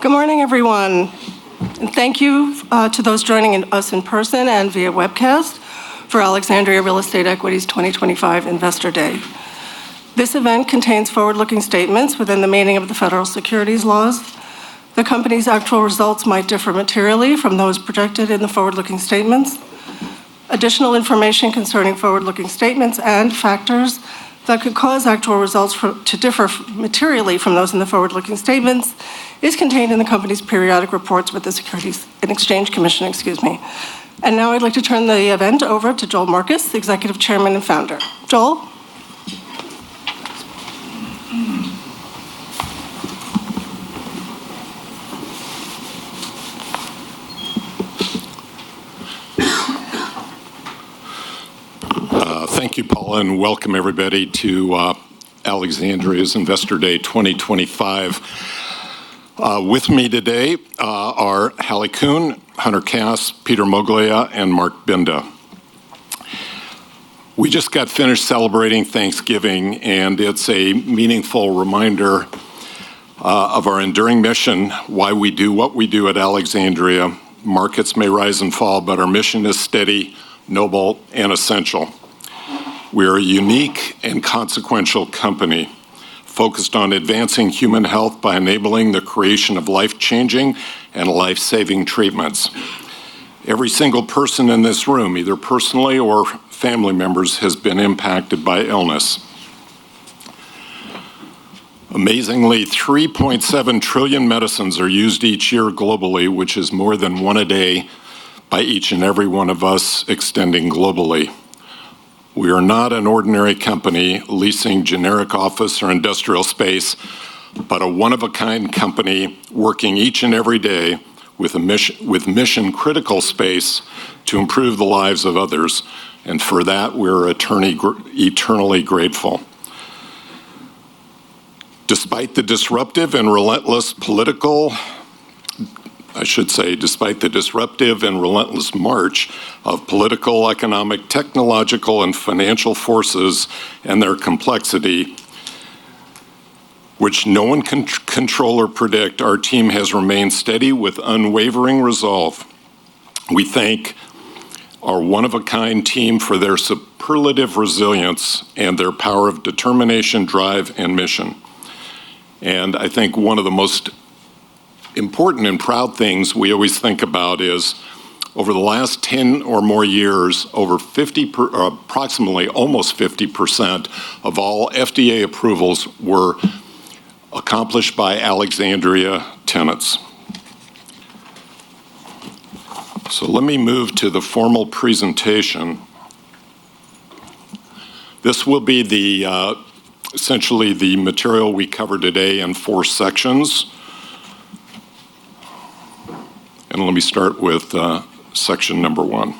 Good morning, everyone. And thank you to those joining us in person and via webcast for Alexandria Real Estate Equities 2025 Investor Day. This event contains forward-looking statements within the meaning of the federal securities laws. The company's actual results might differ materially from those projected in the forward-looking statements. Additional information concerning forward-looking statements and factors that could cause actual results to differ materially from those in the forward-looking statements is contained in the company's periodic reports with the Securities and Exchange Commission. Excuse me, and now I'd like to turn the event over to Joel Marcus, the Executive Chairman and Founder. Joel. Thank you, Paula, and welcome everybody to Alexandria's Investor Day 2025. With me today are Hallie Kuhn, Hunter Kass, Peter Moglia, and Marc Binda. We just got finished celebrating Thanksgiving, and it's a meaningful reminder of our enduring mission, why we do what we do at Alexandria. Markets may rise and fall, but our mission is steady, noble, and essential. We are a unique and consequential company focused on advancing human health by enabling the creation of life-changing and life-saving treatments. Every single person in this room, either personally or family members, has been impacted by illness. Amazingly, 3.7 trillion medicines are used each year globally, which is more than one a day by each and every one of us extending globally. We are not an ordinary company leasing generic office or industrial space, but a one-of-a-kind company working each and every day with mission-critical space to improve the lives of others, and for that we are eternally grateful. Despite the disruptive and relentless march of political, economic, technological, and financial forces and their complexity, which no one can control or predict, our team has remained steady with unwavering resolve. We thank our one-of-a-kind team for their superlative resilience and their power of determination, drive, and mission, and I think one of the most important and proud things we always think about is over the last 10 or more years, over 50%, approximately almost 50% of all FDA approvals were accomplished by Alexandria tenants, so let me move to the formal presentation. This will be essentially the material we cover today in four sections. And let me start with section number one.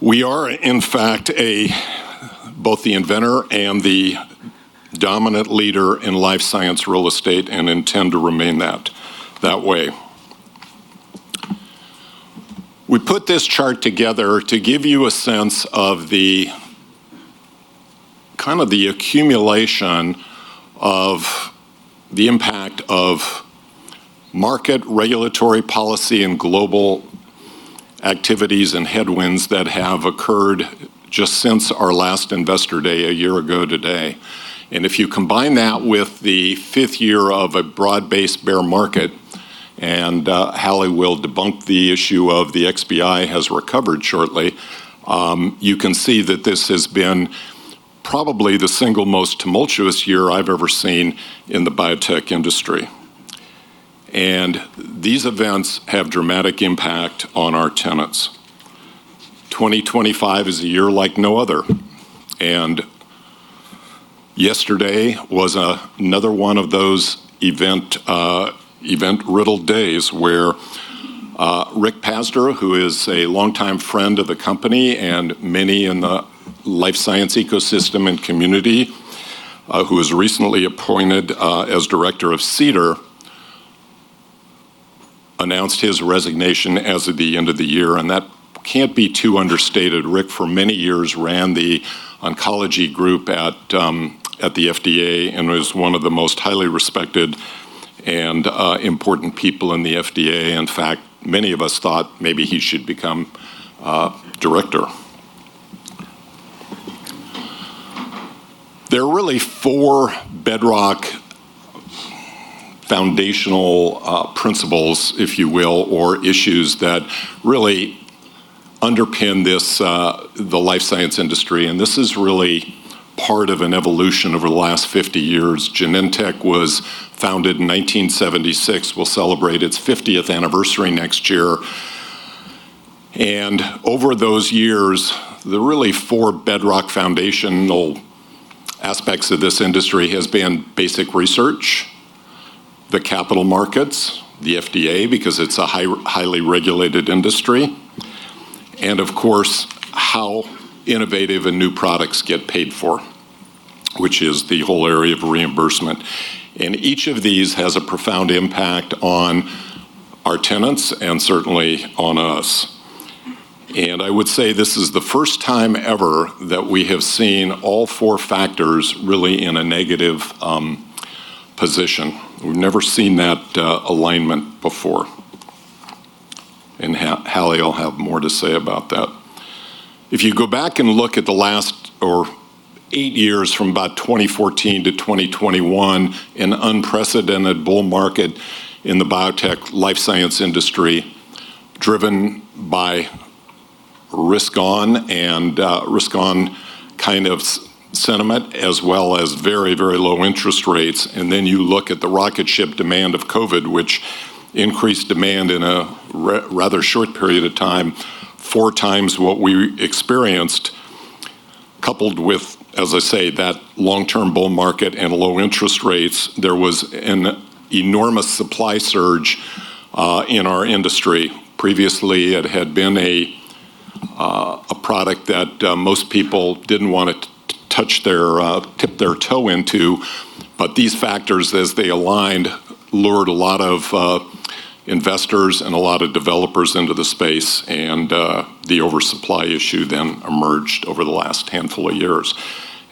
We are, in fact, both the inventor and the dominant leader in life science real estate and intend to remain that way. We put this chart together to give you a sense of the kind of the accumulation of the impact of market regulatory policy and global activities and headwinds that have occurred just since our last investor day a year ago today. And if you combine that with the fifth year of a broad-based bear market, and Hallie will debunk the issue of the XBI has recovered shortly, you can see that this has been probably the single most tumultuous year I've ever seen in the biotech industry. And these events have dramatic impact on our tenants. 2025 is a year like no other. And yesterday was another one of those event-riddled days where Rick Pazdur, who is a longtime friend of the company and many in the life science ecosystem and community, who was recently appointed as director of CDER, announced his resignation as of the end of the year. And that can't be too understated. Rick, for many years, ran the oncology group at the FDA and was one of the most highly respected and important people in the FDA. In fact, many of us thought maybe he should become director. There are really four bedrock foundational principles, if you will, or issues that really underpin the life science industry. And this is really part of an evolution over the last 50 years. Genentech was founded in 1976. We'll celebrate its 50th anniversary next year. Over those years, the really four bedrock foundational aspects of this industry have been basic research, the capital markets, the FDA, because it's a highly regulated industry, and of course, how innovative and new products get paid for, which is the whole area of reimbursement. Each of these has a profound impact on our tenants and certainly on us. I would say this is the first time ever that we have seen all four factors really in a negative position. We've never seen that alignment before. Hallie will have more to say about that. If you go back and look at the last eight years from about 2014 to 2021, an unprecedented bull market in the biotech life science industry driven by risk-on and risk-on kind of sentiment, as well as very, very low interest rates. And then you look at the rocket-ship demand of COVID, which increased demand in a rather short period of time, four times what we experienced, coupled with, as I say, that long-term bull market and low interest rates. There was an enormous supply surge in our industry. Previously, it had been a product that most people didn't want to touch their toe into. But these factors, as they aligned, lured a lot of investors and a lot of developers into the space. And the oversupply issue then emerged over the last handful of years.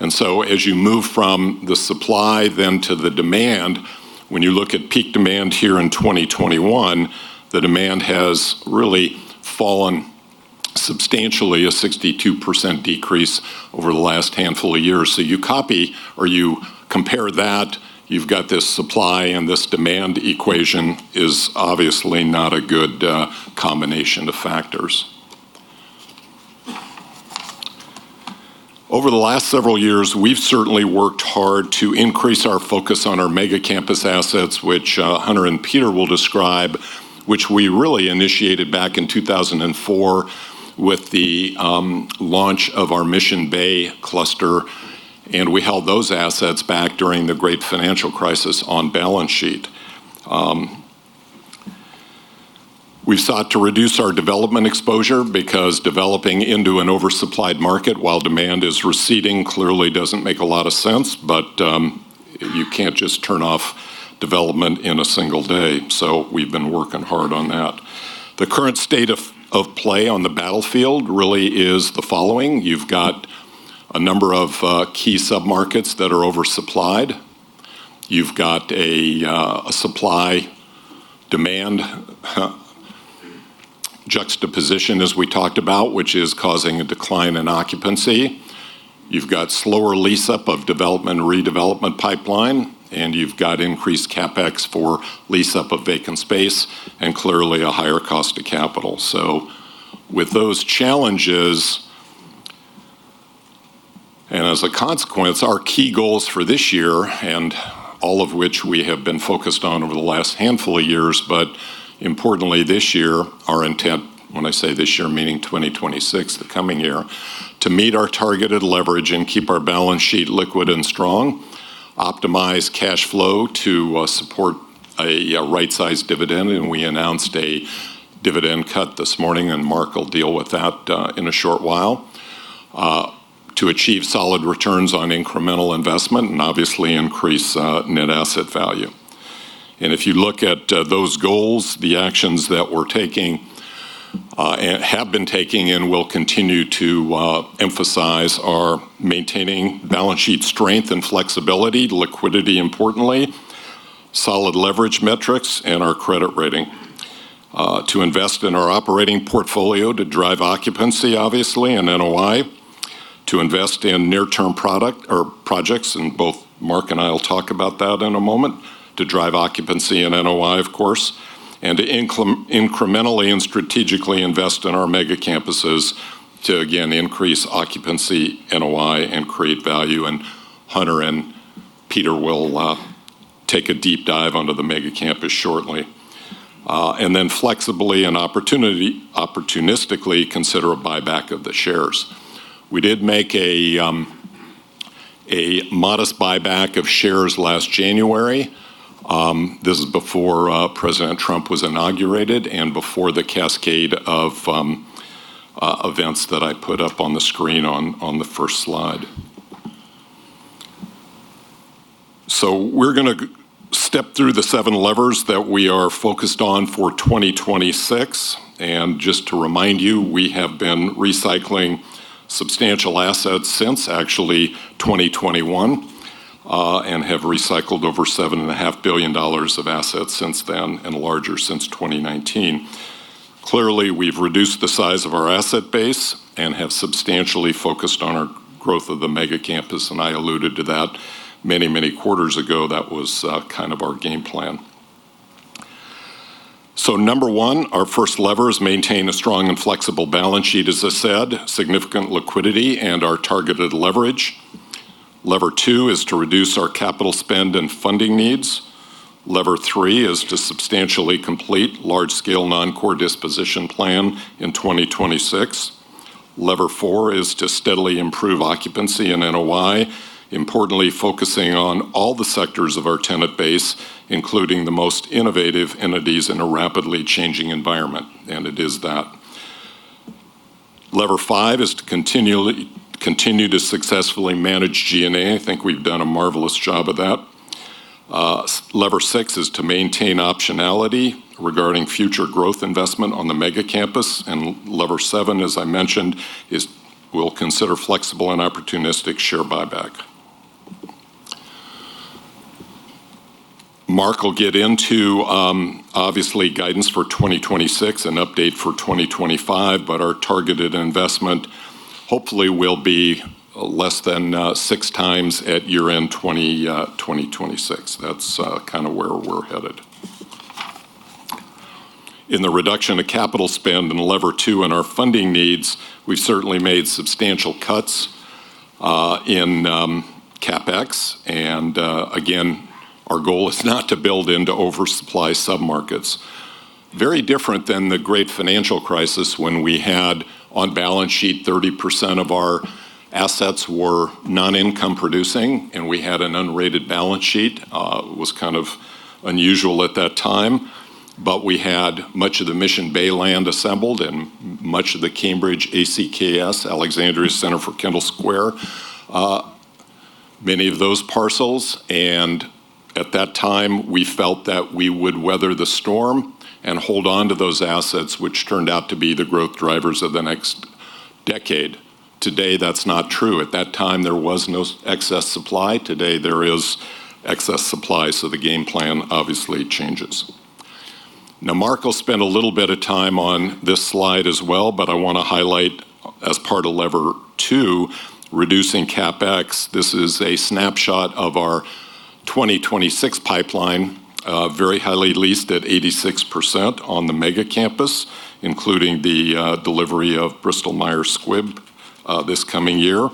And so as you move from the supply then to the demand, when you look at peak demand here in 2021, the demand has really fallen substantially, a 62% decrease over the last handful of years. So you copy or you compare that, you've got this supply and this demand equation is obviously not a good combination of factors. Over the last several years, we've certainly worked hard to increase our focus on our mega campus assets, which Hunter and Peter will describe, which we really initiated back in 2004 with the launch of our Mission Bay cluster. And we held those assets back during the Great Financial Crisis on balance sheet. We've sought to reduce our development exposure because developing into an oversupplied market while demand is receding clearly doesn't make a lot of sense. But you can't just turn off development in a single day. So we've been working hard on that. The current state of play on the battlefield really is the following. You've got a number of key sub-markets that are oversupplied. You've got a supply-demand juxtaposition, as we talked about, which is causing a decline in occupancy. You've got slower lease-up of development and redevelopment pipeline, and you've got increased CapEx for lease-up of vacant space and clearly a higher cost of capital. With those challenges, and as a consequence, our key goals for this year, and all of which we have been focused on over the last handful of years, but importantly, this year, our intent, when I say this year, meaning 2026, the coming year, to meet our targeted leverage and keep our balance sheet liquid and strong, optimize cash flow to support a right-sized dividend. We announced a dividend cut this morning, and Marc will deal with that in a short while to achieve solid returns on incremental investment and obviously increase net asset value. If you look at those goals, the actions that we're taking and have been taking and will continue to emphasize are maintaining balance sheet strength and flexibility, liquidity, importantly, solid leverage metrics, and our credit rating to invest in our operating portfolio to drive occupancy, obviously, and NOI to invest in near-term projects. And both Marc and I will talk about that in a moment to drive occupancy and NOI, of course, and to incrementally and strategically invest in our mega campuses to, again, increase occupancy, NOI, and create value. And Hunter and Peter will take a deep dive under the mega campus shortly. And then flexibly and opportunistically consider a buyback of the shares. We did make a modest buyback of shares last January. This is before President Trump was inaugurated and before the cascade of events that I put up on the screen on the first slide. So we're going to step through the seven levers that we are focused on for 2026. And just to remind you, we have been recycling substantial assets since actually 2021 and have recycled over $7.5 billion of assets since then and larger since 2019. Clearly, we've reduced the size of our asset base and have substantially focused on our growth of the mega campus. And I alluded to that many, many quarters ago. That was kind of our game plan. So number one, our first lever is maintain a strong and flexible balance sheet, as I said, significant liquidity and our targeted leverage. Level two is to reduce our capital spend and funding needs. Level three is to substantially complete large-scale non-core disposition plan in 2026. Level four is to steadily improve occupancy and NOI, importantly focusing on all the sectors of our tenant base, including the most innovative entities in a rapidly changing environment. And it is that. Level five is to continue to successfully manage G&A. I think we've done a marvelous job of that. Level six is to maintain optionality regarding future growth investment on the mega campus. And level seven, as I mentioned, will consider flexible and opportunistic share buyback. Marc will get into, obviously, guidance for 2026 and update for 2025, but our targeted investment hopefully will be less than six times at year-end 2026. That's kind of where we're headed. In the reduction of capital spend and leverage too in our funding needs, we've certainly made substantial cuts in CapEx. And again, our goal is not to build into oversupply sub-markets. Very different than the Great Financial Crisis when we had on balance sheet 30% of our assets were non-income producing and we had an unrated balance sheet. It was kind of unusual at that time. But we had much of the Mission Bay land assembled and much of the Cambridge ACKS, Alexandria Center for Kendall Square, many of those parcels. And at that time, we felt that we would weather the storm and hold on to those assets, which turned out to be the growth drivers of the next decade. Today, that's not true. At that time, there was no excess supply. Today, there is excess supply. So the game plan obviously changes. Now, Mark will spend a little bit of time on this slide as well, but I want to highlight as part of lever two, reducing CapEx. This is a snapshot of our 2026 pipeline, very highly leased at 86% on the mega campus, including the delivery of Bristol Myers Squibb this coming year.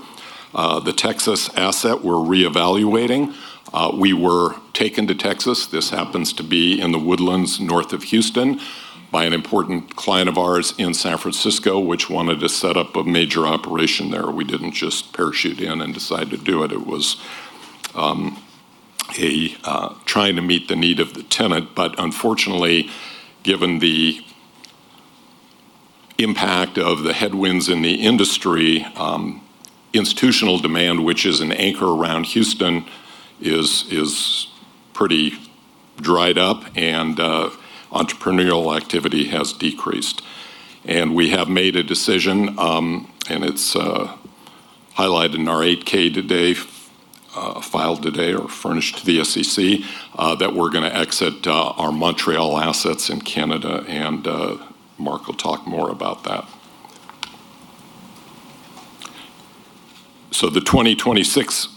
The Texas asset we're reevaluating. We were taken to Texas. This happens to be in The Woodlands north of Houston by an important client of ours in San Francisco, which wanted to set up a major operation there. We didn't just parachute in and decide to do it. It was trying to meet the need of the tenant. But unfortunately, given the impact of the headwinds in the industry, institutional demand, which is an anchor around Houston, is pretty dried up and entrepreneurial activity has decreased. And we have made a decision, and it's highlighted in our 8K today, filed today or furnished to the SEC, that we're going to exit our Montreal assets in Canada. And Marc will talk more about that. So the 2026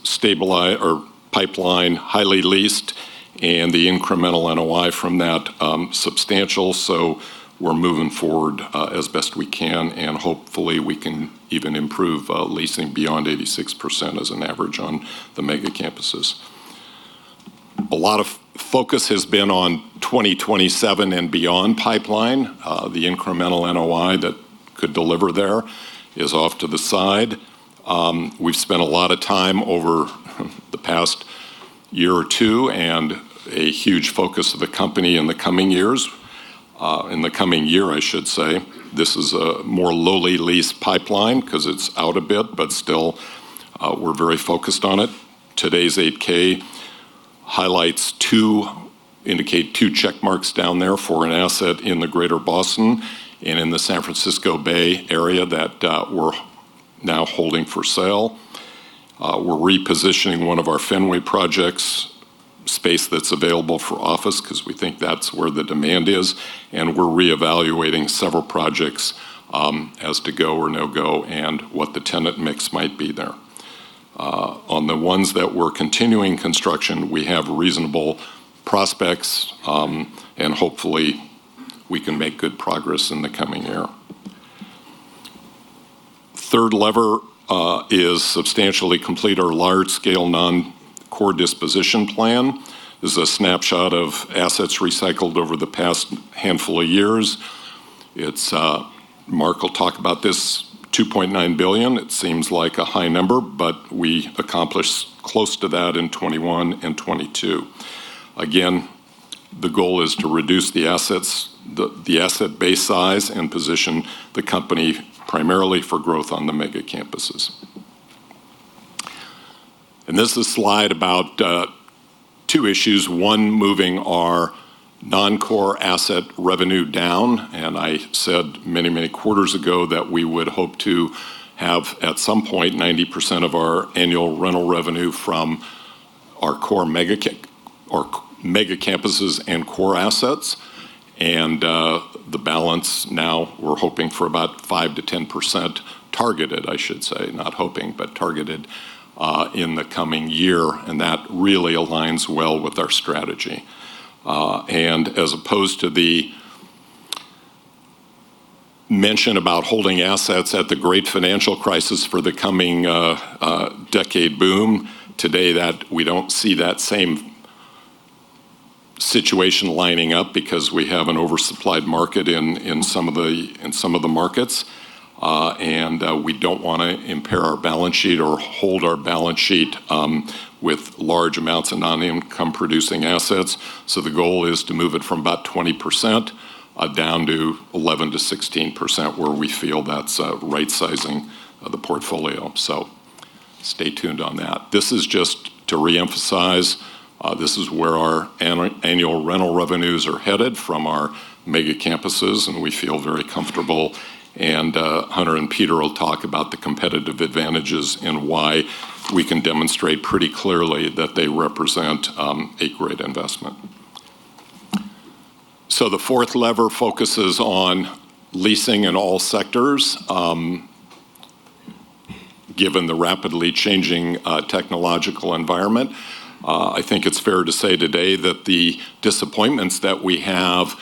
pipeline, highly leased, and the incremental NOI from that substantial, so we're moving forward as best we can, and hopefully we can even improve leasing beyond 86% as an average on the mega campuses. A lot of focus has been on 2027 and beyond pipeline. The incremental NOI that could deliver there is off to the side. We've spent a lot of time over the past year or two and a huge focus of the company in the coming years. In the coming year, I should say, this is a more lowly leased pipeline because it's out a bit, but still we're very focused on it. Today's 8-K highlights two indicating two checkmarks down there for an asset in the Greater Boston and in the San Francisco Bay Area that we're now holding for sale. We're repositioning one of our Fenway projects, space that's available for office because we think that's where the demand is. We're reevaluating several projects as to go or no go and what the tenant mix might be there. On the ones that we're continuing construction, we have reasonable prospects. Hopefully, we can make good progress in the coming year. Third lever is substantially complete our large-scale non-core disposition plan. This is a snapshot of assets recycled over the past handful of years. Marc will talk about this $2.9 billion. It seems like a high number, but we accomplished close to that in 2021 and 2022. Again, the goal is to reduce the assets, the asset base size and position the company primarily for growth on the mega campuses. This is a slide about two issues. One moving our non-core asset revenue down. And I said many, many quarters ago that we would hope to have at some point 90% of our annual rental revenue from our core mega campuses and core assets. And the balance now we're hoping for about 5%-10% targeted, I should say, not hoping, but targeted in the coming year. And that really aligns well with our strategy. And as opposed to the mention about holding assets at the Great Financial Crisis for the coming decade boom, today that we don't see that same situation lining up because we have an oversupplied market in some of the markets. And we don't want to impair our balance sheet or hold our balance sheet with large amounts of non-income producing assets. So the goal is to move it from about 20% down to 11%-16% where we feel that's right-sizing the portfolio. So stay tuned on that. This is just to reemphasize. This is where our annual rental revenues are headed from our mega campuses. And we feel very comfortable. And Hunter and Peter will talk about the competitive advantages and why we can demonstrate pretty clearly that they represent a great investment. So the fourth lever focuses on leasing in all sectors. Given the rapidly changing technological environment, I think it's fair to say today that the disappointments that we have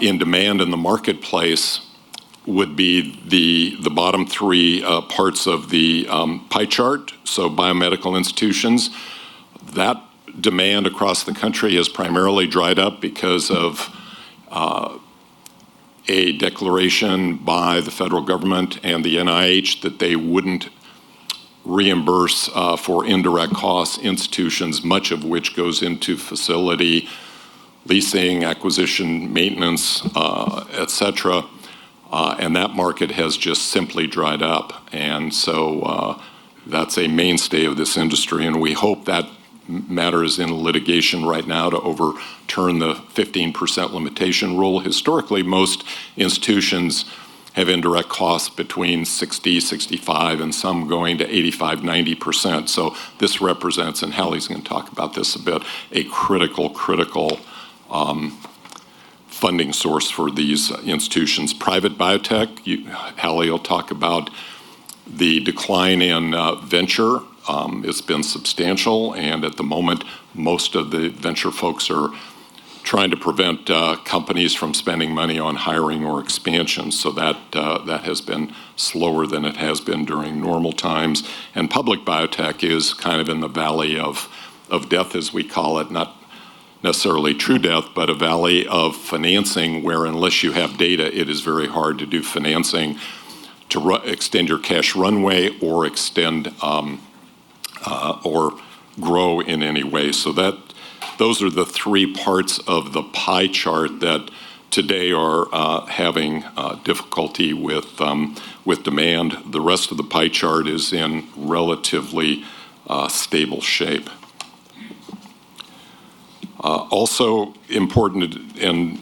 in demand in the marketplace would be the bottom three parts of the pie chart. So biomedical institutions, that demand across the country has primarily dried up because of a declaration by the federal government and the NIH that they wouldn't reimburse for indirect costs, institutions, much of which goes into facility, leasing, acquisition, maintenance, etc. And that market has just simply dried up. And so that's a mainstay of this industry. And we hope that matters in litigation right now to overturn the 15% limitation rule. Historically, most institutions have indirect costs between 60%, 65%, and some going to 85%, 90%. So this represents, and Hallie's going to talk about this a bit, a critical, critical funding source for these institutions. Private biotech, Hallie will talk about the decline in venture. It's been substantial. And at the moment, most of the venture folks are trying to prevent companies from spending money on hiring or expansion. So that has been slower than it has been during normal times. And public biotech is kind of in the valley of death, as we call it, not necessarily true death, but a valley of financing where unless you have data, it is very hard to do financing to extend your cash runway or extend or grow in any way. So those are the three parts of the pie chart that today are having difficulty with demand. The rest of the pie chart is in relatively stable shape. Also important, and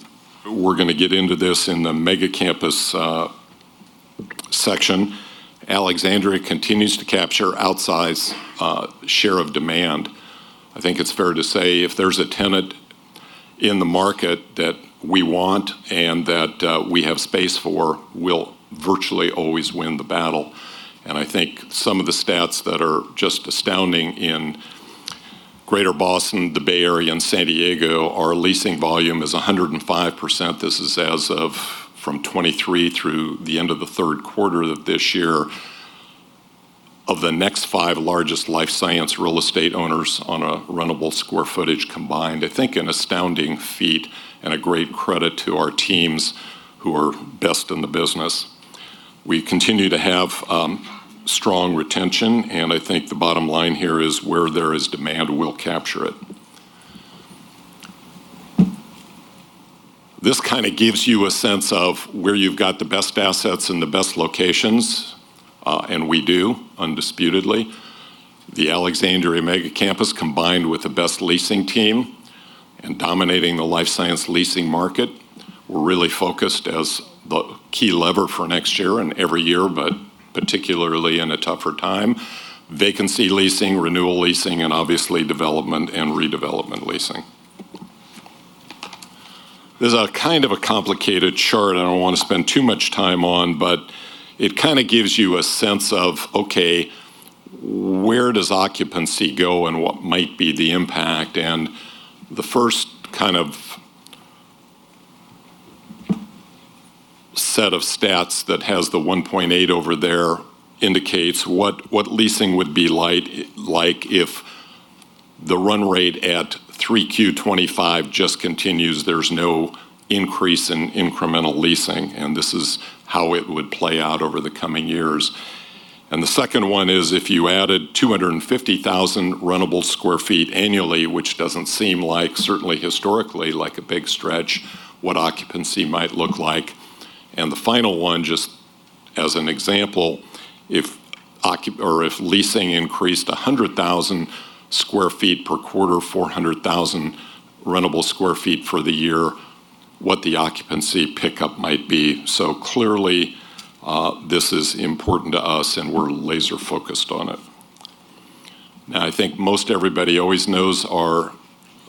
we're going to get into this in the mega campus section, Alexandria continues to capture outsize share of demand. I think it's fair to say if there's a tenant in the market that we want and that we have space for, we'll virtually always win the battle. And I think some of the stats that are just astounding in Greater Boston, the Bay Area, and San Diego, our leasing volume is 105%. This is as of from 2023 through the end of the third quarter of this year of the next five largest life science real estate owners on a rentable square footage combined. I think an astounding feat and a great credit to our teams who are best in the business. We continue to have strong retention. I think the bottom line here is where there is demand, we'll capture it. This kind of gives you a sense of where you've got the best assets in the best locations. We do undisputedly. The Alexandria Mega Campus combined with the best leasing team and dominating the life science leasing market. We're really focused as the key lever for next year and every year, but particularly in a tougher time, vacancy leasing, renewal leasing, and obviously development and redevelopment leasing. This is a kind of a complicated chart I don't want to spend too much time on, but it kind of gives you a sense of, okay, where does occupancy go and what might be the impact? And the first kind of set of stats that has the 1.8 over there indicates what leasing would be like if the run rate at 3Q25 just continues. There's no increase in incremental leasing. And this is how it would play out over the coming years. And the second one is if you added 250,000 rentable sq ft annually, which doesn't seem like, certainly historically, like a big stretch, what occupancy might look like. And the final one, just as an example, if leasing increased 100,000 sq ft per quarter, 400,000 rentable sq ft for the year, what the occupancy pickup might be. So clearly, this is important to us and we're laser-focused on it. Now, I think most everybody always knows our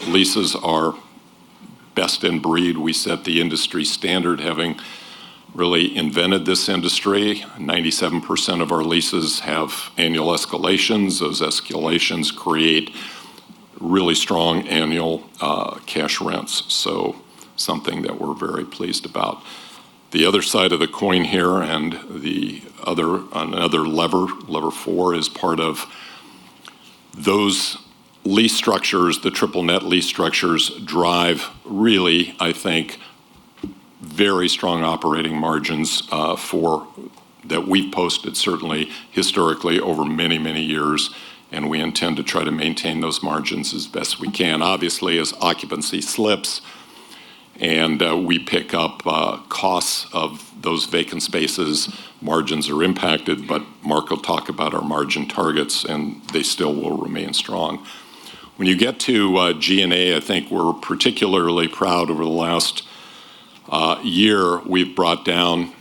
leases are best in breed. We set the industry standard having really invented this industry. 97% of our leases have annual escalations. Those escalations create really strong annual cash rents, so something that we're very pleased about. The other side of the coin here and another lever, lever four, is part of those lease structures. The triple net lease structures drive really, I think, very strong operating margins for that we've posted certainly historically over many, many years, and we intend to try to maintain those margins as best we can. Obviously, as occupancy slips and we pick up costs of those vacant spaces, margins are impacted, but Mark will talk about our margin targets and they still will remain strong. When you get to G&A, I think we're particularly proud over the last year. We've brought down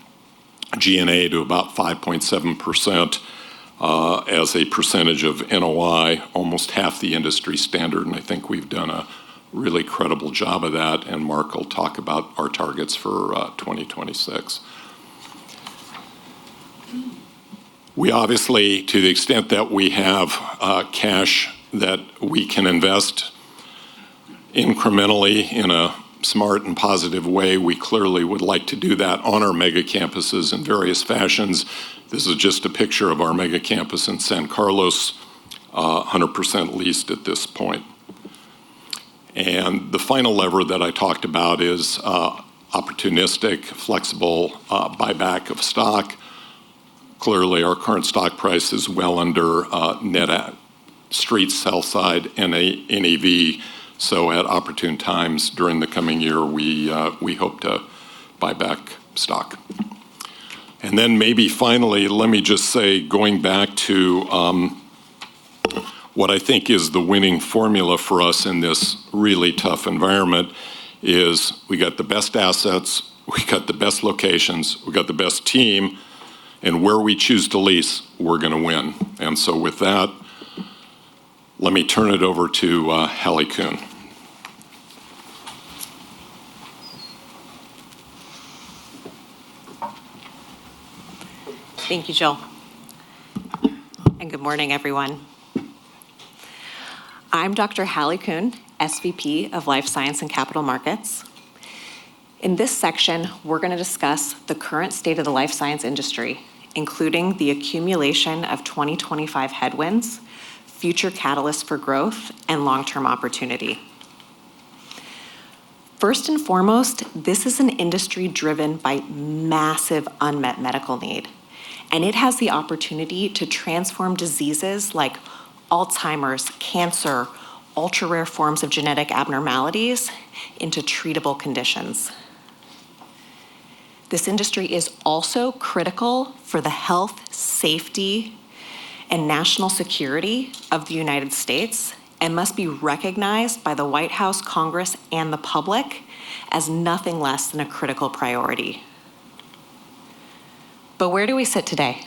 G&A to about 5.7% as a percentage of NOI, almost half the industry standard, and I think we've done a really credible job of that, and Mark will talk about our targets for 2026. We obviously, to the extent that we have cash that we can invest incrementally in a smart and positive way, we clearly would like to do that on our mega campuses in various fashions. This is just a picture of our mega campus in San Carlos, 100% leased at this point, and the final lever that I talked about is opportunistic, flexible buyback of stock. Clearly, our current stock price is well under net Street sell-side NAV and EV. So at opportune times during the coming year, we hope to buy back stock, and then maybe finally, let me just say, going back to what I think is the winning formula for us in this really tough environment is we got the best assets, we got the best locations, we got the best team, and where we choose to lease, we're going to win. And so with that, let me turn it over to Hallie Kuhn. Thank you, Joel. And good morning, everyone. I'm Dr. Hallie Kuhn, SVP of Life Science and Capital Markets. In this section, we're going to discuss the current state of the life science industry, including the accumulation of 2025 headwinds, future catalysts for growth, and long-term opportunity. First and foremost, this is an industry driven by massive unmet medical need. And it has the opportunity to transform diseases like Alzheimer's, cancer, ultra-rare forms of genetic abnormalities into treatable conditions. This industry is also critical for the health, safety, and national security of the United States and must be recognized by the White House, Congress, and the public as nothing less than a critical priority. But where do we sit today?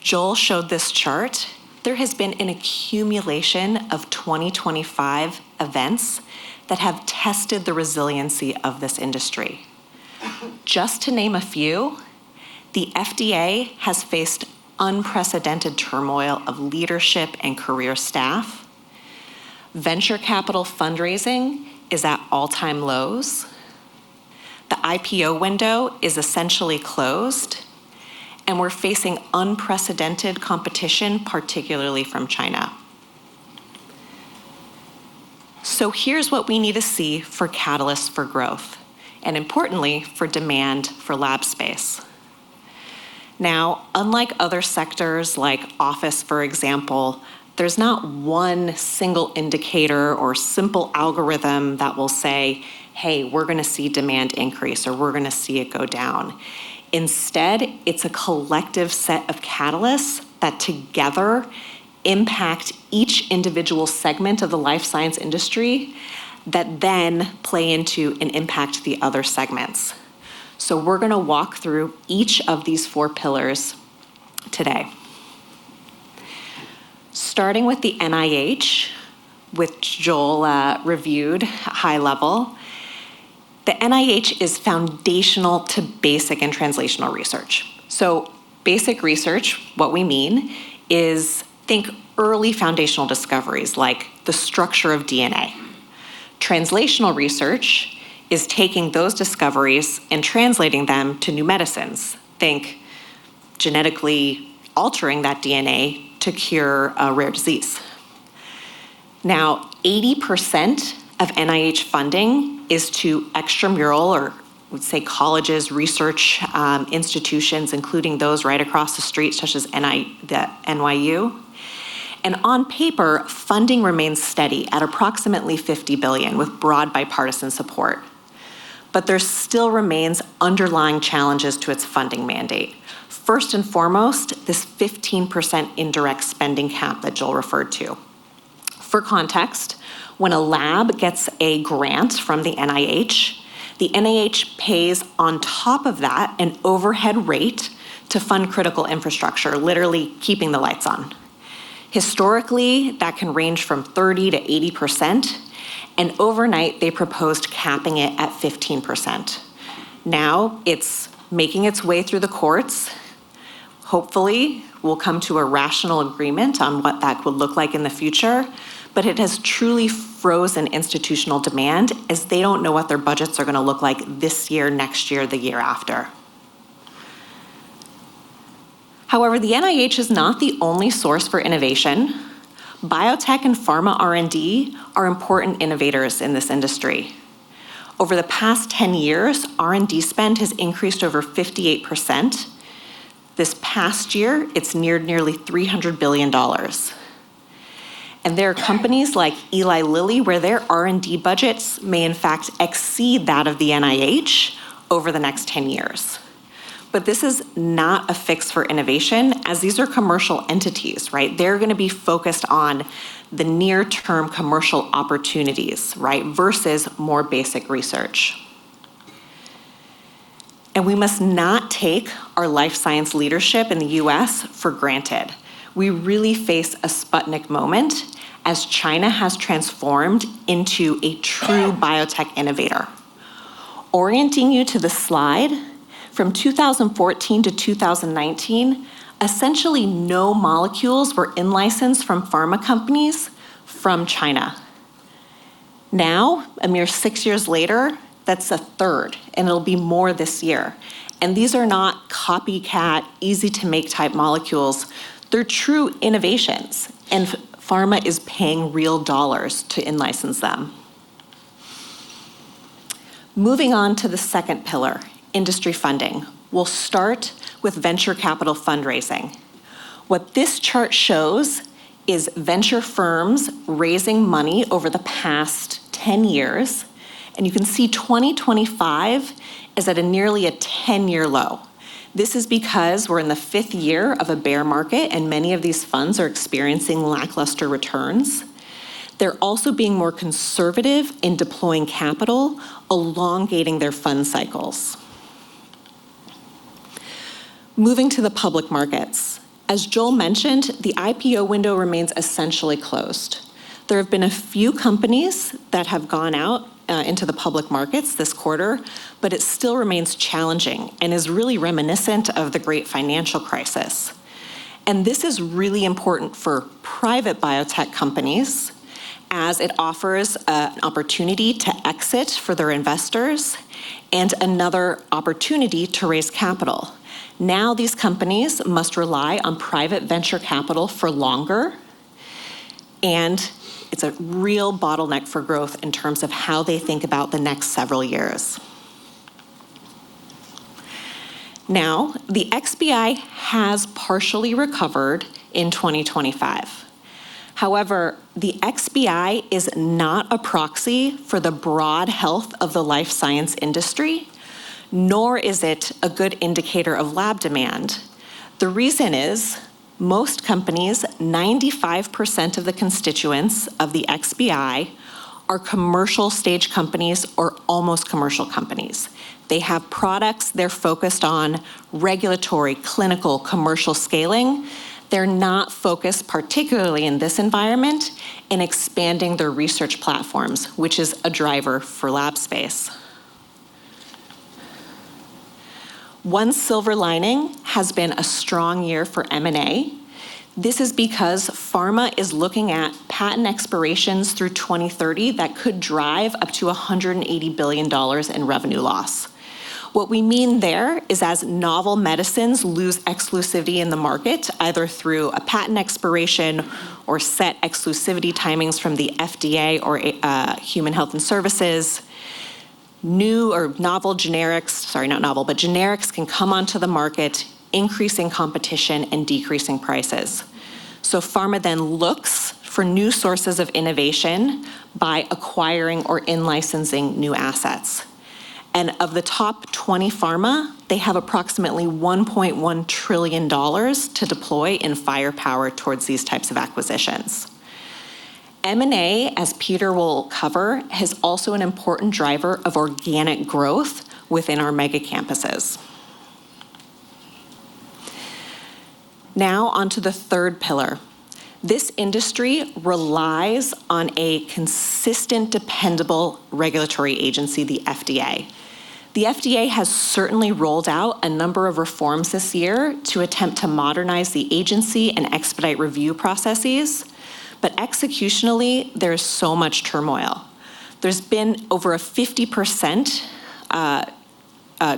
Joel showed this chart. There has been an accumulation of 2025 events that have tested the resiliency of this industry. Just to name a few, the FDA has faced unprecedented turmoil of leadership and career staff. Venture capital fundraising is at all-time lows. The IPO window is essentially closed. And we're facing unprecedented competition, particularly from China. So here's what we need to see for catalysts for growth and, importantly, for demand for lab space. Now, unlike other sectors like office, for example, there's not one single indicator or simple algorithm that will say, "Hey, we're going to see demand increase or we're going to see it go down." Instead, it's a collective set of catalysts that together impact each individual segment of the life science industry that then play into and impact the other segments. So we're going to walk through each of these four pillars today. Starting with the NIH, which Joel reviewed high level, the NIH is foundational to basic and translational research. So basic research, what we mean is think early foundational discoveries like the structure of DNA. Translational research is taking those discoveries and translating them to new medicines. Think genetically altering that DNA to cure a rare disease. Now, 80% of NIH funding is to extramural or we'd say colleges, research institutions, including those right across the street such as NYU. And on paper, funding remains steady at approximately $50 billion with broad bipartisan support. But there still remains underlying challenges to its funding mandate. First and foremost, this 15% indirect spending cap that Joel referred to. For context, when a lab gets a grant from the NIH, the NIH pays on top of that an overhead rate to fund critical infrastructure, literally keeping the lights on. Historically, that can range from 30%-80%. And overnight, they proposed capping it at 15%. Now, it's making its way through the courts. Hopefully, we'll come to a rational agreement on what that would look like in the future. But it has truly frozen institutional demand as they don't know what their budgets are going to look like this year, next year, the year after. However, the NIH is not the only source for innovation. Biotech and pharma R&D are important innovators in this industry. Over the past 10 years, R&D spend has increased over 58%. This past year, it's nearly $300 billion. And there are companies like Eli Lilly where their R&D budgets may in fact exceed that of the NIH over the next 10 years. But this is not a fix for innovation as these are commercial entities, right? They're going to be focused on the near-term commercial opportunities, right, versus more basic research. And we must not take our life science leadership in the U.S. for granted. We really face a Sputnik moment as China has transformed into a true biotech innovator. Orienting you to the slide, from 2014 to 2019, essentially no molecules were in-licensed from pharma companies from China. Now, a mere six years later, that's a third, and it'll be more this year. And these are not copycat, easy-to-make type molecules. They're true innovations. And pharma is paying real dollars to in-license them. Moving on to the second pillar, industry funding. We'll start with venture capital fundraising. What this chart shows is venture firms raising money over the past 10 years. And you can see 2025 is at a nearly 10-year low. This is because we're in the fifth year of a bear market, and many of these funds are experiencing lackluster returns. They're also being more conservative in deploying capital, elongating their fund cycles. Moving to the public markets. As Joel mentioned, the IPO window remains essentially closed. There have been a few companies that have gone out into the public markets this quarter, but it still remains challenging and is really reminiscent of the Great Financial Crisis. And this is really important for private biotech companies as it offers an opportunity to exit for their investors and another opportunity to raise capital. Now, these companies must rely on private venture capital for longer. And it's a real bottleneck for growth in terms of how they think about the next several years. Now, the XBI has partially recovered in 2025. However, the XBI is not a proxy for the broad health of the life science industry, nor is it a good indicator of lab demand. The reason is most companies, 95% of the constituents of the XBI, are commercial stage companies or almost commercial companies. They have products they're focused on regulatory, clinical, commercial scaling. They're not focused particularly in this environment in expanding their research platforms, which is a driver for lab space. One silver lining has been a strong year for M&A. This is because pharma is looking at patent expirations through 2030 that could drive up to $180 billion in revenue loss. What we mean there is as novel medicines lose exclusivity in the market either through a patent expiration or set exclusivity timings from the FDA or Human and Health Services. New or novel generics, sorry, not novel, but generics can come onto the market, increasing competition and decreasing prices. So pharma then looks for new sources of innovation by acquiring or in-licensing new assets. And of the top 20 pharma, they have approximately $1.1 trillion to deploy in firepower towards these types of acquisitions. M&A, as Peter will cover, is also an important driver of organic growth within our mega campuses. Now, onto the third pillar. This industry relies on a consistent, dependable regulatory agency, the FDA. The FDA has certainly rolled out a number of reforms this year to attempt to modernize the agency and expedite review processes. But executionally, there is so much turmoil. There's been over a 50%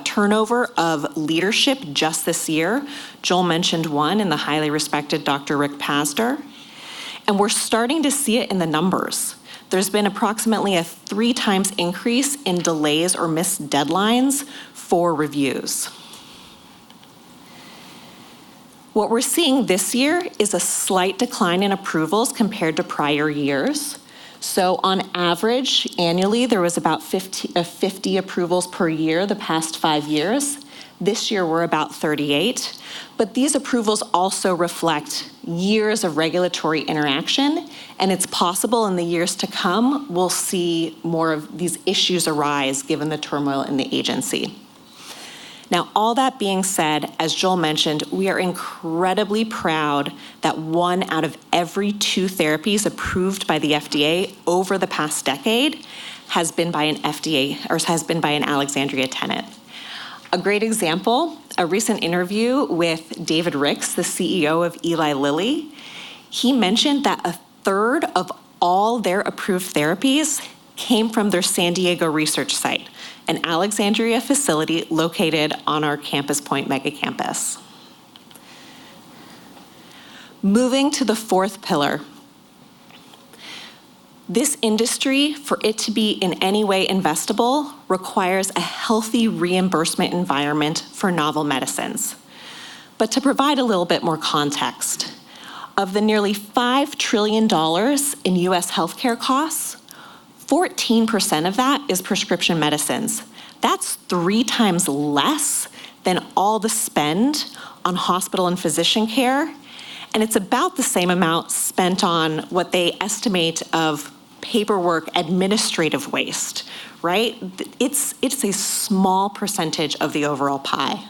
turnover of leadership just this year. Joel mentioned one in the highly respected Dr. Rick Pazdur. And we're starting to see it in the numbers. There's been approximately a three-times increase in delays or missed deadlines for reviews. What we're seeing this year is a slight decline in approvals compared to prior years. So on average, annually, there was about 50 approvals per year the past five years. This year, we're about 38. But these approvals also reflect years of regulatory interaction. And it's possible in the years to come, we'll see more of these issues arise given the turmoil in the agency. Now, all that being said, as Joel mentioned, we are incredibly proud that one out of every two therapies approved by the FDA over the past decade has been by an FDA or has been by an Alexandria tenant. A great example, a recent interview with David Ricks, the CEO of Eli Lilly. He mentioned that a third of all their approved therapies came from their San Diego research site, an Alexandria facility located on our Campus Point mega campus. Moving to the fourth pillar. This industry, for it to be in any way investable, requires a healthy reimbursement environment for novel medicines. But to provide a little bit more context, of the nearly $5 trillion in U.S. healthcare costs, 14% of that is prescription medicines. That's three times less than all the spend on hospital and physician care. And it's about the same amount spent on what they estimate of paperwork, administrative waste, right? It's a small percentage of the overall pie.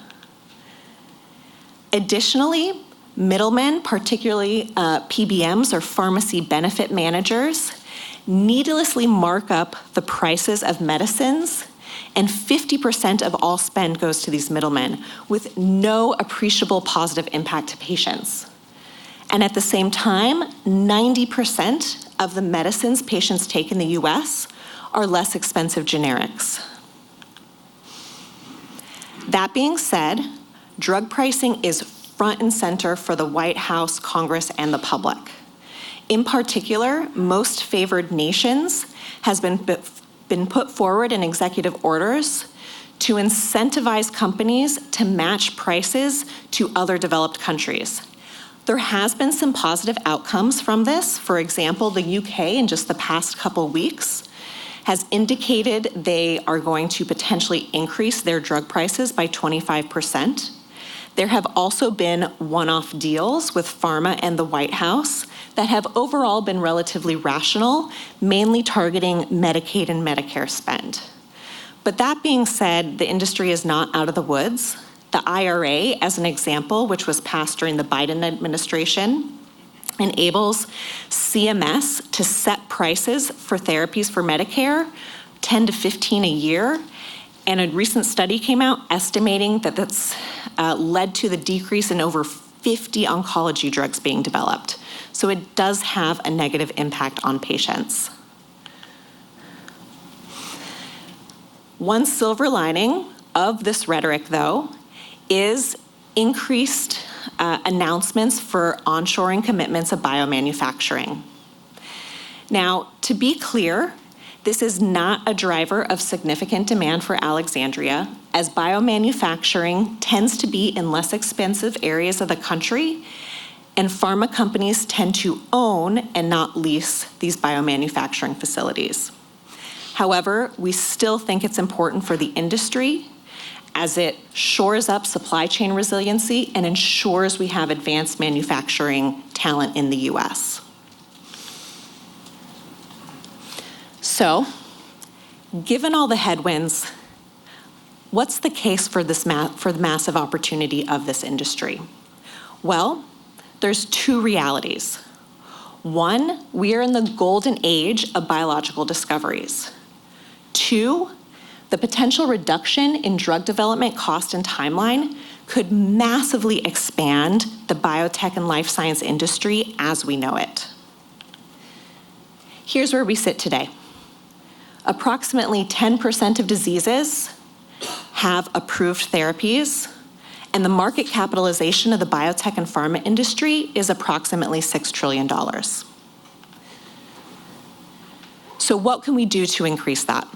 Additionally, middlemen, particularly PBMs or pharmacy benefit managers, needlessly mark up the prices of medicines. And 50% of all spend goes to these middlemen with no appreciable positive impact to patients. At the same time, 90% of the medicines patients take in the U.S. are less expensive generics. That being said, drug pricing is front and center for the White House, Congress, and the public. In particular, most favored nations have been put forward in executive orders to incentivize companies to match prices to other developed countries. There has been some positive outcomes from this. For example, the U.K. in just the past couple of weeks has indicated they are going to potentially increase their drug prices by 25%. There have also been one-off deals with pharma and the White House that have overall been relatively rational, mainly targeting medicaid and medicare spend. That being said, the industry is not out of the woods. The IRA, as an example, which was passed during the Biden administration, enables CMS to set prices for therapies for Medicare, 10-15 a year, and a recent study came out estimating that that's led to the decrease in over 50 oncology drugs being developed, so it does have a negative impact on patients. One silver lining of this rhetoric, though, is increased announcements for onshoring commitments of biomanufacturing. Now, to be clear, this is not a driver of significant demand for Alexandria, as biomanufacturing tends to be in less expensive areas of the country, and pharma companies tend to own and not lease these biomanufacturing facilities. However, we still think it's important for the industry as it shores up supply chain resiliency and ensures we have advanced manufacturing talent in the US, so given all the headwinds, what's the case for the massive opportunity of this industry? Well, there's two realities. One, we are in the golden age of biological discoveries. Two, the potential reduction in drug development cost and timeline could massively expand the biotech and life science industry as we know it. Here's where we sit today. Approximately 10% of diseases have approved therapies, and the market capitalization of the biotech and pharma industry is approximately $6 trillion. So what can we do to increase that?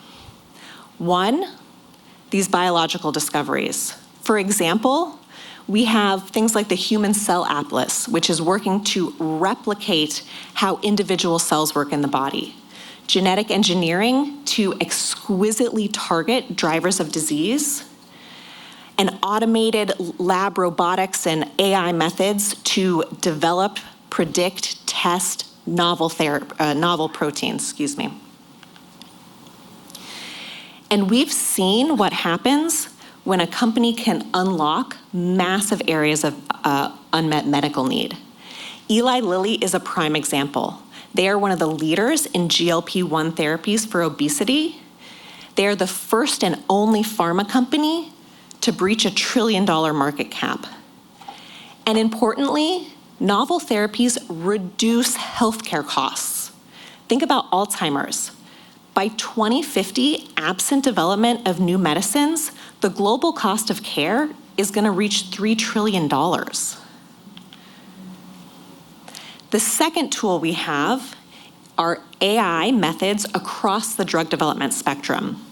One, these biological discoveries. For example, we have things like the Human Cell Atlas, which is working to replicate how individual cells work in the body. Genetic engineering to exquisitely target drivers of disease. And automated lab robotics and AI methods to develop, predict, test novel proteins, excuse me. And we've seen what happens when a company can unlock massive areas of unmet medical need. Eli Lilly is a prime example. They are one of the leaders in GLP-1 therapies for obesity. They are the first and only pharma company to breach a trillion-dollar market cap. And importantly, novel therapies reduce healthcare costs. Think about Alzheimer's. By 2050, absent development of new medicines, the global cost of care is going to reach $3 trillion. The second tool we have are AI methods across the drug development spectrum.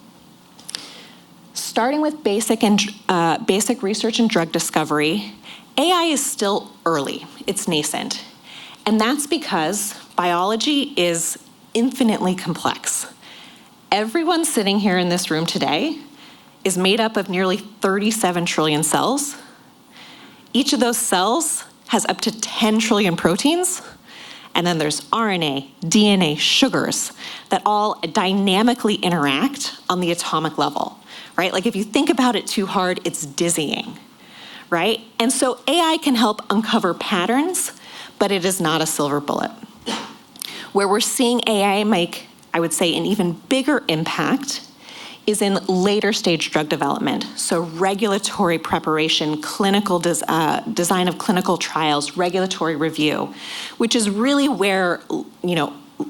Starting with basic research and drug discovery, AI is still early. It's nascent. And that's because biology is infinitely complex. Everyone sitting here in this room today is made up of nearly 37 trillion cells. Each of those cells has up to 10 trillion proteins. And then there's RNA, DNA, sugars that all dynamically interact on the atomic level, right? Like if you think about it too hard, it's dizzying, right? AI can help uncover patterns, but it is not a silver bullet. Where we're seeing AI make, I would say, an even bigger impact is in later-stage drug development. Regulatory preparation, clinical design of clinical trials, regulatory review, which is really where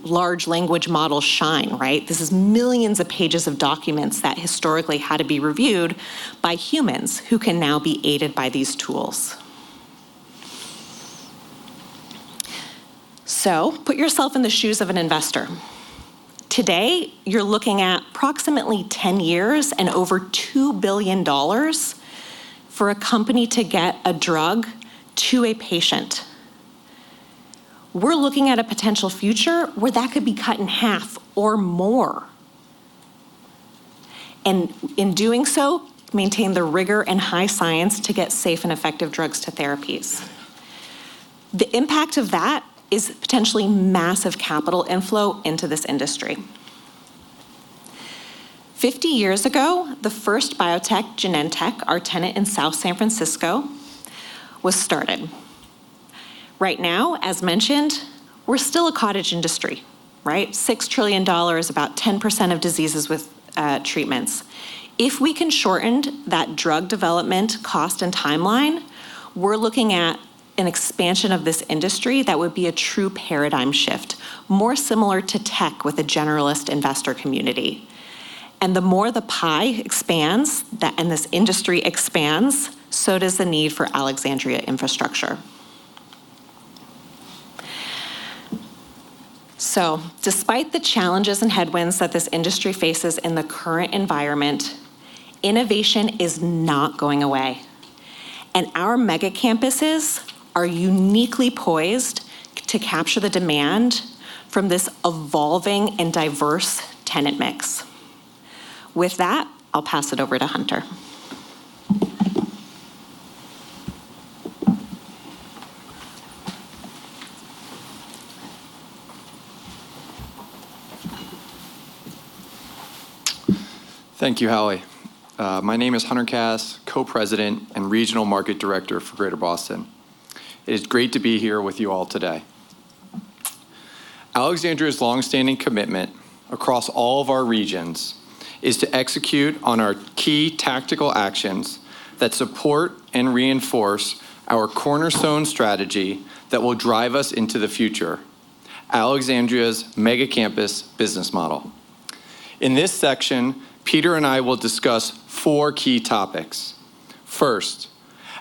large language models shine, right? This is millions of pages of documents that historically had to be reviewed by humans who can now be aided by these tools. Put yourself in the shoes of an investor. Today, you're looking at approximately 10 years and over $2 billion for a company to get a drug to a patient. We're looking at a potential future where that could be cut in half or more. In doing so, maintain the rigor and high science to get safe and effective drugs to therapies. The impact of that is potentially massive capital inflow into this industry. 50 years ago, the first biotech, Genentech, our tenant in South San Francisco, was started. Right now, as mentioned, we're still a cottage industry, right? $6 trillion, about 10% of diseases with treatments. If we can shorten that drug development cost and timeline, we're looking at an expansion of this industry that would be a true paradigm shift, more similar to tech with a generalist investor community. And the more the pie expands and this industry expands, so does the need for Alexandria infrastructure. Despite the challenges and headwinds that this industry faces in the current environment, innovation is not going away. Our mega campuses are uniquely poised to capture the demand from this evolving and diverse tenant mix. With that, I'll pass it over to Hunter. Thank you, Hallie. My name is Hunter Kass, Co-President and Regional Market Director for Greater Boston. It is great to be here with you all today. Alexandria's longstanding commitment across all of our regions is to execute on our key tactical actions that support and reinforce our cornerstone strategy that will drive us into the future: Alexandria's mega campus business model. In this section, Peter and I will discuss four key topics. First,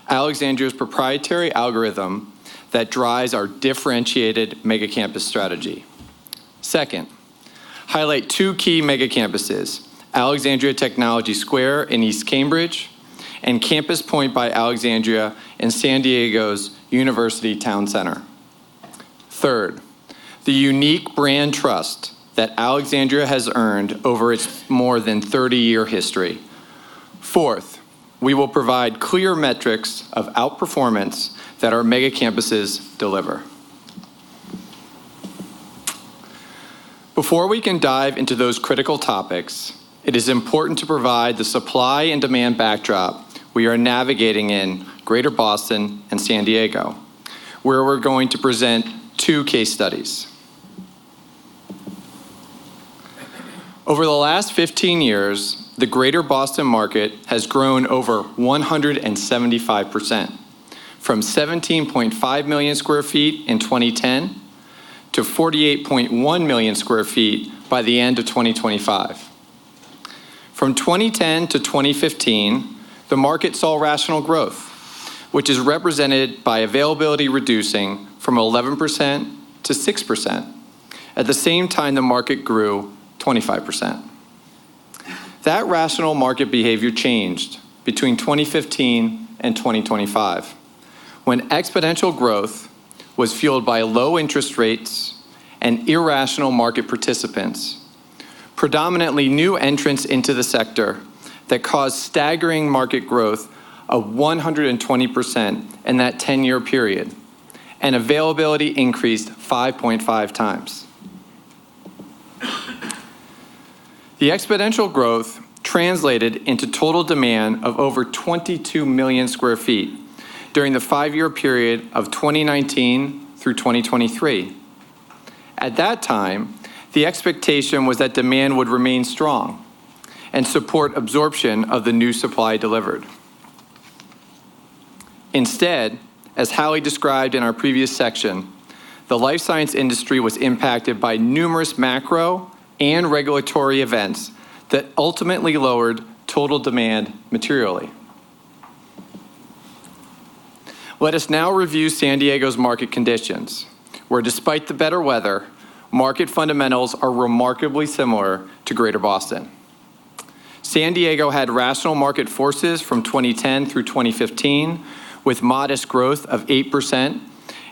Alexandria's proprietary algorithm that drives our differentiated mega campus strategy. Second, highlight two key mega campuses: Alexandria Technology Square in East Cambridge and Campus Point by Alexandria in San Diego's University Town Center. Third, the unique brand trust that Alexandria has earned over its more than 30-year history. Fourth, we will provide clear metrics of outperformance that our mega campuses deliver. Before we can dive into those critical topics, it is important to provide the supply and demand backdrop we are navigating in Greater Boston and San Diego, where we're going to present two case studies. Over the last 15 years, the Greater Boston market has grown over 175% from 17.5 million sq ft in 2010 to 48.1 million sq ft by the end of 2025. From 2010 to 2015, the market saw rational growth, which is represented by availability reducing from 11% to 6%. At the same time, the market grew 25%. That rational market behavior changed between 2015 and 2025 when exponential growth was fueled by low interest rates and irrational market participants, predominantly new entrants into the sector that caused staggering market growth of 120% in that 10-year period, and availability increased 5.5 times. The exponential growth translated into total demand of over 22 million sq ft during the five-year period of 2019 through 2023. At that time, the expectation was that demand would remain strong and support absorption of the new supply delivered. Instead, as Hallie described in our previous section, the life science industry was impacted by numerous macro and regulatory events that ultimately lowered total demand materially. Let us now review San Diego's market conditions, where despite the better weather, market fundamentals are remarkably similar to Greater Boston. San Diego had rational market forces from 2010 through 2015, with modest growth of 8%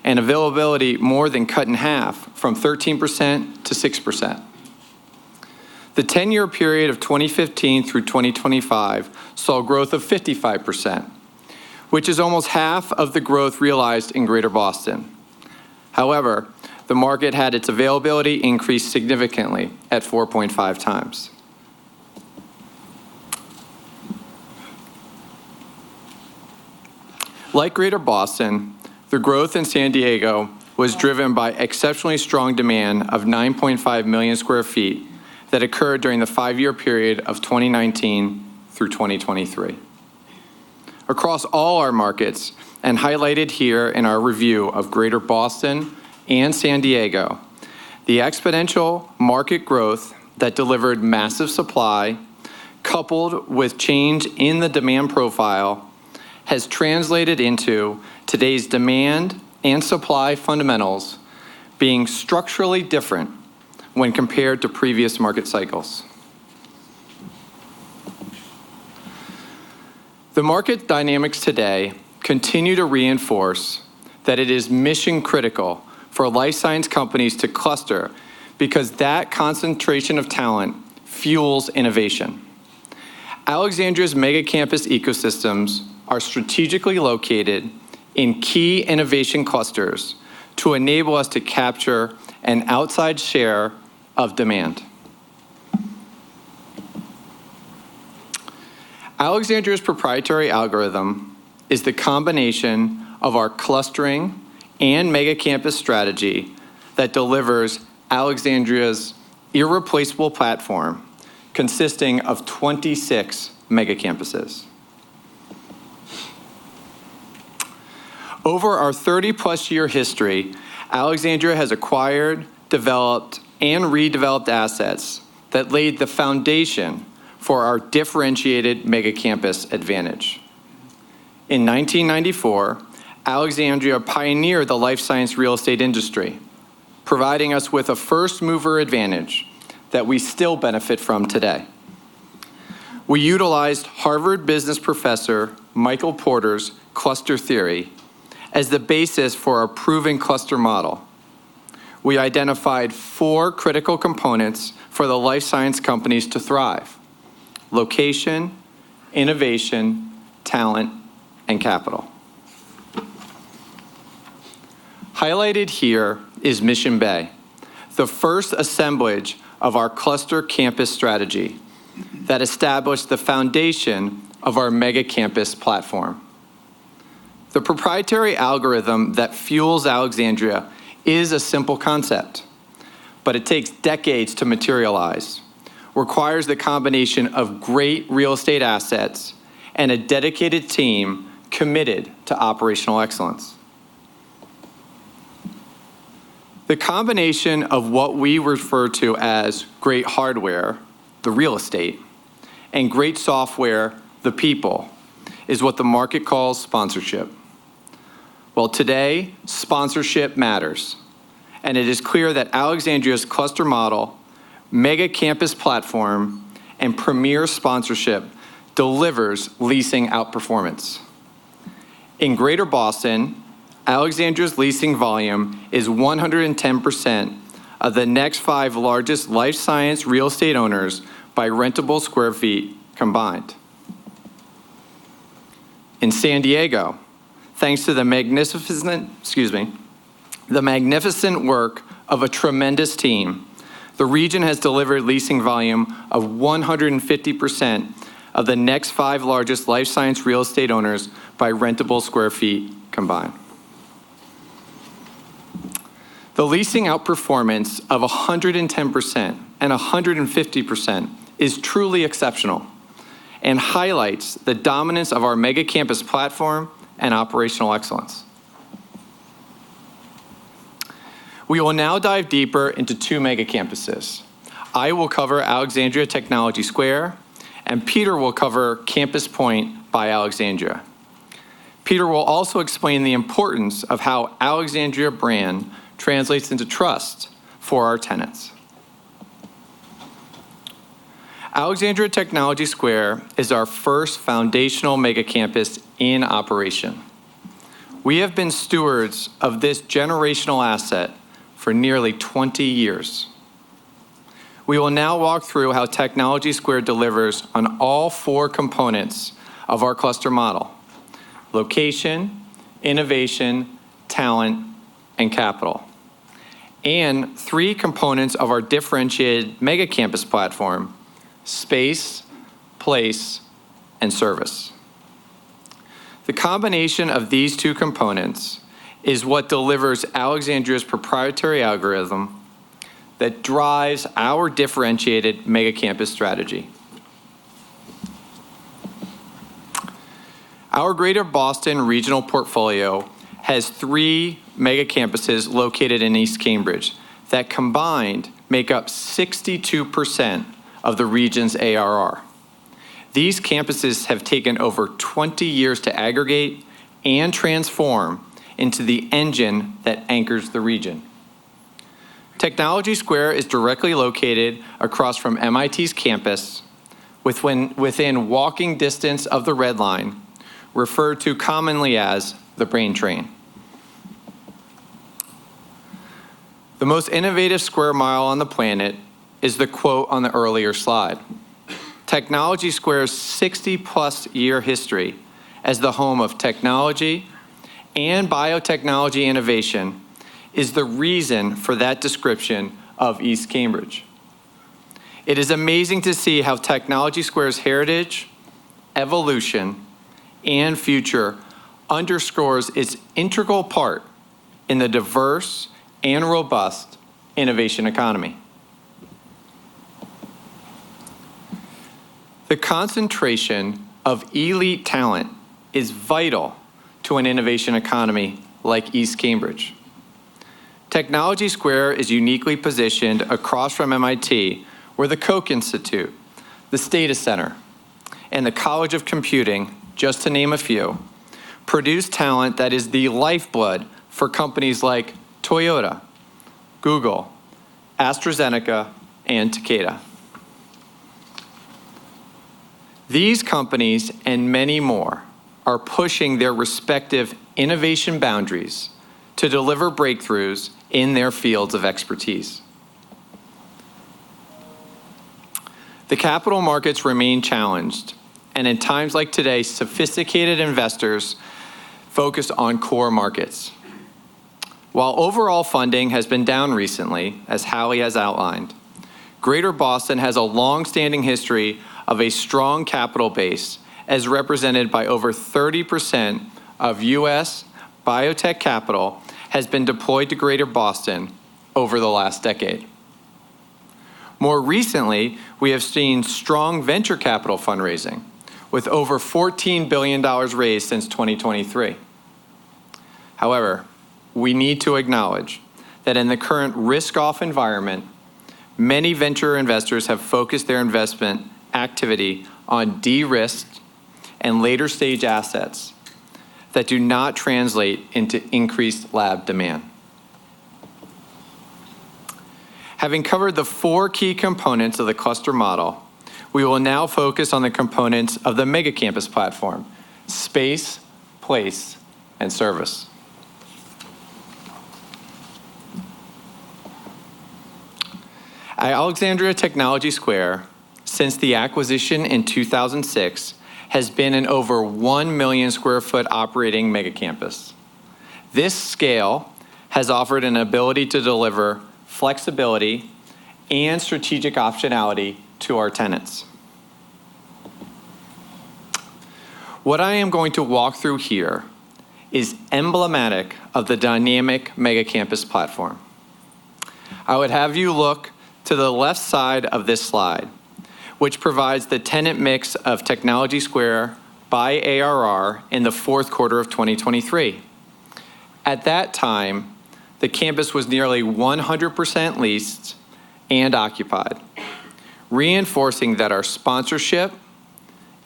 and availability more than cut in half from 13% to 6%. The 10-year period of 2015 through 2025 saw growth of 55%, which is almost half of the growth realized in Greater Boston. However, the market had its availability increase significantly at 4.5 times. Like Greater Boston, the growth in San Diego was driven by exceptionally strong demand of 9.5 million sq ft that occurred during the five-year period of 2019 through 2023. Across all our markets, and highlighted here in our review of Greater Boston and San Diego, the exponential market growth that delivered massive supply, coupled with change in the demand profile, has translated into today's demand and supply fundamentals being structurally different when compared to previous market cycles. The market dynamics today continue to reinforce that it is mission-critical for life science companies to cluster because that concentration of talent fuels innovation. Alexandria's mega campus ecosystems are strategically located in key innovation clusters to enable us to capture an outsized share of demand. Alexandria's proprietary algorithm is the combination of our clustering and mega campus strategy that delivers Alexandria's irreplaceable platform, consisting of 26 mega campuses. Over our 30-plus year history, Alexandria has acquired, developed, and redeveloped assets that laid the foundation for our differentiated mega campus advantage. In 1994, Alexandria pioneered the life science real estate industry, providing us with a first-mover advantage that we still benefit from today. We utilized Harvard Business Professor Michael Porter's cluster theory as the basis for our proven cluster model. We identified four critical components for the life science companies to thrive: location, innovation, talent, and capital. Highlighted here is Mission Bay, the first assemblage of our cluster campus strategy that established the foundation of our mega campus platform. The proprietary algorithm that fuels Alexandria is a simple concept, but it takes decades to materialize, requires the combination of great real estate assets and a dedicated team committed to operational excellence. The combination of what we refer to as great hardware, the real estate, and great software, the people, is what the market calls sponsorship. Today, sponsorship matters, and it is clear that Alexandria's cluster model, mega campus platform, and premier sponsorship delivers leasing outperformance. In Greater Boston, Alexandria's leasing volume is 110% of the next five largest life science real estate owners by rentable square feet combined. In San Diego, thanks to the magnificent work of a tremendous team, the region has delivered leasing volume of 150% of the next five largest life science real estate owners by rentable square feet combined. The leasing outperformance of 110% and 150% is truly exceptional and highlights the dominance of our mega campus platform and operational excellence. We will now dive deeper into two mega campuses. I will cover Alexandria Technology Square, and Peter will cover Campus Point by Alexandria. Peter will also explain the importance of how Alexandria brand translates into trust for our tenants. Alexandria Technology Square is our first foundational mega campus in operation. We have been stewards of this generational asset for nearly 20 years. We will now walk through how Technology Square delivers on all four components of our cluster model: location, innovation, talent, and capital, and three components of our differentiated mega campus platform: space, place, and service. The combination of these two components is what delivers Alexandria's proprietary algorithm that drives our differentiated mega campus strategy. Our Greater Boston regional portfolio has three mega campuses located in East Cambridge that combined make up 62% of the region's ARR. These campuses have taken over 20 years to aggregate and transform into the engine that anchors the region. Technology Square is directly located across from MIT's campus, within walking distance of the Red Line, referred to commonly as the Brain Train. The most innovative square mile on the planet is the quote on the earlier slide. Technology Square's 60-plus year history as the home of technology and biotechnology innovation is the reason for that description of East Cambridge. It is amazing to see how Technology Square's heritage, evolution, and future underscores its integral part in the diverse and robust innovation economy. The concentration of elite talent is vital to an innovation economy like East Cambridge. Technology Square is uniquely positioned across from MIT, where the Koch Institute, the Stata Center, and the College of Computing, just to name a few, produce talent that is the lifeblood for companies like Toyota, Google, AstraZeneca, and Takeda. These companies and many more are pushing their respective innovation boundaries to deliver breakthroughs in their fields of expertise. The capital markets remain challenged, and in times like today, sophisticated investors focus on core markets. While overall funding has been down recently, as Hallie has outlined, Greater Boston has a longstanding history of a strong capital base, as represented by over 30% of U.S. biotech capital that has been deployed to Greater Boston over the last decade. More recently, we have seen strong venture capital fundraising with over $14 billion raised since 2023. However, we need to acknowledge that in the current risk-off environment, many venture investors have focused their investment activity on de-risked and later-stage assets that do not translate into increased lab demand. Having covered the four key components of the cluster model, we will now focus on the components of the mega campus platform: space, place, and service. Alexandria Technology Square, since the acquisition in 2006, has been an over 1 million sq ft operating mega campus. This scale has offered an ability to deliver flexibility and strategic optionality to our tenants. What I am going to walk through here is emblematic of the dynamic mega campus platform. I would have you look to the left side of this slide, which provides the tenant mix of Technology Square by ARR in the fourth quarter of 2023. At that time, the campus was nearly 100% leased and occupied, reinforcing that our sponsorship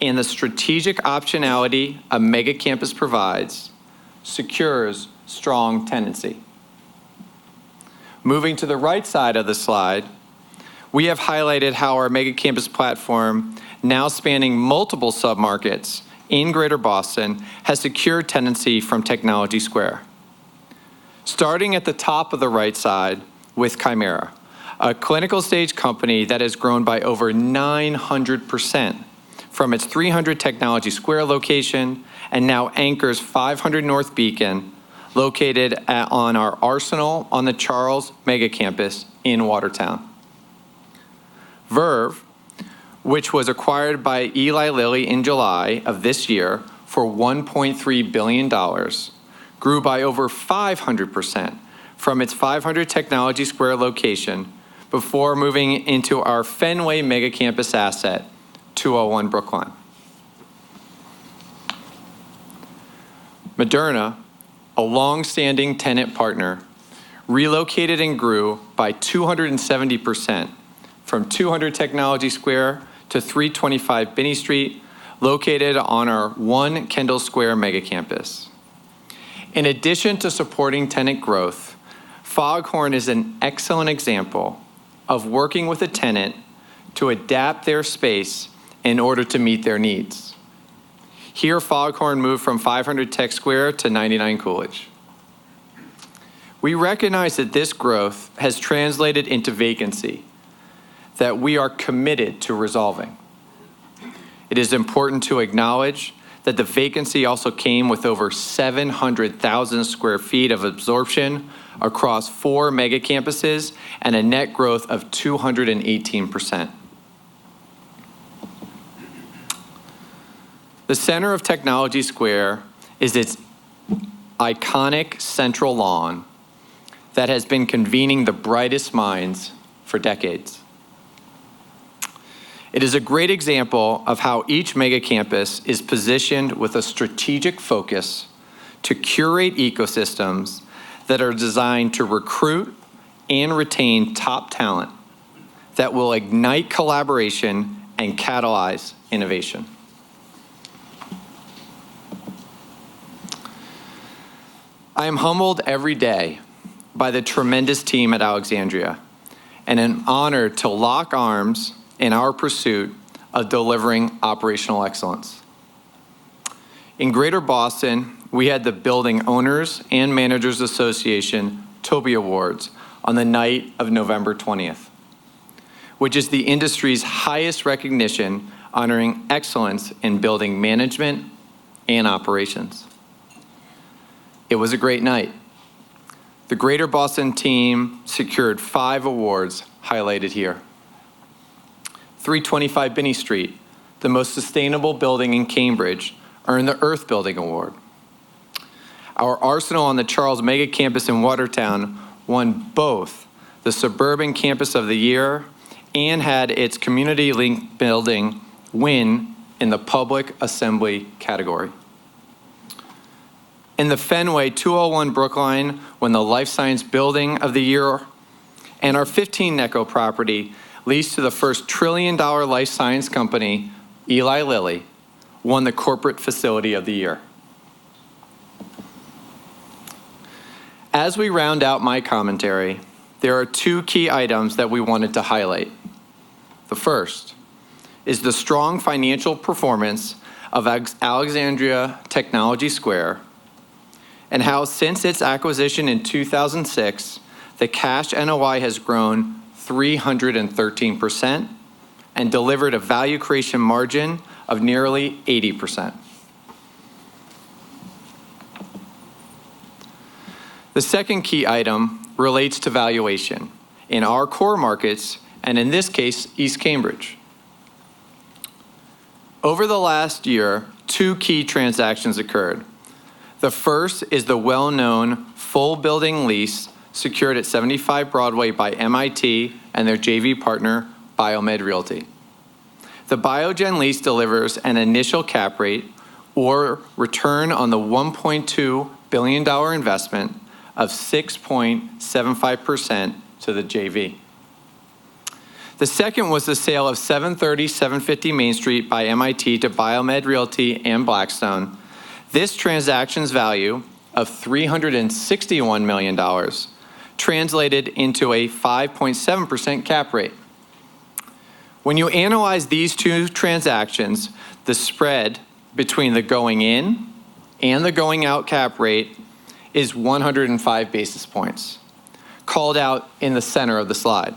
and the strategic optionality a mega campus provides secures strong tenancy. Moving to the right side of the slide, we have highlighted how our mega campus platform, now spanning multiple sub-markets in Greater Boston, has secured tenancy from Technology Square. Starting at the top of the right side with Kymera, a clinical-stage company that has grown by over 900% from its 300 Technology Square location and now anchors 500 North Beacon, located on our Arsenal on the Charles mega campus in Watertown. Verve, which was acquired by Eli Lilly in July of this year for $1.3 billion, grew by over 500% from its 500 Technology Square location before moving into our Fenway mega campus asset, 201 Brookline. Moderna, a longstanding tenant partner, relocated and grew by 270% from 200 Technology Square to 325 Binney Street, located on our One Kendall Square mega campus. In addition to supporting tenant growth, Foghorn is an excellent example of working with a tenant to adapt their space in order to meet their needs. Here, Foghorn moved from 500 Technology Square to 99 Coolidge. We recognize that this growth has translated into vacancy that we are committed to resolving. It is important to acknowledge that the vacancy also came with over 700,000 sq ft of absorption across four mega campuses and a net growth of 218%. The center of Technology Square is its iconic central lawn that has been convening the brightest minds for decades. It is a great example of how each mega campus is positioned with a strategic focus to curate ecosystems that are designed to recruit and retain top talent that will ignite collaboration and catalyze innovation. I am humbled every day by the tremendous team at Alexandria and it's an honor to lock arms in our pursuit of delivering operational excellence. In Greater Boston, we had the Building Owners and Managers Association TOBY Awards on the night of November 20th, which is the industry's highest recognition honoring excellence in building management and operations. It was a great night. The Greater Boston team secured five awards highlighted here. 325 Binney Street, the most sustainable building in Cambridge, earned the Earth Building Award. Our Arsenal on the Charles mega campus in Watertown won both the Suburban Campus of the Year and had its community-linked building win in the Public Assembly category. In the Fenway, 201 Brookline won the Life Science Building of the Year and our 15 Necco property leased to the first trillion-dollar life science company, Eli Lilly, won the Corporate Facility of the Year. As we round out my commentary, there are two key items that we wanted to highlight. The first is the strong financial performance of Alexandria Technology Square and how, since its acquisition in 2006, the cash NOI has grown 313% and delivered a value creation margin of nearly 80%. The second key item relates to valuation in our core markets and, in this case, East Cambridge. Over the last year, two key transactions occurred. The first is the well-known full building lease secured at 75 Broadway by MIT and their JV partner, BioMed Realty. The Biogen lease delivers an initial cap rate or return on the $1.2 billion investment of 6.75% to the JV. The second was the sale of 730-750 Main Street by MIT to BioMed Realty and Blackstone. This transaction's value of $361 million translated into a 5.7% cap rate. When you analyze these two transactions, the spread between the going-in and the going-out cap rate is 105 basis points, called out in the center of the slide,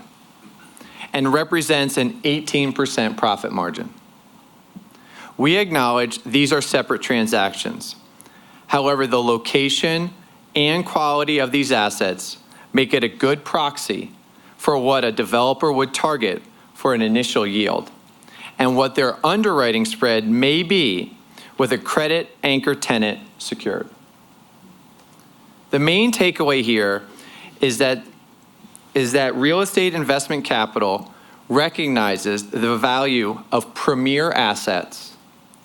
and represents an 18% profit margin. We acknowledge these are separate transactions. However, the location and quality of these assets make it a good proxy for what a developer would target for an initial yield and what their underwriting spread may be with a credit anchor tenant secured. The main takeaway here is that real estate investment capital recognizes the value of premier assets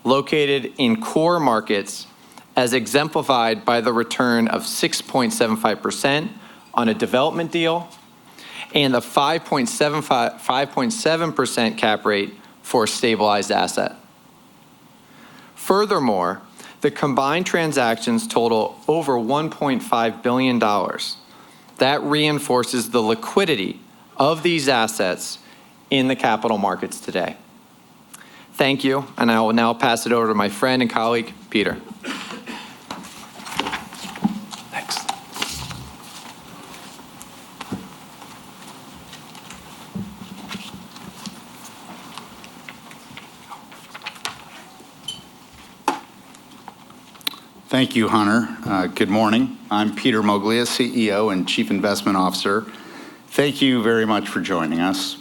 located in core markets, as exemplified by the return of 6.75% on a development deal and the 5.75% cap rate for a stabilized asset. Furthermore, the combined transactions total over $1.5 billion. That reinforces the liquidity of these assets in the capital markets today. Thank you, and I will now pass it over to my friend and colleague, Peter. Thanks. Thank you, Hunter. Good morning. I'm Peter Moglia, CEO and Chief Investment Officer. Thank you very much for joining us.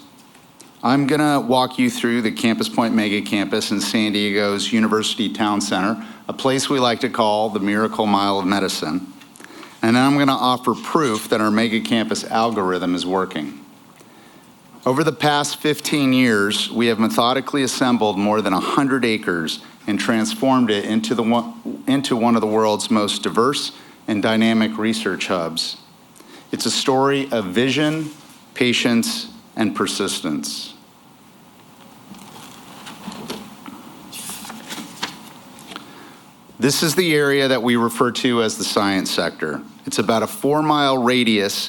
I'm going to walk you through the Campus Point mega campus in San Diego's University Town Center, a place we like to call the Miracle Mile of Medicine. And then I'm going to offer proof that our mega campus algorithm is working. Over the past 15 years, we have methodically assembled more than 100 acres and transformed it into one of the world's most diverse and dynamic research hubs. It's a story of vision, patience, and persistence. This is the area that we refer to as the science sector. It's about a four-mile radius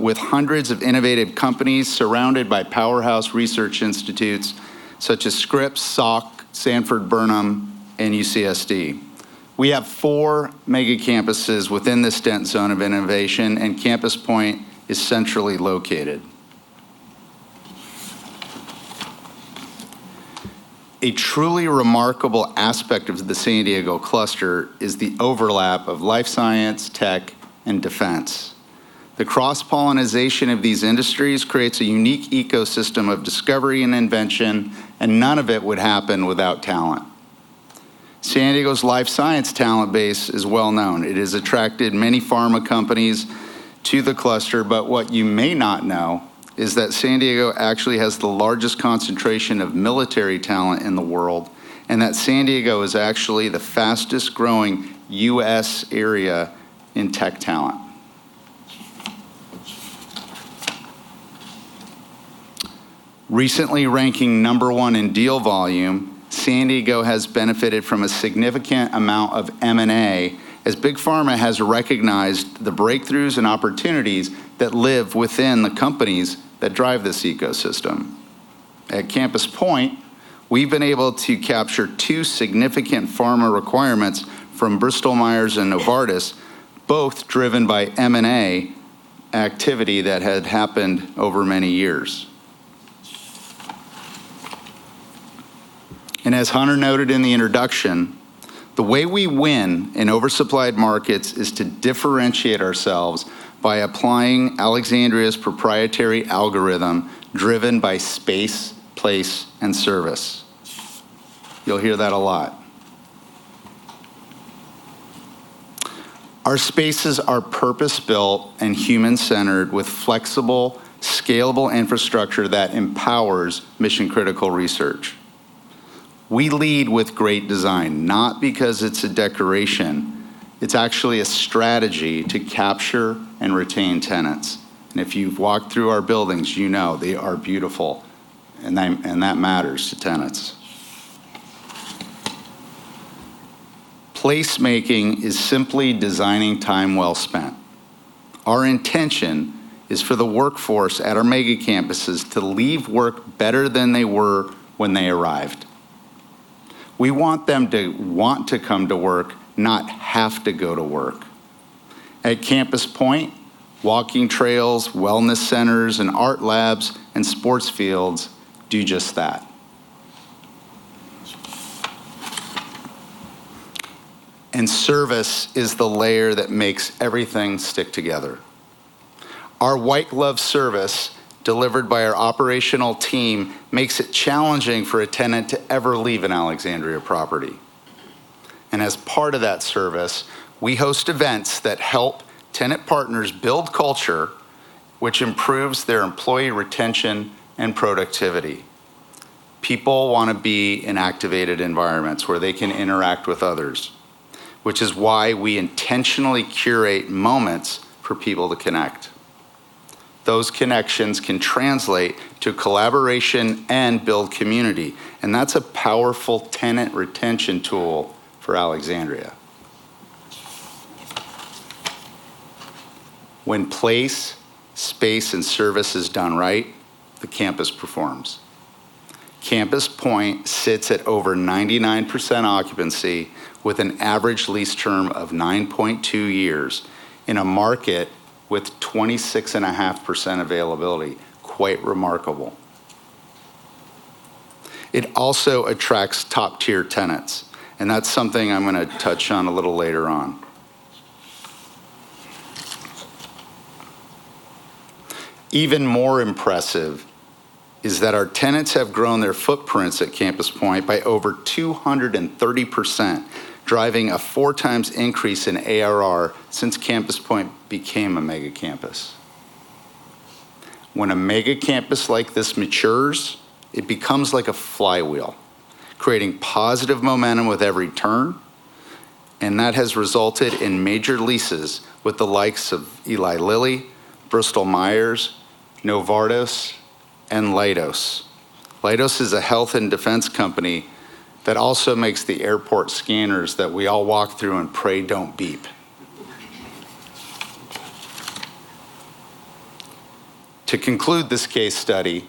with hundreds of innovative companies surrounded by powerhouse research institutes such as Scripps Research, Sanford Burnham, and UCSD. We have four mega campuses within this dense zone of innovation, and Campus Point is centrally located. A truly remarkable aspect of the San Diego cluster is the overlap of life science, tech, and defense. The cross-pollination of these industries creates a unique ecosystem of discovery and invention, and none of it would happen without talent. San Diego's life science talent base is well known. It has attracted many pharma companies to the cluster, but what you may not know is that San Diego actually has the largest concentration of military talent in the world and that San Diego is actually the fastest-growing U.S. area in tech talent. Recently ranking number one in deal volume, San Diego has benefited from a significant amount of M&A as Big Pharma has recognized the breakthroughs and opportunities that live within the companies that drive this ecosystem. At Campus Point, we've been able to capture two significant pharma requirements from Bristol Myers and Novartis, both driven by M&A activity that had happened over many years. And as Hunter noted in the introduction, the way we win in oversupplied markets is to differentiate ourselves by applying Alexandria's proprietary algorithm driven by space, place, and service. You'll hear that a lot. Our spaces are purpose-built and human-centered with flexible, scalable infrastructure that empowers mission-critical research. We lead with great design, not because it's a decoration. It's actually a strategy to capture and retain tenants. And if you've walked through our buildings, you know they are beautiful, and that matters to tenants. Placemaking is simply designing time well spent. Our intention is for the workforce at our mega campuses to leave work better than they were when they arrived. We want them to want to come to work, not have to go to work. At Campus Point, walking trails, wellness centers, and art labs and sports fields do just that. Service is the layer that makes everything stick together. Our white-glove service delivered by our operational team makes it challenging for a tenant to ever leave an Alexandria property. As part of that service, we host events that help tenant partners build culture, which improves their employee retention and productivity. People want to be in activated environments where they can interact with others, which is why we intentionally curate moments for people to connect. Those connections can translate to collaboration and build community, and that's a powerful tenant retention tool for Alexandria. When place, space, and service is done right, the campus performs. Campus Point sits at over 99% occupancy with an average lease term of 9.2 years in a market with 26.5% availability. Quite remarkable. It also attracts top-tier tenants, and that's something I'm going to touch on a little later on. Even more impressive is that our tenants have grown their footprints at Campus Point by over 230%, driving a four-times increase in ARR since Campus Point became a mega campus. When a mega campus like this matures, it becomes like a flywheel, creating positive momentum with every turn, and that has resulted in major leases with the likes of Eli Lilly, Bristol Myers, Novartis, and Leidos. Leidos is a health and defense company that also makes the airport scanners that we all walk through and pray don't beep. To conclude this case study,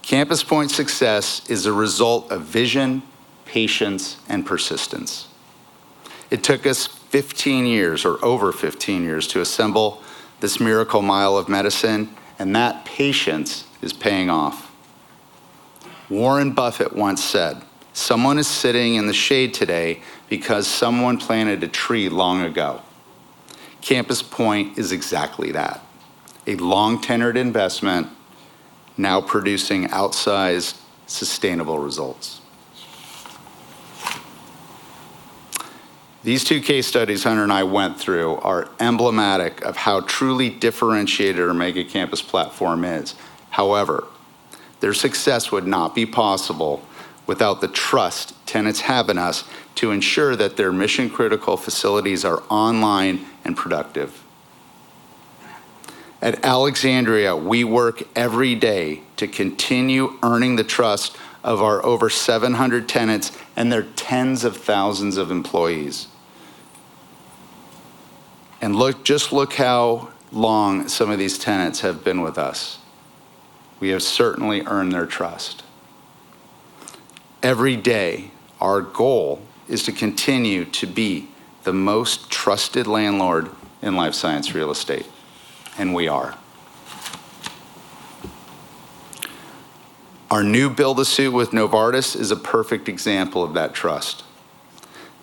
Campus Point's success is a result of vision, patience, and persistence. It took us 15 years, or over 15 years, to assemble this Miracle Mile of Medicine, and that patience is paying off. Warren Buffett once said, "Someone is sitting in the shade today because someone planted a tree long ago." Campus Point is exactly that: a long-tenored investment now producing outsized sustainable results. These two case studies Hunter and I went through are emblematic of how truly differentiated our mega campus platform is. However, their success would not be possible without the trust tenants have in us to ensure that their mission-critical facilities are online and productive. At Alexandria, we work every day to continue earning the trust of our over 700 tenants and their tens of thousands of employees. And just look how long some of these tenants have been with us. We have certainly earned their trust. Every day, our goal is to continue to be the most trusted landlord in life science real estate, and we are. Our new build-to-suit with Novartis is a perfect example of that trust.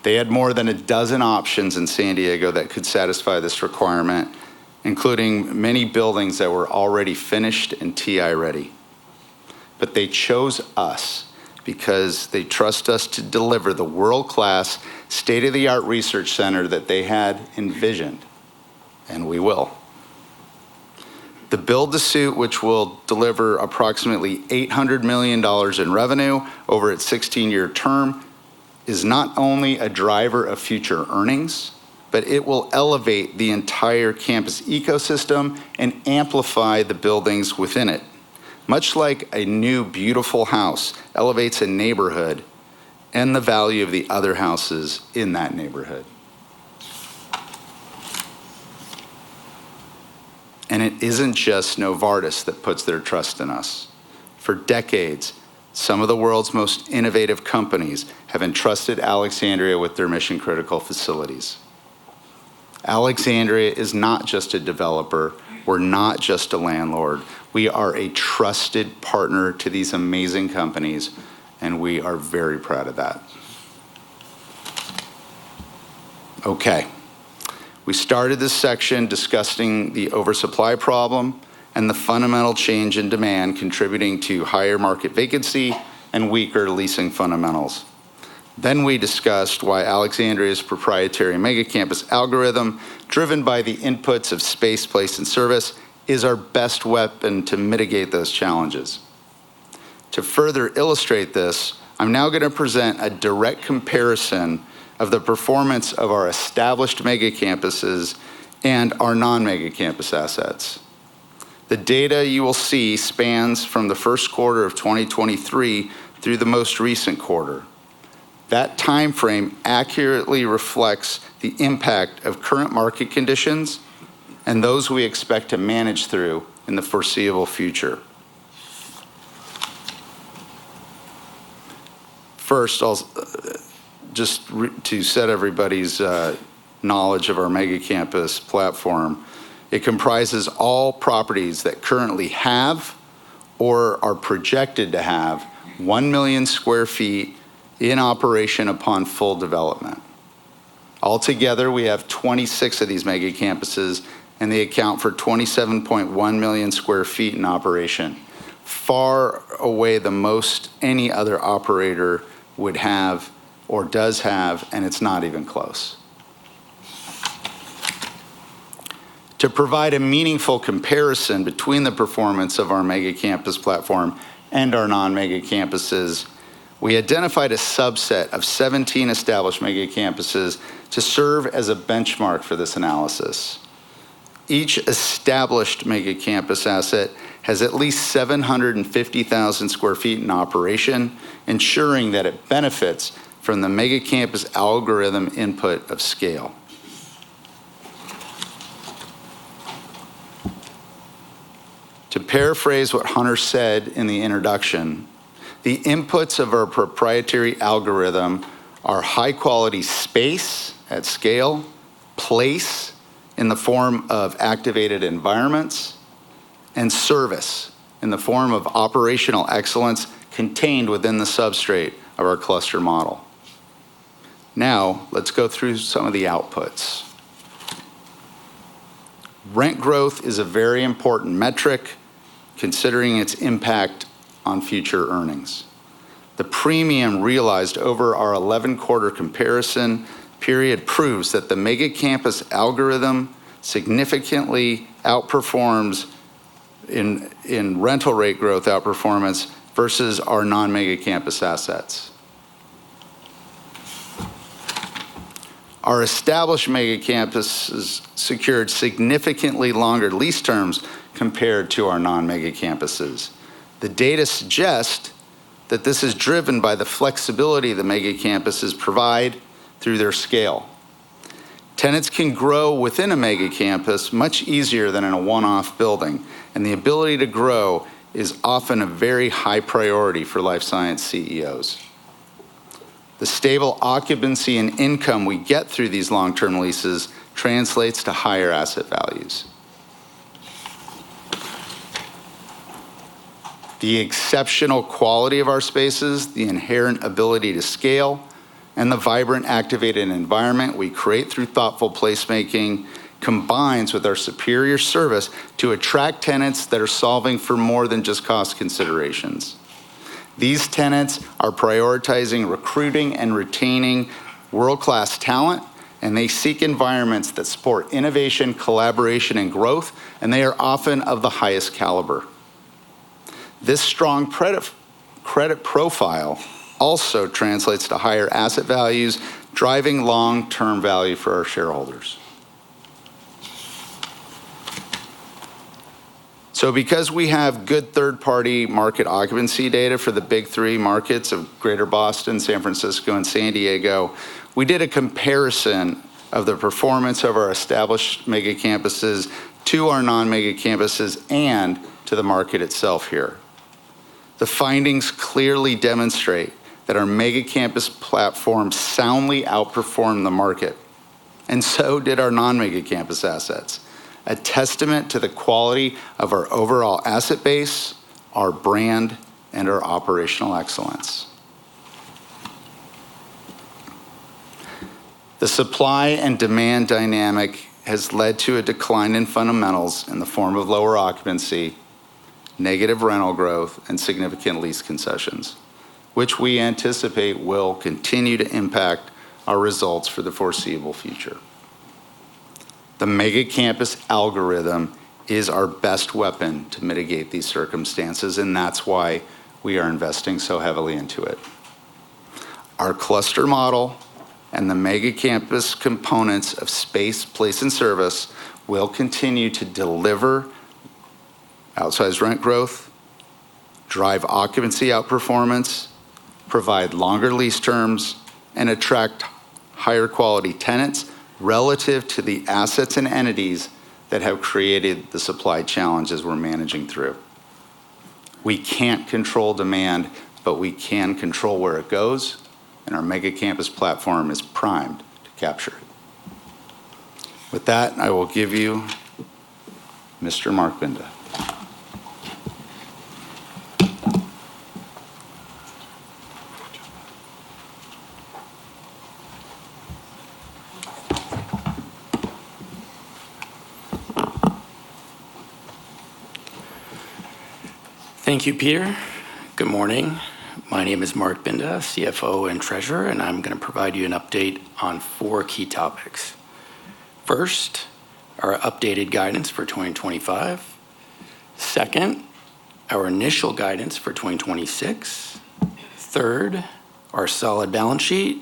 They had more than a dozen options in San Diego that could satisfy this requirement, including many buildings that were already finished and TI ready, but they chose us because they trust us to deliver the world-class, state-of-the-art research center that they had envisioned, and we will. The build-to-suit, which will deliver approximately $800 million in revenue over its 16-year term, is not only a driver of future earnings, but it will elevate the entire campus ecosystem and amplify the buildings within it, much like a new beautiful house elevates a neighborhood and the value of the other houses in that neighborhood, and it isn't just Novartis that puts their trust in us. For decades, some of the world's most innovative companies have entrusted Alexandria with their mission-critical facilities. Alexandria is not just a developer. We're not just a landlord. We are a trusted partner to these amazing companies, and we are very proud of that. Okay. We started this section discussing the oversupply problem and the fundamental change in demand contributing to higher market vacancy and weaker leasing fundamentals. Then we discussed why Alexandria's proprietary mega campus algorithm, driven by the inputs of space, place, and service, is our best weapon to mitigate those challenges. To further illustrate this, I'm now going to present a direct comparison of the performance of our established mega campuses and our non-mega campus assets. The data you will see spans from the first quarter of 2023 through the most recent quarter. That timeframe accurately reflects the impact of current market conditions and those we expect to manage through in the foreseeable future. First, just to set everybody's knowledge of our mega campus platform, it comprises all properties that currently have or are projected to have one million sq ft in operation upon full development. Altogether, we have 26 of these mega campuses, and they account for 27.1 million sq ft in operation, by far the most any other operator would have or does have, and it's not even close. To provide a meaningful comparison between the performance of our mega campus platform and our non-mega campuses, we identified a subset of 17 established mega campuses to serve as a benchmark for this analysis. Each established mega campus asset has at least 750,000 sq ft in operation, ensuring that it benefits from the mega campus algorithm input of scale. To paraphrase what Hunter said in the introduction, the inputs of our proprietary algorithm are high-quality space at scale, place in the form of activated environments, and service in the form of operational excellence contained within the substrate of our cluster model. Now, let's go through some of the outputs. Rent growth is a very important metric considering its impact on future earnings. The premium realized over our 11-quarter comparison period proves that the mega campus algorithm significantly outperforms in rental rate growth outperformance versus our non-mega campus assets. Our established mega campuses secured significantly longer lease terms compared to our non-mega campuses. The data suggest that this is driven by the flexibility the mega campuses provide through their scale. Tenants can grow within a mega campus much easier than in a one-off building, and the ability to grow is often a very high priority for life science CEOs. The stable occupancy and income we get through these long-term leases translates to higher asset values. The exceptional quality of our spaces, the inherent ability to scale, and the vibrant activated environment we create through thoughtful placemaking combines with our superior service to attract tenants that are solving for more than just cost considerations. These tenants are prioritizing recruiting and retaining world-class talent, and they seek environments that support innovation, collaboration, and growth, and they are often of the highest caliber. This strong credit profile also translates to higher asset values, driving long-term value for our shareholders. So because we have good third-party market occupancy data for the big three markets of Greater Boston, San Francisco, and San Diego, we did a comparison of the performance of our established mega campuses to our non-mega campuses and to the market itself here. The findings clearly demonstrate that our mega campus platform soundly outperformed the market, and so did our non-mega campus assets, a testament to the quality of our overall asset base, our brand, and our operational excellence. The supply and demand dynamic has led to a decline in fundamentals in the form of lower occupancy, negative rental growth, and significant lease concessions, which we anticipate will continue to impact our results for the foreseeable future. The mega campus algorithm is our best weapon to mitigate these circumstances, and that's why we are investing so heavily into it. Our cluster model and the mega campus components of space, place, and service will continue to deliver outsized rent growth, drive occupancy outperformance, provide longer lease terms, and attract higher quality tenants relative to the assets and entities that have created the supply challenges we're managing through. We can't control demand, but we can control where it goes, and our mega campus platform is primed to capture it. With that, I will give you Mr. Marc Binda. Thank you, Peter. Good morning. My name is Marc Binda, CFO and Treasurer, and I'm going to provide you an update on four key topics. First, our updated guidance for 2025. Second, our initial guidance for 2026. Third, our solid balance sheet.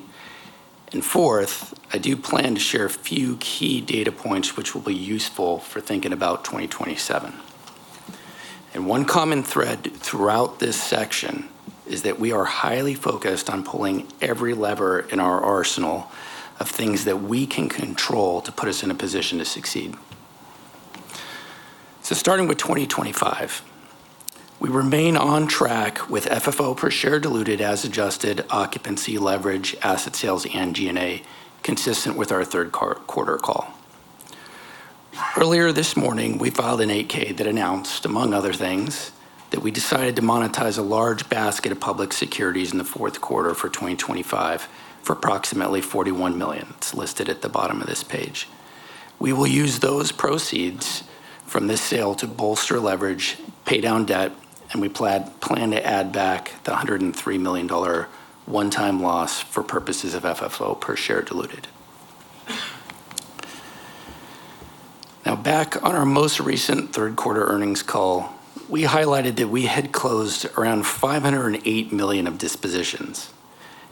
And fourth, I do plan to share a few key data points which will be useful for thinking about 2027, and one common thread throughout this section is that we are highly focused on pulling every lever in our arsenal of things that we can control to put us in a position to succeed. So starting with 2025, we remain on track with FFO per share diluted as adjusted occupancy, leverage, asset sales, and G&A consistent with our third quarter call. Earlier this morning, we filed an 8-K that announced, among other things, that we decided to monetize a large basket of public securities in the fourth quarter for 2025 for approximately $41 million. It's listed at the bottom of this page. We will use those proceeds from this sale to bolster leverage, pay down debt, and we plan to add back the $103 million one-time loss for purposes of FFO per share diluted. Now, back on our most recent third quarter earnings call, we highlighted that we had closed around $508 million of dispositions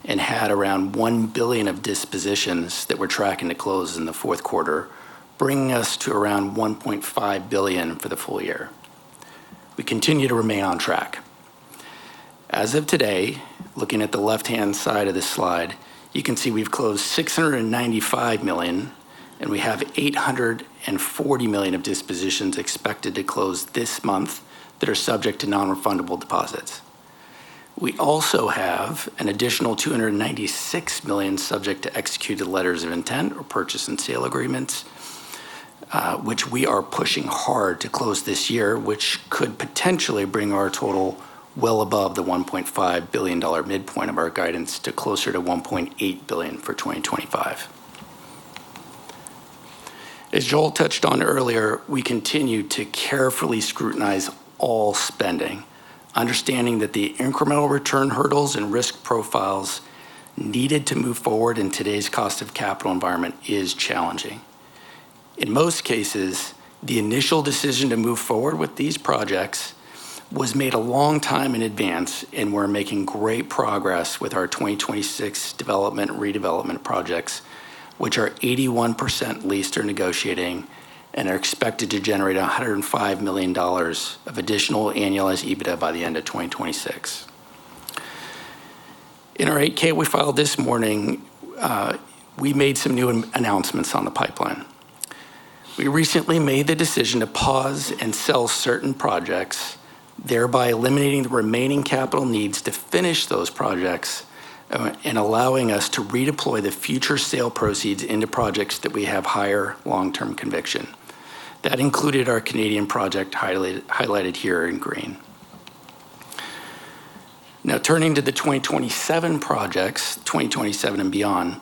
and had around $1 billion of dispositions that we're tracking to close in the fourth quarter, bringing us to around $1.5 billion for the full year. We continue to remain on track. As of today, looking at the left-hand side of this slide, you can see we've closed $695 million, and we have $840 million of dispositions expected to close this month that are subject to non-refundable deposits. We also have an additional $296 million subject to executed letters of intent or purchase and sale agreements, which we are pushing hard to close this year, which could potentially bring our total well above the $1.5 billion midpoint of our guidance to closer to $1.8 billion for 2025. As Joel touched on earlier, we continue to carefully scrutinize all spending, understanding that the incremental return hurdles and risk profiles needed to move forward in today's cost of capital environment is challenging. In most cases, the initial decision to move forward with these projects was made a long time in advance, and we're making great progress with our 2026 development and redevelopment projects, which are 81% leased or negotiating and are expected to generate $105 million of additional annualized EBITDA by the end of 2026. In our 8-K we filed this morning, we made some new announcements on the pipeline. We recently made the decision to pause and sell certain projects, thereby eliminating the remaining capital needs to finish those projects and allowing us to redeploy the future sale proceeds into projects that we have higher long-term conviction. That included our Canadian project highlighted here in green. Now, turning to the 2027 projects, 2027 and beyond,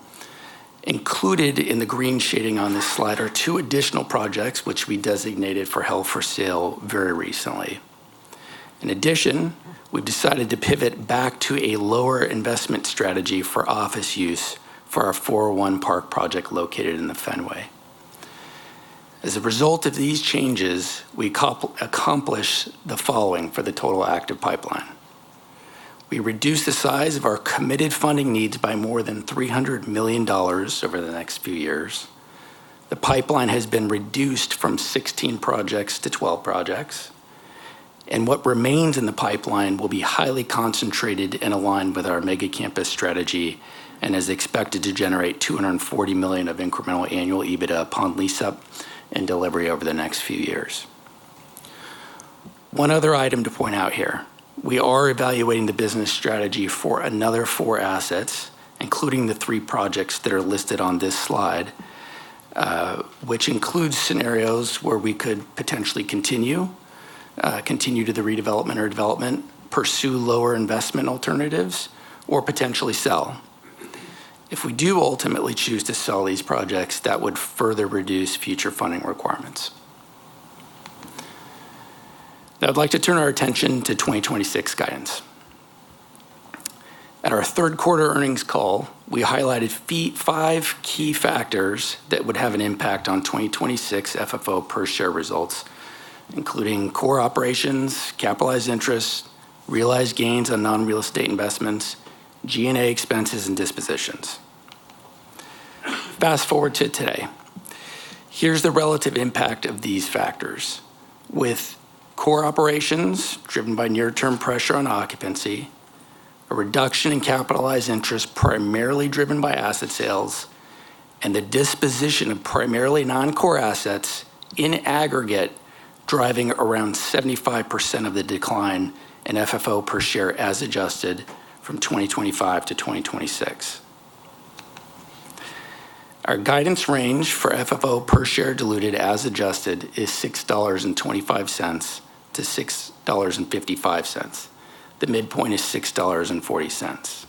included in the green shading on this slide are two additional projects which we designated for held for sale very recently. In addition, we've decided to pivot back to a lower investment strategy for office use for our 401 Park project located in the Fenway. As a result of these changes, we accomplish the following for the total active pipeline. We reduce the size of our committed funding needs by more than $300 million over the next few years. The pipeline has been reduced from 16 projects to 12 projects, and what remains in the pipeline will be highly concentrated and aligned with our mega campus strategy and is expected to generate $240 million of incremental annual EBITDA upon lease-up and delivery over the next few years. One other item to point out here. We are evaluating the business strategy for another four assets, including the three projects that are listed on this slide, which includes scenarios where we could potentially continue to the redevelopment or development, pursue lower investment alternatives, or potentially sell. If we do ultimately choose to sell these projects, that would further reduce future funding requirements. Now, I'd like to turn our attention to 2026 guidance. At our third quarter earnings call, we highlighted five key factors that would have an impact on 2026 FFO per share results, including core operations, capitalized interest, realized gains on non-real estate investments, G&A expenses, and dispositions. Fast forward to today. Here's the relative impact of these factors. With core operations driven by near-term pressure on occupancy, a reduction in capitalized interest primarily driven by asset sales, and the disposition of primarily non-core assets in aggregate driving around 75% of the decline in FFO per share as adjusted from 2025 to 2026. Our guidance range for FFO per share diluted as adjusted is $6.25-$6.55. The midpoint is $6.40.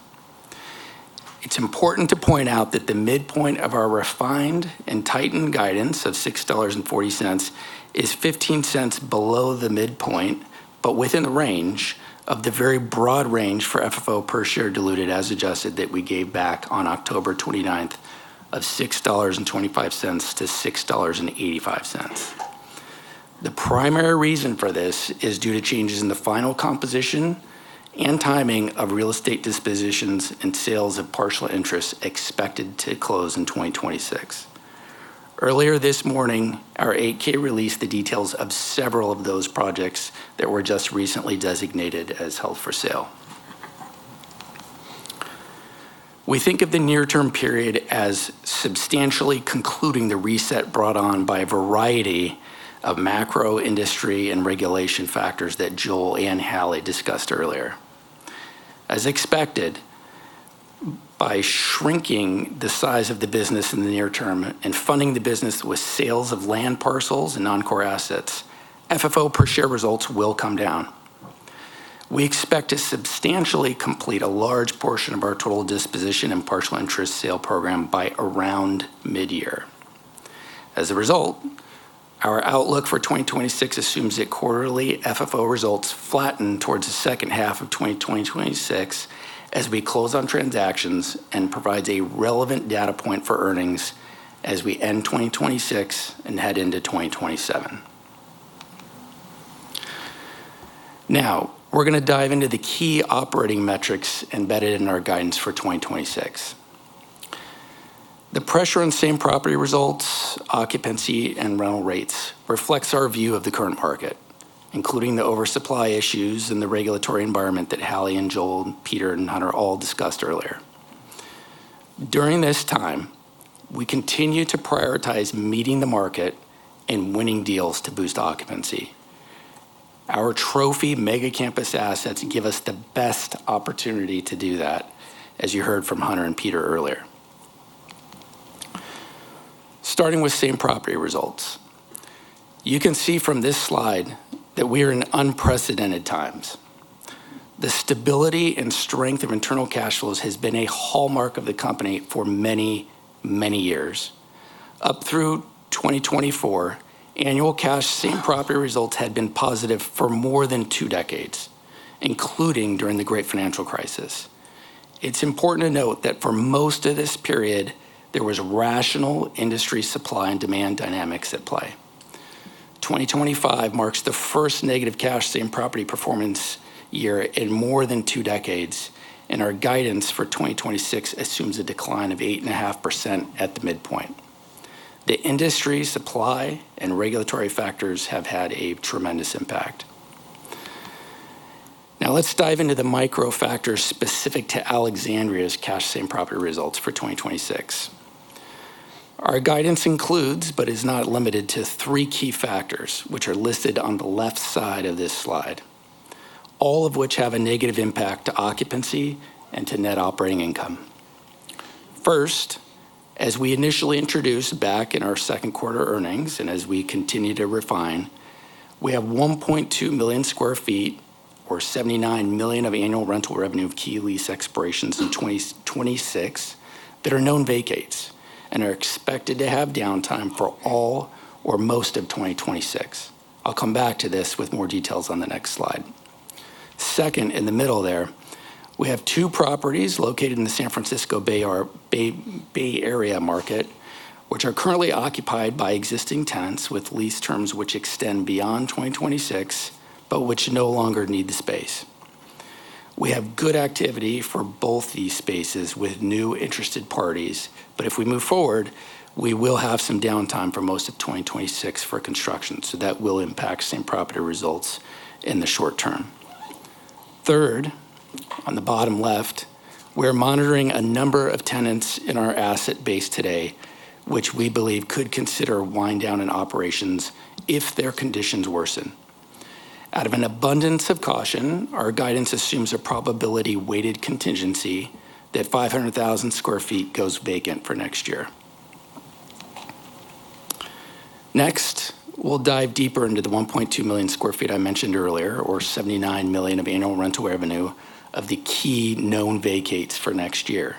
It's important to point out that the midpoint of our refined and tightened guidance of $6.40 is 15 cents below the midpoint, but within the range of the very broad range for FFO per share diluted as adjusted that we gave back on October 29th of $6.25-$6.85. The primary reason for this is due to changes in the final composition and timing of real estate dispositions and sales of partial interest expected to close in 2026. Earlier this morning, our 8-K released the details of several of those projects that were just recently designated as held for sale. We think of the near-term period as substantially concluding the reset brought on by a variety of macro, industry, and regulatory factors that Joel and Hallie discussed earlier. As expected, by shrinking the size of the business in the near term and funding the business with sales of land parcels and non-core assets, FFO per share results will come down. We expect to substantially complete a large portion of our total disposition and partial interest sale program by around mid-year. As a result, our outlook for 2026 assumes that quarterly FFO results flatten towards the second half of 2026 as we close on transactions and provide a relevant data point for earnings as we end 2026 and head into 2027. Now, we're going to dive into the key operating metrics embedded in our guidance for 2026. The pressure on same property results, occupancy, and rental rates reflects our view of the current market, including the oversupply issues and the regulatory environment that Hallie and Joel and Peter and Hunter all discussed earlier. During this time, we continue to prioritize meeting the market and winning deals to boost occupancy. Our trophy mega campus assets give us the best opportunity to do that, as you heard from Hunter and Peter earlier. Starting with same property results, you can see from this slide that we are in unprecedented times. The stability and strength of internal cash flows has been a hallmark of the company for many, many years. Up through 2024, annual cash same property results had been positive for more than two decades, including during the Great Financial Crisis. It's important to note that for most of this period, there was rational industry supply and demand dynamics at play. 2025 marks the first negative cash same property performance year in more than two decades, and our guidance for 2026 assumes a decline of 8.5% at the midpoint. The industry supply and regulatory factors have had a tremendous impact. Now, let's dive into the micro factors specific to Alexandria's cash same property results for 2026. Our guidance includes, but is not limited to three key factors, which are listed on the left side of this slide, all of which have a negative impact to occupancy and to net operating income. First, as we initially introduced back in our second quarter earnings and as we continue to refine, we have 1.2 million sq ft or $79 million of annual rental revenue of key lease expirations in 2026 that are known vacates and are expected to have downtime for all or most of 2026. I'll come back to this with more details on the next slide. Second, in the middle there, we have two properties located in the San Francisco Bay Area market, which are currently occupied by existing tenants with lease terms which extend beyond 2026, but which no longer need the space. We have good activity for both these spaces with new interested parties, but if we move forward, we will have some downtime for most of 2026 for construction, so that will impact same property results in the short term. Third, on the bottom left, we're monitoring a number of tenants in our asset base today, which we believe could consider winding down operations if their conditions worsen. Out of an abundance of caution, our guidance assumes a probability-weighted contingency that 500,000 sq ft goes vacant for next year. Next, we'll dive deeper into the 1.2 million sq ft I mentioned earlier, or $79 million of annual rental revenue of the key known vacates for next year,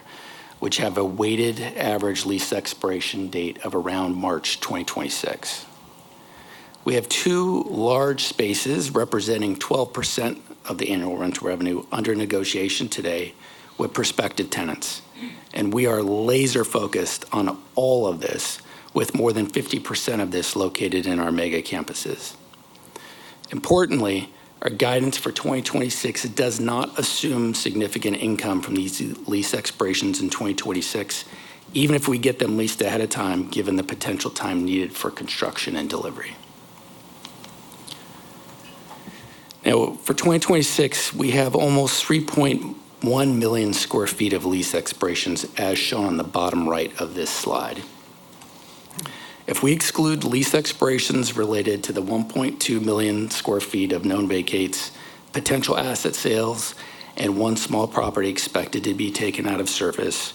which have a weighted average lease expiration date of around March 2026. We have two large spaces representing 12% of the annual rental revenue under negotiation today with prospective tenants, and we are laser-focused on all of this, with more than 50% of this located in our mega campuses. Importantly, our guidance for 2026 does not assume significant income from these lease expirations in 2026, even if we get them leased ahead of time, given the potential time needed for construction and delivery. Now, for 2026, we have almost 3.1 million sq ft of lease expirations, as shown on the bottom right of this slide. If we exclude lease expirations related to the 1.2 million sq ft of known vacates, potential asset sales, and one small property expected to be taken out of service,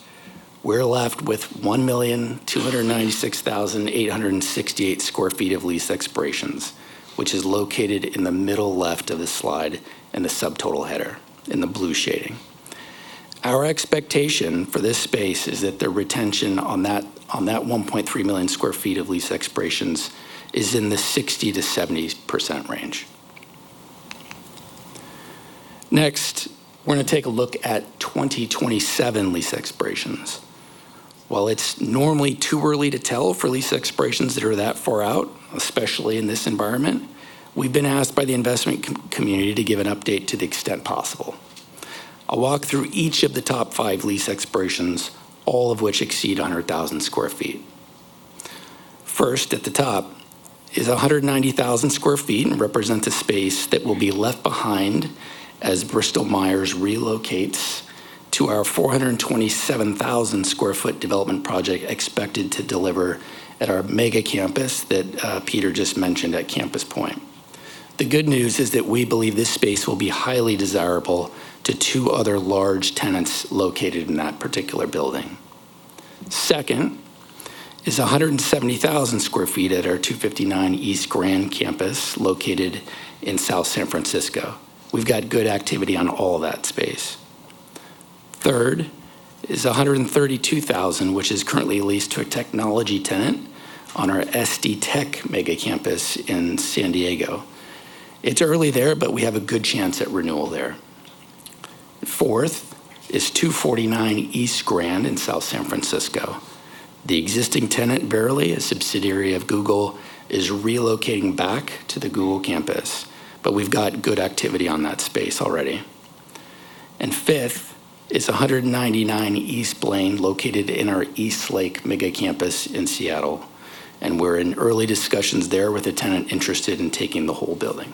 we're left with 1,296,868 sq ft of lease expirations, which is located in the middle left of the slide in the subtotal header in the blue shading. Our expectation for this space is that the retention on that 1.3 million sq ft of lease expirations is in the 60%-70% range. Next, we're going to take a look at 2027 lease expirations. While it's normally too early to tell for lease expirations that are that far out, especially in this environment, we've been asked by the investment community to give an update to the extent possible. I'll walk through each of the top five lease expirations, all of which exceed 100,000 sq ft. First, at the top is 190,000 sq ft and represents a space that will be left behind as Bristol Myers relocates to our 427,000 sq ft development project expected to deliver at our mega campus that Peter just mentioned at Campus Point. The good news is that we believe this space will be highly desirable to two other large tenants located in that particular building. Second is 170,000 sq ft at our 259 East Grand Campus located in South San Francisco. We've got good activity on all that space. Third is 132,000, which is currently leased to a technology tenant on our SD Tech mega campus in San Diego. It's early there, but we have a good chance at renewal there. Fourth is 249 East Grand in South San Francisco. The existing tenant, Verily, a subsidiary of Google, is relocating back to the Google campus, but we've got good activity on that space already. And fifth is 199 East Blaine, located in our Eastlake mega campus in Seattle, and we're in early discussions there with a tenant interested in taking the whole building.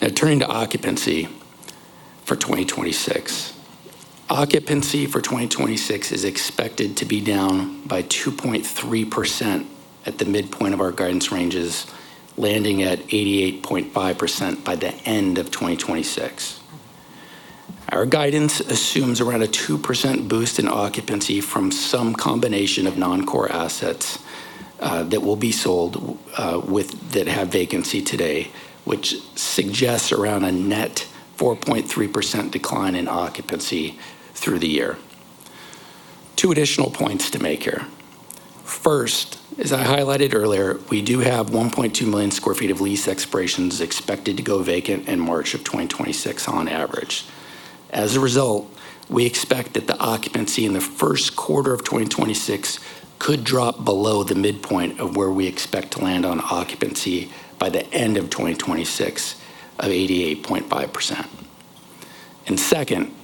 Now, turning to occupancy for 2026, occupancy for 2026 is expected to be down by 2.3% at the midpoint of our guidance ranges, landing at 88.5% by the end of 2026. Our guidance assumes around a 2% boost in occupancy from some combination of non-core assets that will be sold that have vacancy today, which suggests around a net 4.3% decline in occupancy through the year. Two additional points to make here. First, as I highlighted earlier, we do have 1.2 million sq ft of lease expirations expected to go vacant in March of 2026 on average. As a result, we expect that the occupancy in the first quarter of 2026 could drop below the midpoint of where we expect to land on occupancy by the end of 2026 of 88.5%. And second,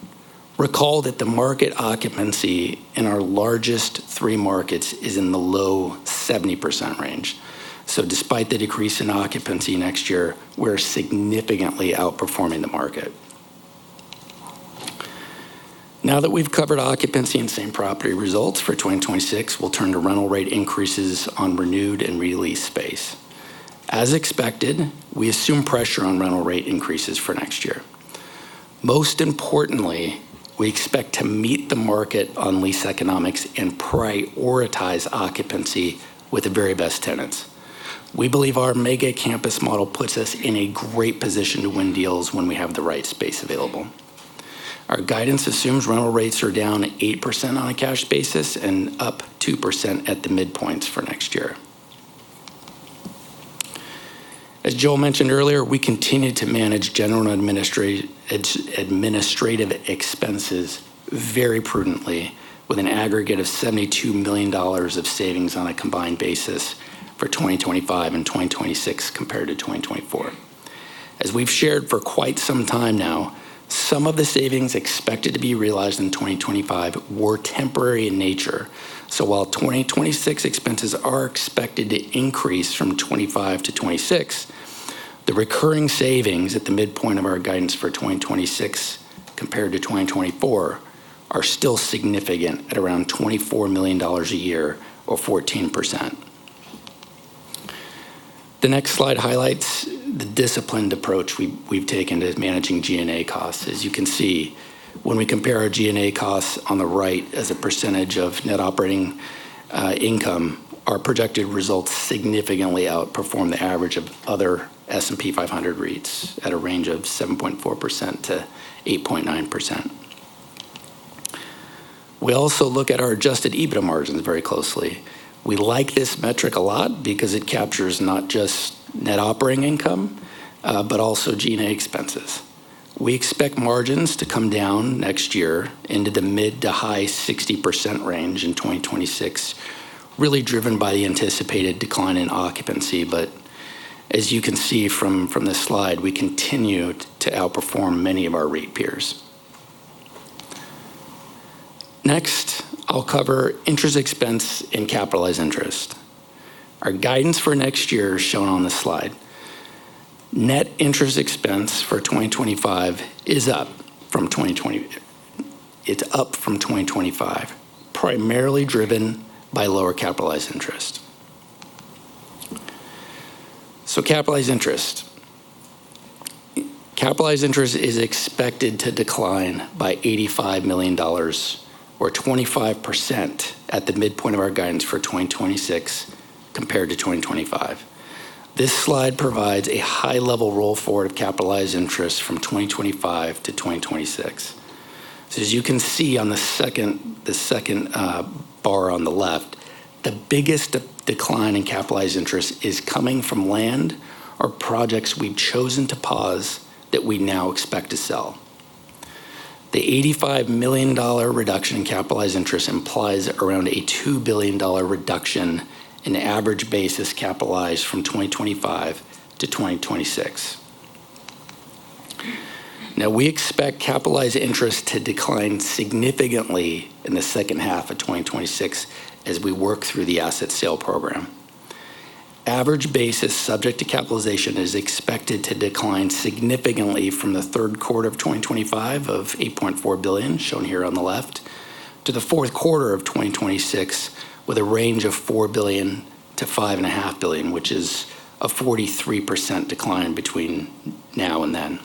recall that the market occupancy in our largest three markets is in the low 70% range, so despite the decrease in occupancy next year, we're significantly outperforming the market. Now that we've covered occupancy and same property results for 2026, we'll turn to rental rate increases on renewed and re-lease space. As expected, we assume pressure on rental rate increases for next year. Most importantly, we expect to meet the market on lease economics and prioritize occupancy with the very best tenants. We believe our mega campus model puts us in a great position to win deals when we have the right space available. Our guidance assumes rental rates are down 8% on a cash basis and up 2% at the midpoints for next year. As Joel mentioned earlier, we continue to manage general administrative expenses very prudently with an aggregate of $72 million of savings on a combined basis for 2025 and 2026 compared to 2024. As we've shared for quite some time now, some of the savings expected to be realized in 2025 were temporary in nature. While 2026 expenses are expected to increase from 25 to 26, the recurring savings at the midpoint of our guidance for 2026 compared to 2024 are still significant at around $24 million a year or 14%. The next slide highlights the disciplined approach we've taken to managing G&A costs. As you can see, when we compare our G&A costs on the right as a percentage of net operating income, our projected results significantly outperform the average of other S&P 500 REITs at a range of 7.4%-8.9%. We also look at our Adjusted EBITDA margins very closely. We like this metric a lot because it captures not just net operating income, but also G&A expenses. We expect margins to come down next year into the mid to high 60% range in 2026, really driven by the anticipated decline in occupancy. As you can see from this slide, we continue to outperform many of our REIT peers. Next, I'll cover interest expense and capitalized interest. Our guidance for next year is shown on the slide. Net interest expense for 2025 is up from 2020. It's up from 2025, primarily driven by lower capitalized interest. Capitalized interest. Capitalized interest is expected to decline by $85 million or 25% at the midpoint of our guidance for 2026 compared to 2025. This slide provides a high-level roll forward of capitalized interest from 2025 to 2026. As you can see on the second bar on the left, the biggest decline in capitalized interest is coming from land or projects we've chosen to pause that we now expect to sell. The $85 million reduction in capitalized interest implies around a $2 billion reduction in average basis capitalized from 2025 to 2026. Now, we expect capitalized interest to decline significantly in the second half of 2026 as we work through the asset sale program. Average basis subject to capitalization is expected to decline significantly from the third quarter of 2025 of $8.4 billion, shown here on the left, to the fourth quarter of 2026 with a range of $4 billion-$5.5 billion, which is a 43% decline between now and then.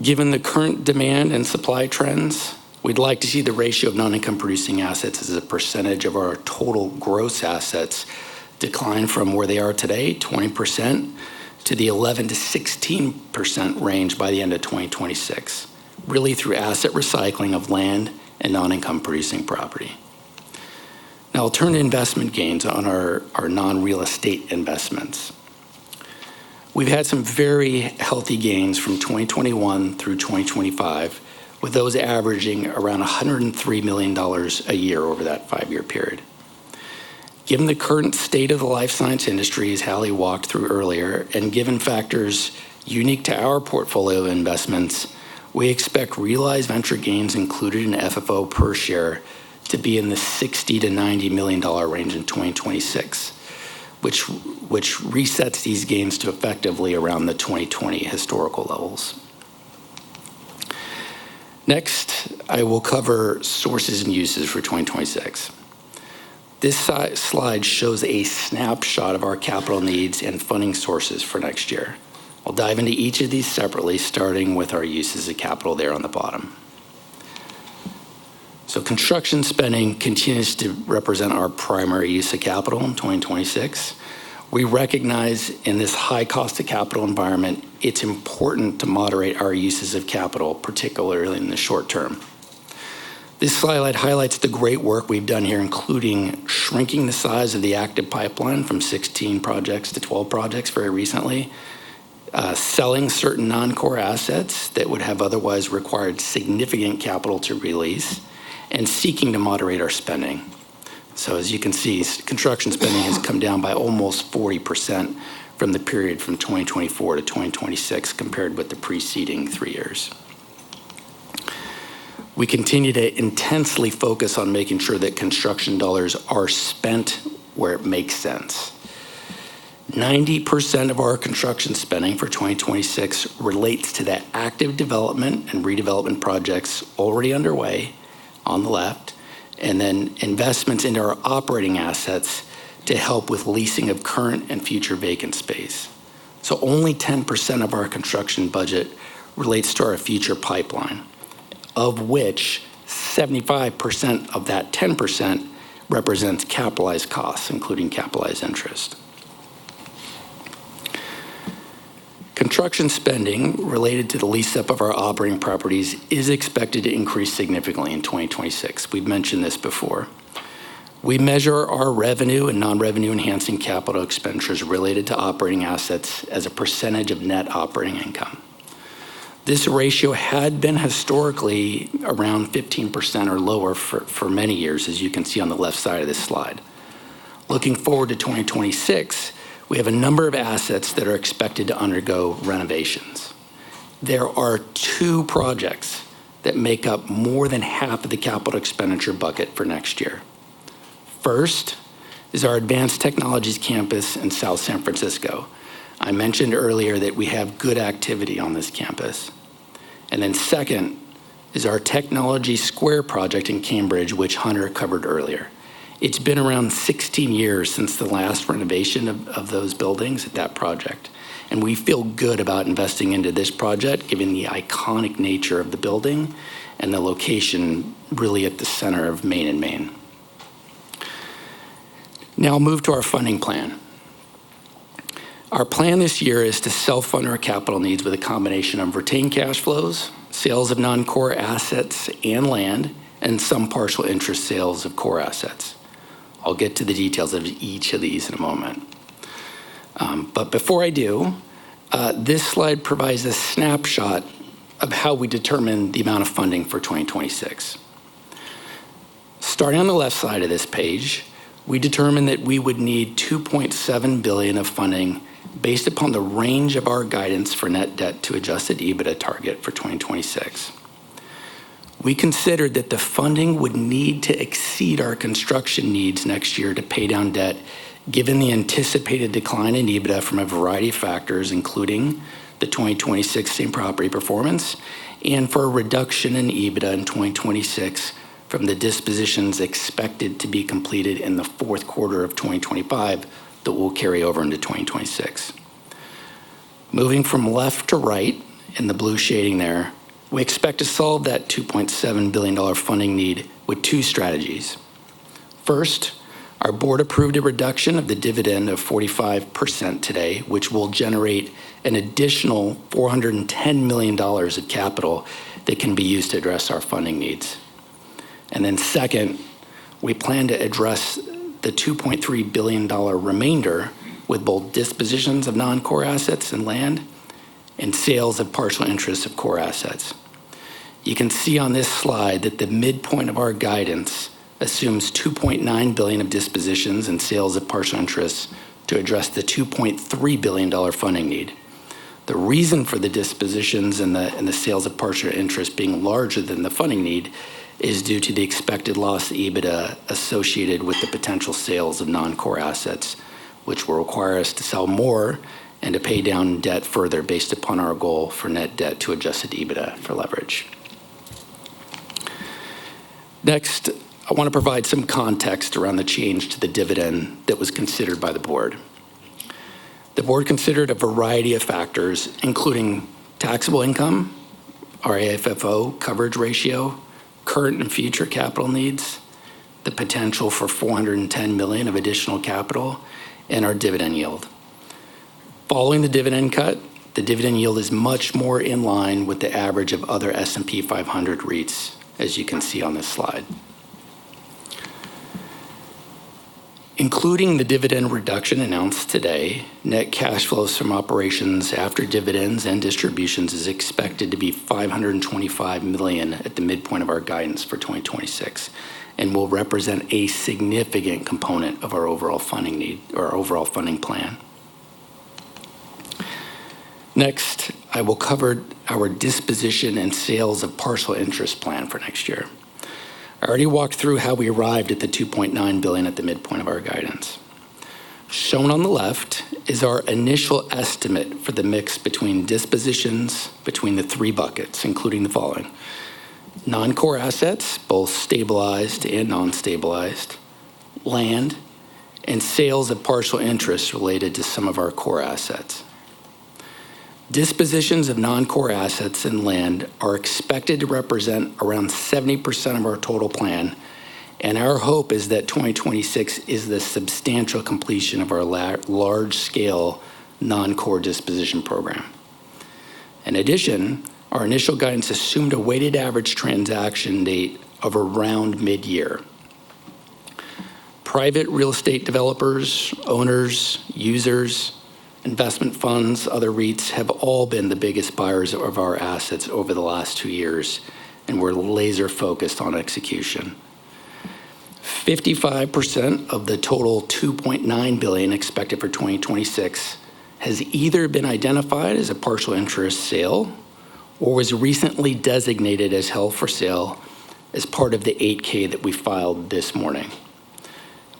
Given the current demand and supply trends, we'd like to see the ratio of non-income producing assets as a percentage of our total gross assets decline from where they are today, 20%, to the 11%-16% range by the end of 2026, really through asset recycling of land and non-income producing property. Now, I'll turn to investment gains on our non-real estate investments. We've had some very healthy gains from 2021 through 2025, with those averaging around $103 million a year over that five-year period. Given the current state of the life science industry, as Hallie walked through earlier, and given factors unique to our portfolio investments, we expect realized venture gains included in FFO per share to be in the $60-$90 million range in 2026, which resets these gains to effectively around the 2020 historical levels. Next, I will cover sources and uses for 2026. This slide shows a snapshot of our capital needs and funding sources for next year. I'll dive into each of these separately, starting with our uses of capital there on the bottom, so construction spending continues to represent our primary use of capital in 2026. We recognize in this high cost of capital environment, it's important to moderate our uses of capital, particularly in the short term. This slide highlights the great work we've done here, including shrinking the size of the active pipeline from 16 projects to 12 projects very recently, selling certain non-core assets that would have otherwise required significant capital to release, and seeking to moderate our spending, so as you can see, construction spending has come down by almost 40% from the period from 2024 to 2026 compared with the preceding three years. We continue to intensely focus on making sure that construction dollars are spent where it makes sense. 90% of our construction spending for 2026 relates to the active development and redevelopment projects already underway on the left, and then investments in our operating assets to help with leasing of current and future vacant space. Only 10% of our construction budget relates to our future pipeline, of which 75% of that 10% represents capitalized costs, including capitalized interest. Construction spending related to the lease-up of our operating properties is expected to increase significantly in 2026. We've mentioned this before. We measure our revenue and non-revenue enhancing capital expenditures related to operating assets as a percentage of net operating income. This ratio had been historically around 15% or lower for many years, as you can see on the left side of this slide. Looking forward to 2026, we have a number of assets that are expected to undergo renovations. There are two projects that make up more than half of the capital expenditure bucket for next year. First is our Advanced Technologies Campus in South San Francisco. I mentioned earlier that we have good activity on this campus. And then second is our Technology Square project in Cambridge, which Hunter covered earlier. It's been around 16 years since the last renovation of those buildings at that project, and we feel good about investing into this project given the iconic nature of the building and the location really at the center of Main and Maine. Now I'll move to our funding plan. Our plan this year is to self-fund our capital needs with a combination of retained cash flows, sales of non-core assets and land, and some partial interest sales of core assets. I'll get to the details of each of these in a moment. But before I do, this slide provides a snapshot of how we determine the amount of funding for 2026. Starting on the left side of this page, we determined that we would need $2.7 billion of funding based upon the range of our guidance for net debt to adjusted EBITDA target for 2026. We considered that the funding would need to exceed our construction needs next year to pay down debt, given the anticipated decline in EBITDA from a variety of factors, including the 2026 same property performance, and for a reduction in EBITDA in 2026 from the dispositions expected to be completed in the fourth quarter of 2025 that will carry over into 2026. Moving from left to right in the blue shading there, we expect to solve that $2.7 billion funding need with two strategies. First, our board approved a reduction of the dividend of 45% today, which will generate an additional $410 million of capital that can be used to address our funding needs. And then second, we plan to address the $2.3 billion remainder with both dispositions of non-core assets and land and sales of partial interest of core assets. You can see on this slide that the midpoint of our guidance assumes $2.9 billion of dispositions and sales of partial interest to address the $2.3 billion funding need. The reason for the dispositions and the sales of partial interest being larger than the funding need is due to the expected lost EBITDA associated with the potential sales of non-core assets, which will require us to sell more and to pay down debt further based upon our goal for net debt to adjusted EBITDA for leverage. Next, I want to provide some context around the change to the dividend that was considered by the board. The board considered a variety of factors, including taxable income, our AFFO coverage ratio, current and future capital needs, the potential for $410 million of additional capital, and our dividend yield. Following the dividend cut, the dividend yield is much more in line with the average of other S&P 500 REITs, as you can see on this slide. Including the dividend reduction announced today, net cash flows from operations after dividends and distributions is expected to be $525 million at the midpoint of our guidance for 2026, and will represent a significant component of our overall funding need or our overall funding plan. Next, I will cover our disposition and sales of partial interest plan for next year. I already walked through how we arrived at the $2.9 billion at the midpoint of our guidance. Shown on the left is our initial estimate for the mix between dispositions between the three buckets, including the following: non-core assets, both stabilized and non-stabilized, land, and sales of partial interest related to some of our core assets. Dispositions of non-core assets and land are expected to represent around 70% of our total plan, and our hope is that 2026 is the substantial completion of our large-scale non-core disposition program. In addition, our initial guidance assumed a weighted average transaction date of around mid-year. Private real estate developers, owners, users, investment funds, other REITs have all been the biggest buyers of our assets over the last two years, and we're laser-focused on execution. 55% of the total $2.9 billion expected for 2026 has either been identified as a partial interest sale or was recently designated as held for sale as part of the 8K that we filed this morning.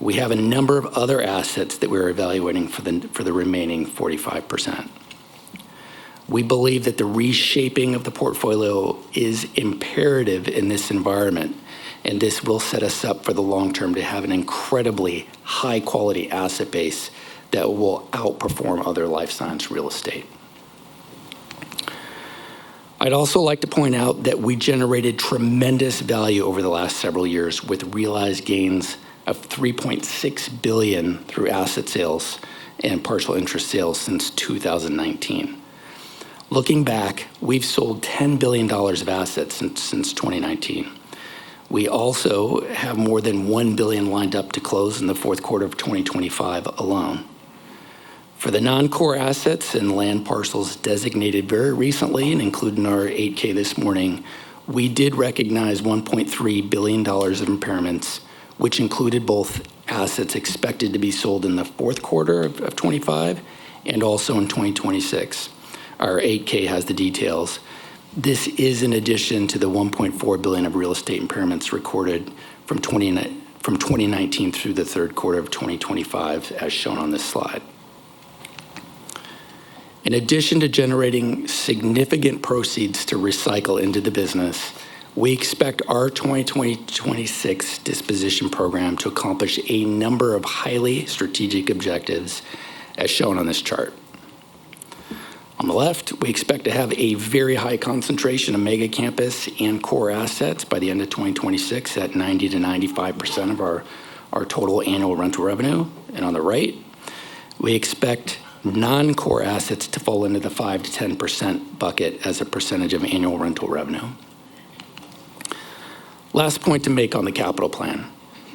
We have a number of other assets that we're evaluating for the remaining 45%. We believe that the reshaping of the portfolio is imperative in this environment, and this will set us up for the long term to have an incredibly high-quality asset base that will outperform other life science real estate. I'd also like to point out that we generated tremendous value over the last several years with realized gains of $3.6 billion through asset sales and partial interest sales since 2019. Looking back, we've sold $10 billion of assets since 2019. We also have more than $1 billion lined up to close in the fourth quarter of 2025 alone. For the non-core assets and land parcels designated very recently and included in our 8-K this morning, we did recognize $1.3 billion of impairments, which included both assets expected to be sold in the fourth quarter of 2025 and also in 2026. Our 8-K has the details. This is in addition to the $1.4 billion of real estate impairments recorded from 2019 through the third quarter of 2025, as shown on this slide. In addition to generating significant proceeds to recycle into the business, we expect our 2026 disposition program to accomplish a number of highly strategic objectives, as shown on this chart. On the left, we expect to have a very high concentration of mega campus and core assets by the end of 2026 at 90%-95% of our total annual rental revenue. And on the right, we expect non-core assets to fall into the 5%-10% bucket as a percentage of annual rental revenue. Last point to make on the capital plan.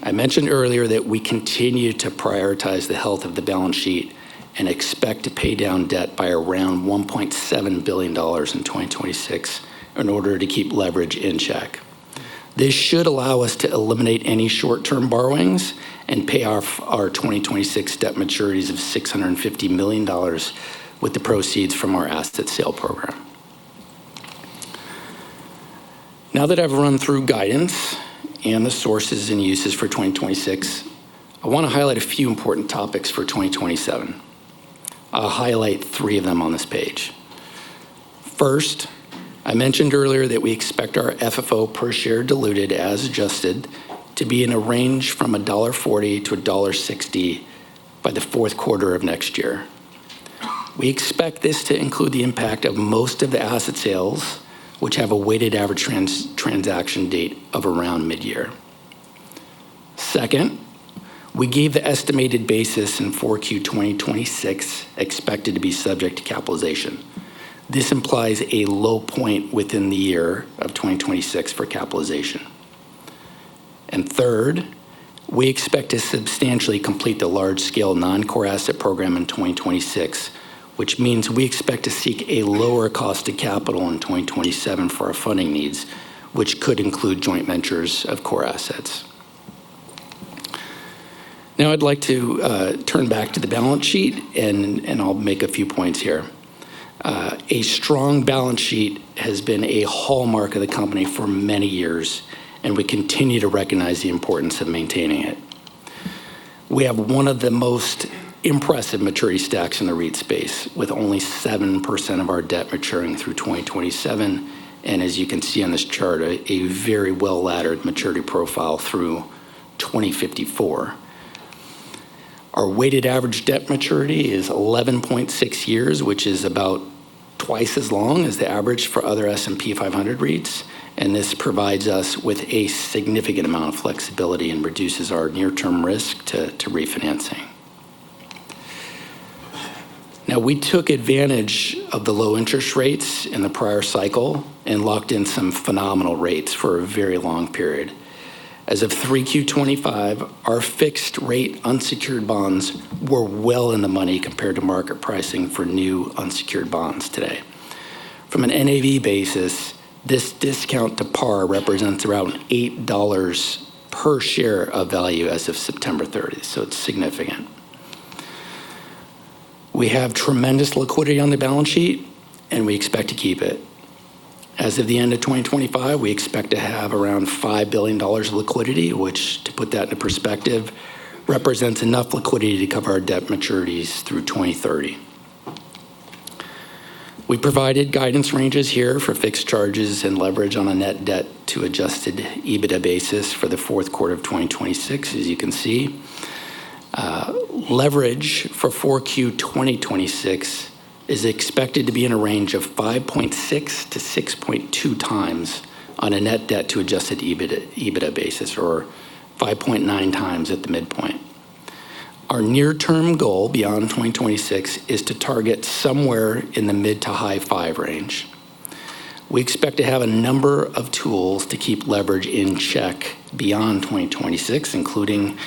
I mentioned earlier that we continue to prioritize the health of the balance sheet and expect to pay down debt by around $1.7 billion in 2026 in order to keep leverage in check. This should allow us to eliminate any short-term borrowings and pay off our 2026 debt maturities of $650 million with the proceeds from our asset sale program. Now that I've run through guidance and the sources and uses for 2026, I want to highlight a few important topics for 2027. I'll highlight three of them on this page. First, I mentioned earlier that we expect our FFO per share diluted as adjusted to be in a range from $1.40-$1.60 by the fourth quarter of next year. We expect this to include the impact of most of the asset sales, which have a weighted average transaction date of around mid-year. Second, we gave the estimated basis in 4Q 2026 expected to be subject to capitalization. This implies a low point within the year of 2026 for capitalization, and third, we expect to substantially complete the large-scale non-core asset program in 2026, which means we expect to seek a lower cost of capital in 2027 for our funding needs, which could include joint ventures of core assets. Now I'd like to turn back to the balance sheet, and I'll make a few points here. A strong balance sheet has been a hallmark of the company for many years, and we continue to recognize the importance of maintaining it. We have one of the most impressive maturity stacks in the REIT space, with only 7% of our debt maturing through 2027, and as you can see on this chart, a very well-laddered maturity profile through 2054. Our weighted average debt maturity is 11.6 years, which is about twice as long as the average for other S&P 500 REITs, and this provides us with a significant amount of flexibility and reduces our near-term risk to refinancing. Now we took advantage of the low interest rates in the prior cycle and locked in some phenomenal rates for a very long period. As of 3Q 2025, our fixed-rate unsecured bonds were well in the money compared to market pricing for new unsecured bonds today. From an NAV basis, this discount to par represents around $8 per share of value as of September 30, so it's significant. We have tremendous liquidity on the balance sheet, and we expect to keep it. As of the end of 2025, we expect to have around $5 billion of liquidity, which, to put that into perspective, represents enough liquidity to cover our debt maturities through 2030. We provided guidance ranges here for fixed charges and leverage on a net debt to adjusted EBITDA basis for the fourth quarter of 2026, as you can see. Leverage for 4Q 2026 is expected to be in a range of 5.6-6.2 times on a net debt to adjusted EBITDA basis, or 5.9 times at the midpoint. Our near-term goal beyond 2026 is to target somewhere in the mid- to high-five range. We expect to have a number of tools to keep leverage in check beyond 2026, including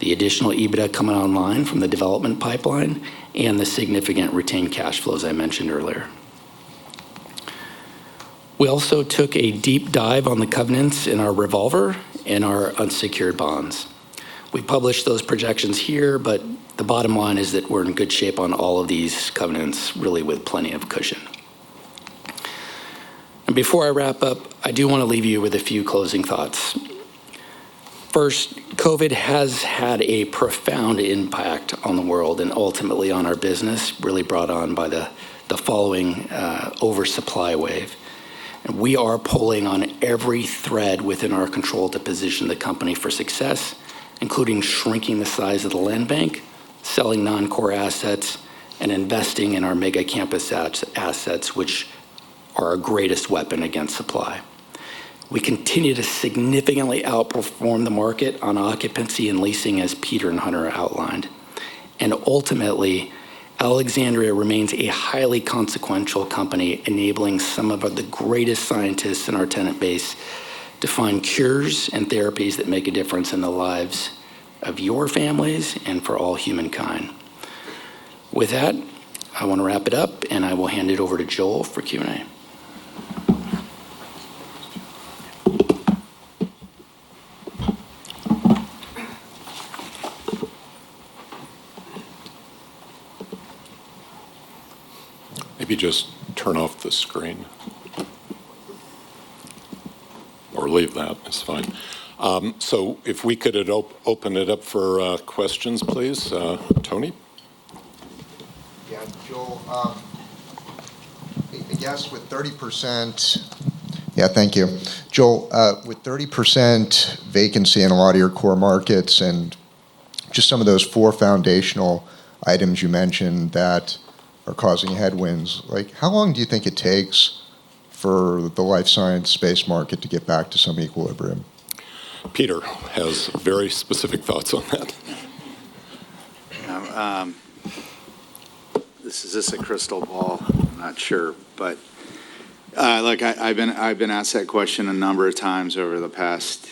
the additional EBITDA coming online from the development pipeline and the significant retained cash flows I mentioned earlier. We also took a deep dive on the covenants in our revolver and our unsecured bonds. We published those projections here, but the bottom line is that we're in good shape on all of these covenants, really with plenty of cushion. And before I wrap up, I do want to leave you with a few closing thoughts. First, COVID has had a profound impact on the world and ultimately on our business, really brought on by the following oversupply wave. We are pulling on every thread within our control to position the company for success, including shrinking the size of the land bank, selling non-core assets, and investing in our mega campus assets, which are our greatest weapon against supply. We continue to significantly outperform the market on occupancy and leasing, as Peter and Hunter outlined. And ultimately, Alexandria remains a highly consequential company, enabling some of the greatest scientists in our tenant base to find cures and therapies that make a difference in the lives of your families and for all humankind. With that, I want to wrap it up, and I will hand it over to Joel for Q&A. Maybe just turn off the screen. Or leave that, it's fine. So if we could open it up for questions, please, Tony? Yeah, Joel. I guess with 30%.Yeah, thank you. Joel, with 30% vacancy in a lot of your core markets and just some of those four foundational items you mentioned that are causing headwinds, how long do you think it takes for the life science space market to get back to some equilibrium? Peter has very specific thoughts on that. This is a crystal ball. I'm not sure, but I've been asked that question a number of times over the past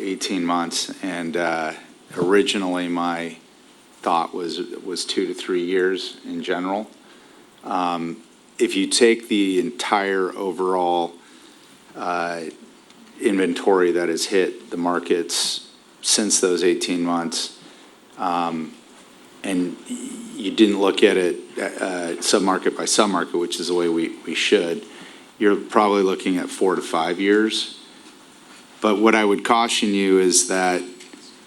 18 months, and originally my thought was two to three years in general. If you take the entire overall inventory that has hit the markets since those 18 months and you didn't look at it sub-market by sub-market, which is the way we should, you're probably looking at four to five years. But what I would caution you is that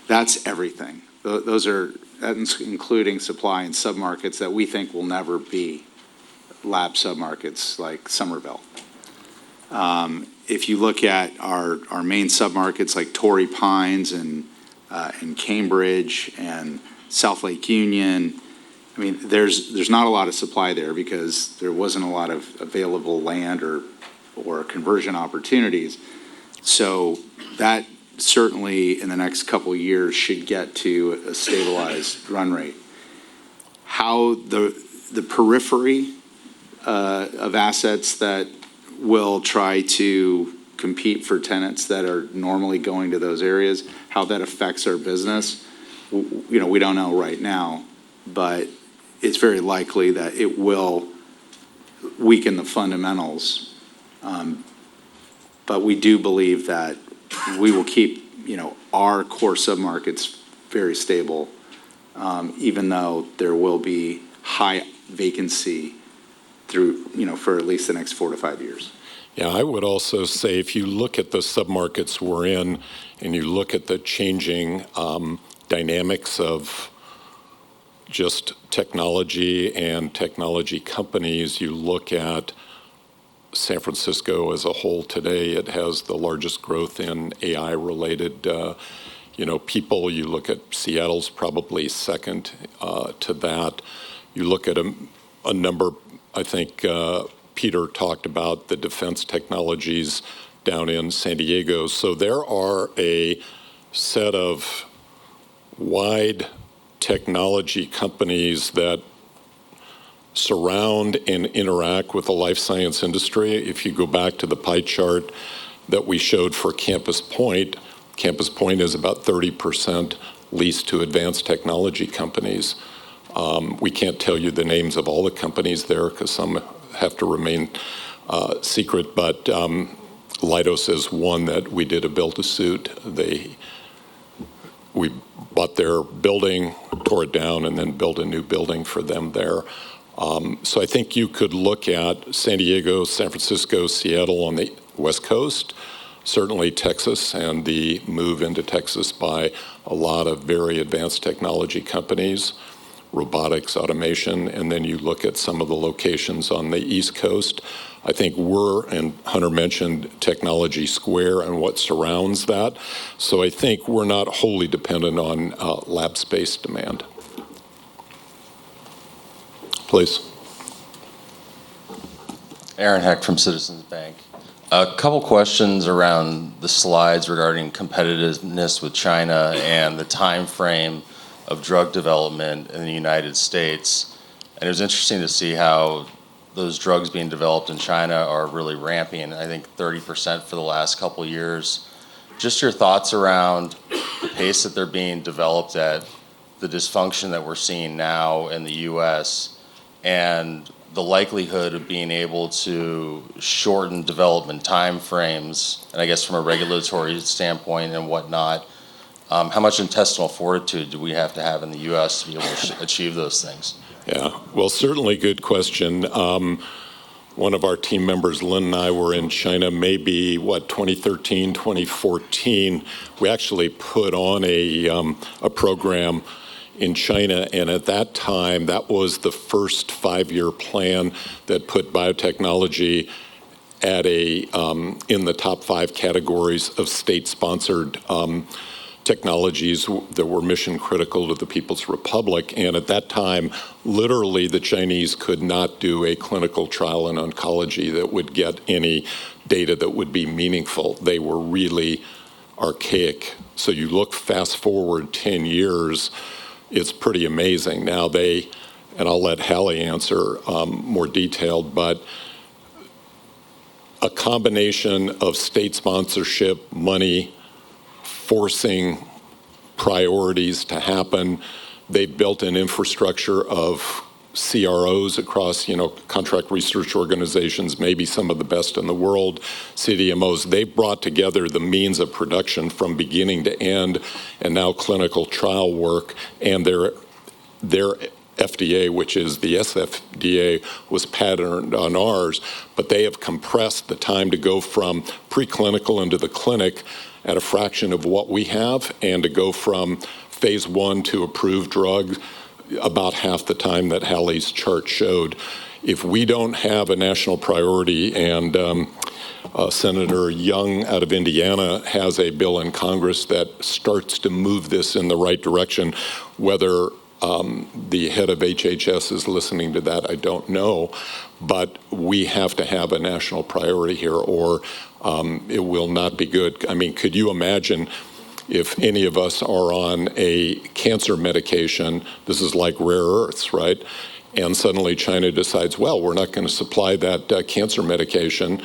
that's everything. That's including supply and sub-markets that we think will never be lab sub-markets like Summerville. If you look at our main sub-markets like Torrey Pines and Cambridge and South Lake Union, I mean, there's not a lot of supply there because there wasn't a lot of available land or conversion opportunities. So that certainly in the next couple of years should get to a stabilized run rate. How the periphery of assets that will try to compete for tenants that are normally going to those areas, how that affects our business, we don't know right now, but it's very likely that it will weaken the fundamentals. But we do believe that we will keep our core sub-markets very stable, even though there will be high vacancy for at least the next four to five years. Yeah, I would also say if you look at the sub-markets we're in and you look at the changing dynamics of just technology and technology companies, you look at San Francisco as a whole today. It has the largest growth in AI-related people. You look at Seattle's probably second to that. You look at a number, I think Peter talked about the defense technologies down in San Diego. So there are a set of wide technology companies that surround and interact with the life science industry. If you go back to the pie chart that we showed for Campus Point, Campus Point is about 30% leased to advanced technology companies. We can't tell you the names of all the companies there because some have to remain secret, but Leidos is one that we did a build-to-suit. We bought their building, tore it down, and then built a new building for them there, so I think you could look at San Diego, San Francisco, Seattle on the West Coast, certainly Texas and the move into Texas by a lot of very advanced technology companies, robotics, automation, and then you look at some of the locations on the East Coast. I think we're, and Hunter mentioned, Technology Square and what surrounds that, so I think we're not wholly dependent on lab space demand. Please. Aaron Hecht from Citizens Bank. A couple of questions around the slides regarding competitiveness with China and the timeframe of drug development in the United States, and it was interesting to see how those drugs being developed in China are really ramping. I think 30% for the last couple of years. Just your thoughts around the pace that they're being developed at, the dysfunction that we're seeing now in the U.S., and the likelihood of being able to shorten development timeframes, and I guess from a regulatory standpoint and whatnot, how much intestinal fortitude do we have to have in the U.S. to be able to achieve those things? Yeah. Well, certainly good question. One of our team members, Lynn and I, were in China maybe, what, 2013, 2014. We actually put on a program in China, and at that time, that was the first five-year plan that put biotechnology in the top five categories of state-sponsored technologies that were mission-critical to the People's Republic. And at that time, literally, the Chinese could not do a clinical trial in oncology that would get any data that would be meaningful. They were really archaic. So you look fast forward 10 years, it's pretty amazing. Now, they, and I'll let Hallie answer more detailed, but a combination of state sponsorship, money, forcing priorities to happen, they built an infrastructure of CROs, contract research organizations, maybe some of the best in the world, CDMOs. They brought together the means of production from beginning to end, and now clinical trial work. and their FDA, which is the SFDA, was patterned on ours, but they have compressed the time to go from preclinical into the clinic at a fraction of what we have and to go from phase one to approved drugs about half the time that Haley's chart showed. If we don't have a national priority and Senator Young out of Indiana has a bill in Congress that starts to move this in the right direction, whether the head of HHS is listening to that, I don't know, but we have to have a national priority here or it will not be good. I mean, could you imagine if any of us are on a cancer medication? This is like rare earths, right? and suddenly China decides, well, we're not going to supply that cancer medication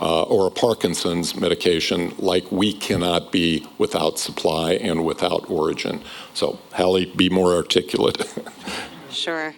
or a Parkinson's medication like we cannot be without supply and without origin. So Hallie, be more articulate. Sure.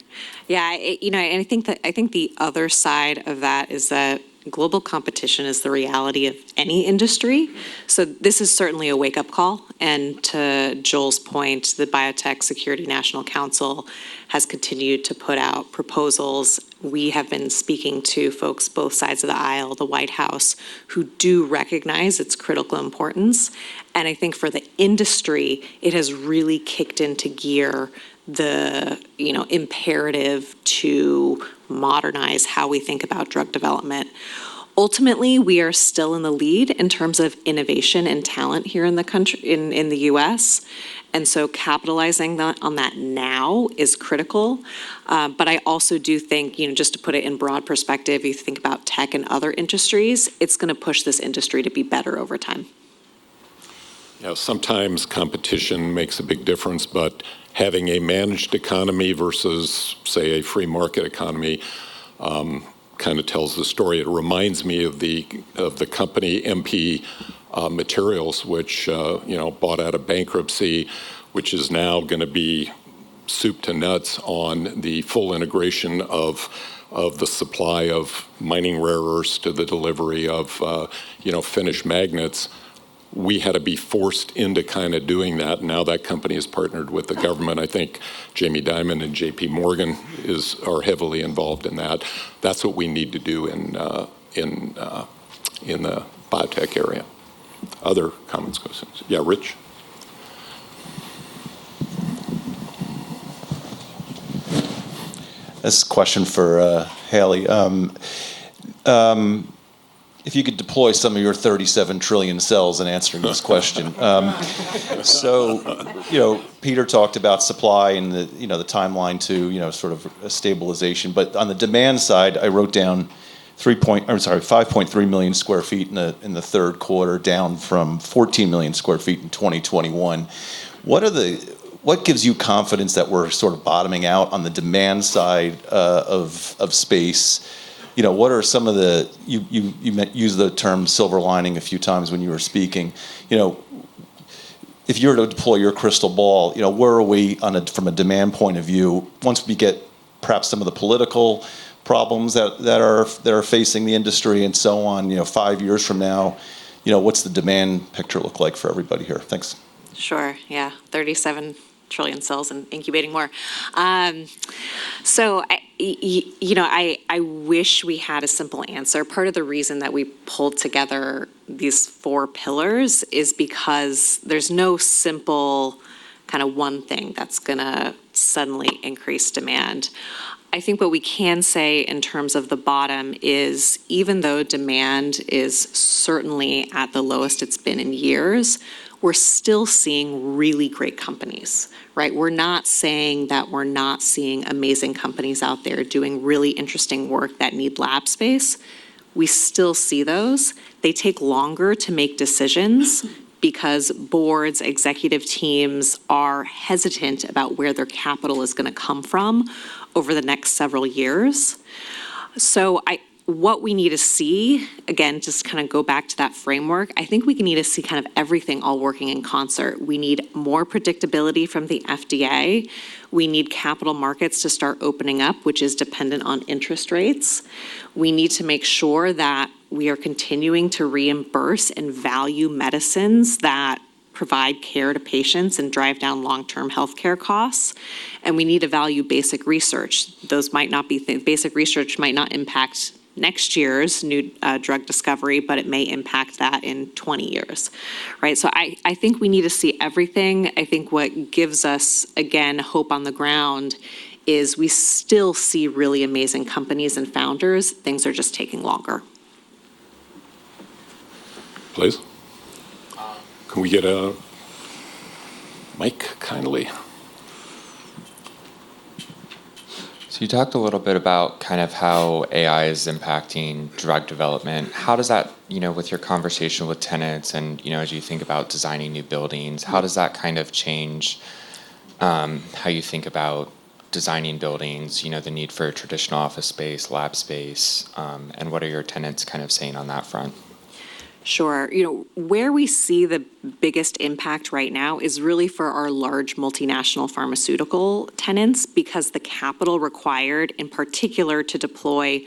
Yeah, I think the other side of that is that global competition is the reality of any industry, so this is certainly a wake-up call, and to Joel's point, the Biotech Security National Council has continued to put out proposals. We have been speaking to folks both sides of the aisle, the White House, who do recognize its critical importance, and I think for the industry, it has really kicked into gear the imperative to modernize how we think about drug development. Ultimately, we are still in the lead in terms of innovation and talent here in the U.S., and so capitalizing on that now is critical, but I also do think, just to put it in broad perspective, you think about tech and other industries, it's going to push this industry to be better over time. Yeah, sometimes competition makes a big difference, but having a managed economy versus, say, a free market economy kind of tells the story. It reminds me of the company MP Materials, which bought out a bankruptcy, which is now going to be soup to nuts on the full integration of the supply of mining rare earths to the delivery of finished magnets. We had to be forced into kind of doing that. Now that company has partnered with the government. I think Jamie Dimon and JP Morgan are heavily involved in that. That's what we need to do in the biotech area. Other comments goes in. Yeah, Rich. This question for Hallie. If you could deploy some of your 37 trillion cells and answer this question. So Peter talked about supply and the timeline to sort of stabilization. But on the demand side, I wrote down three point, I'm sorry, 5.3 million sq ft in the third quarter down from 14 million sq ft in 2021. What gives you confidence that we're sort of bottoming out on the demand side of space? What are some of the, you used the term silver lining a few times when you were speaking. If you were to deploy your crystal ball, where are we from a demand point of view once we get perhaps some of the political problems that are facing the industry and so on five years from now? What's the demand picture look like for everybody here? Thanks. Sure. Yeah, 37 trillion cells and incubating more. So I wish we had a simple answer. Part of the reason that we pulled together these four pillars is because there's no simple kind of one thing that's going to suddenly increase demand. I think what we can say in terms of the bottom is even though demand is certainly at the lowest it's been in years, we're still seeing really great companies. We're not saying that we're not seeing amazing companies out there doing really interesting work that need lab space. We still see those. They take longer to make decisions because boards, executive teams are hesitant about where their capital is going to come from over the next several years. So what we need to see, again, just kind of go back to that framework, I think we need to see kind of everything all working in concert. We need more predictability from the FDA. We need capital markets to start opening up, which is dependent on interest rates. We need to make sure that we are continuing to reimburse and value medicines that provide care to patients and drive down long-term healthcare costs, and we need to value basic research. Those might not be. Basic research might not impact next year's new drug discovery, but it may impact that in 20 years. I think we need to see everything. I think what gives us, again, hope on the ground is we still see really amazing companies and founders. Things are just taking longer. Please.Can we get a mic kindly? So you talked a little bit about kind of how AI is impacting drug development. How does that, with your conversation with tenants and as you think about designing new buildings, how does that kind of change how you think about designing buildings, the need for traditional office space, lab space? And what are your tenants kind of saying on that front? Sure. Where we see the biggest impact right now is really for our large multinational pharmaceutical tenants because the capital required, in particular, to deploy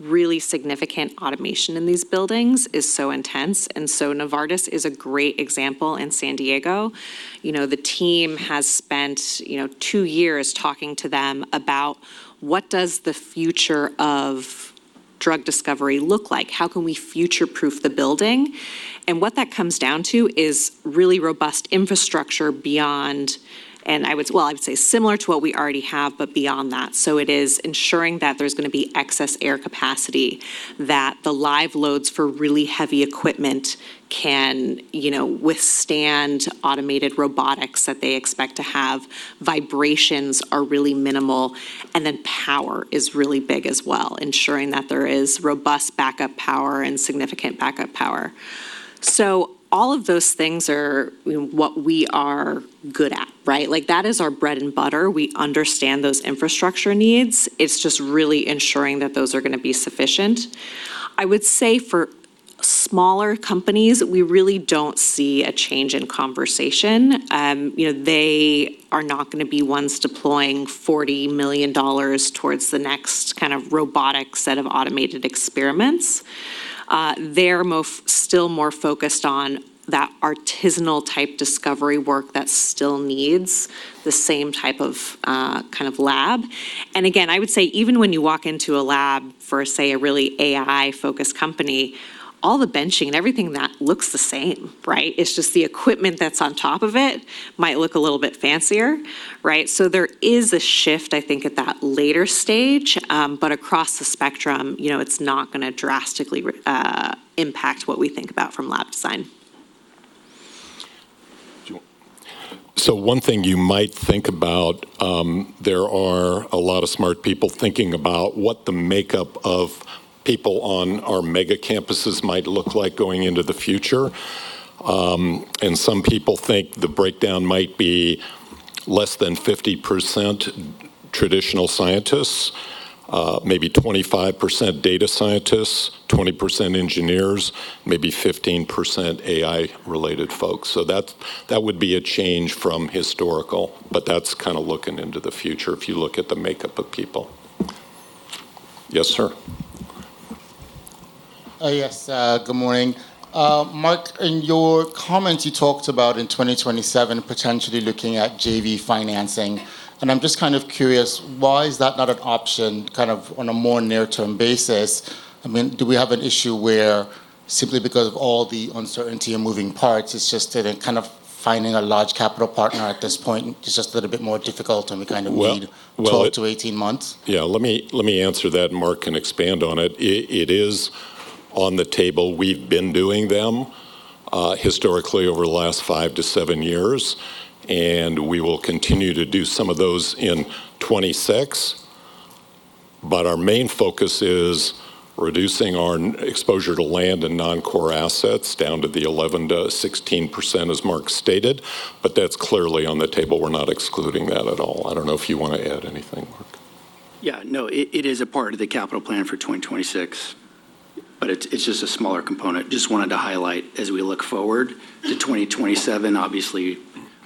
really significant automation in these buildings is so intense, and so Novartis is a great example in San Diego. The team has spent two years talking to them about what does the future of drug discovery look like? How can we future-proof the building? What that comes down to is really robust infrastructure beyond, and I would say similar to what we already have, but beyond that, so it is ensuring that there's going to be excess air capacity, that the live loads for really heavy equipment can withstand automated robotics that they expect to have. Vibrations are really minimal, and then power is really big as well, ensuring that there is robust backup power and significant backup power. So all of those things are what we are good at. That is our bread and butter. We understand those infrastructure needs. It's just really ensuring that those are going to be sufficient. I would say for smaller companies, we really don't see a change in conversation. They are not going to be ones deploying $40 million towards the next kind of robotic set of automated experiments. They're still more focused on that artisanal type discovery work that still needs the same type of kind of lab. And again, I would say even when you walk into a lab for, say, a really AI-focused company, all the benching and everything that looks the same. It's just the equipment that's on top of it might look a little bit fancier. So there is a shift, I think, at that later stage, but across the spectrum, it's not going to drastically impact what we think about from lab design. So one thing you might think about. There are a lot of smart people thinking about what the makeup of people on our mega campuses might look like going into the future. And some people think the breakdown might be less than 50% traditional scientists, maybe 25% data scientists, 20% engineers, maybe 15% AI-related folks. So that would be a change from historical, but that's kind of looking into the future if you look at the makeup of people. Yes, sir. Yes, good morning. Marc, in your comments, you talked about in 2027 potentially looking at JV financing. And I'm just kind of curious, why is that not an option kind of on a more near-term basis? I mean, do we have an issue where simply because of all the uncertainty and moving parts, it's just kind of finding a large capital partner at this point is just a little bit more difficult and we kind of need 12 to 18 months? Yeah, let me answer that, Marc, and expand on it. It is on the table. We've been doing them historically over the last five to seven years, and we will continue to do some of those in 2026. But our main focus is reducing our exposure to land and non-core assets down to the 11%-16%, as Marc stated. But that's clearly on the table. We're not excluding that at all. I don't know if you want to add anything, Marc. Yeah, no, it is a part of the capital plan for 2026, but it's just a smaller component. Just wanted to highlight as we look forward to 2027, obviously,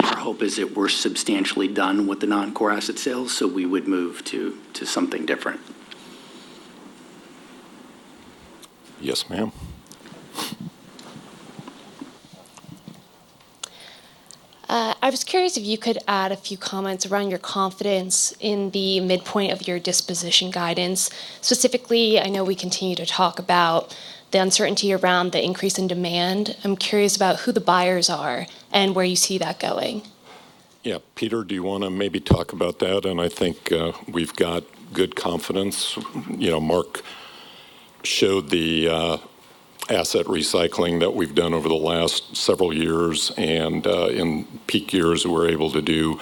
our hope is that we're substantially done with the non-core asset sales, so we would move to something different. Yes, ma'am. I was curious if you could add a few comments around your confidence in the midpoint of your disposition guidance. Specifically, I know we continue to talk about the uncertainty around the increase in demand. I'm curious about who the buyers are and where you see that going. Yeah, Peter, do you want to maybe talk about that? And I think we've got good confidence. Marc showed the asset recycling that we've done over the last several years. And in peak years, we're able to do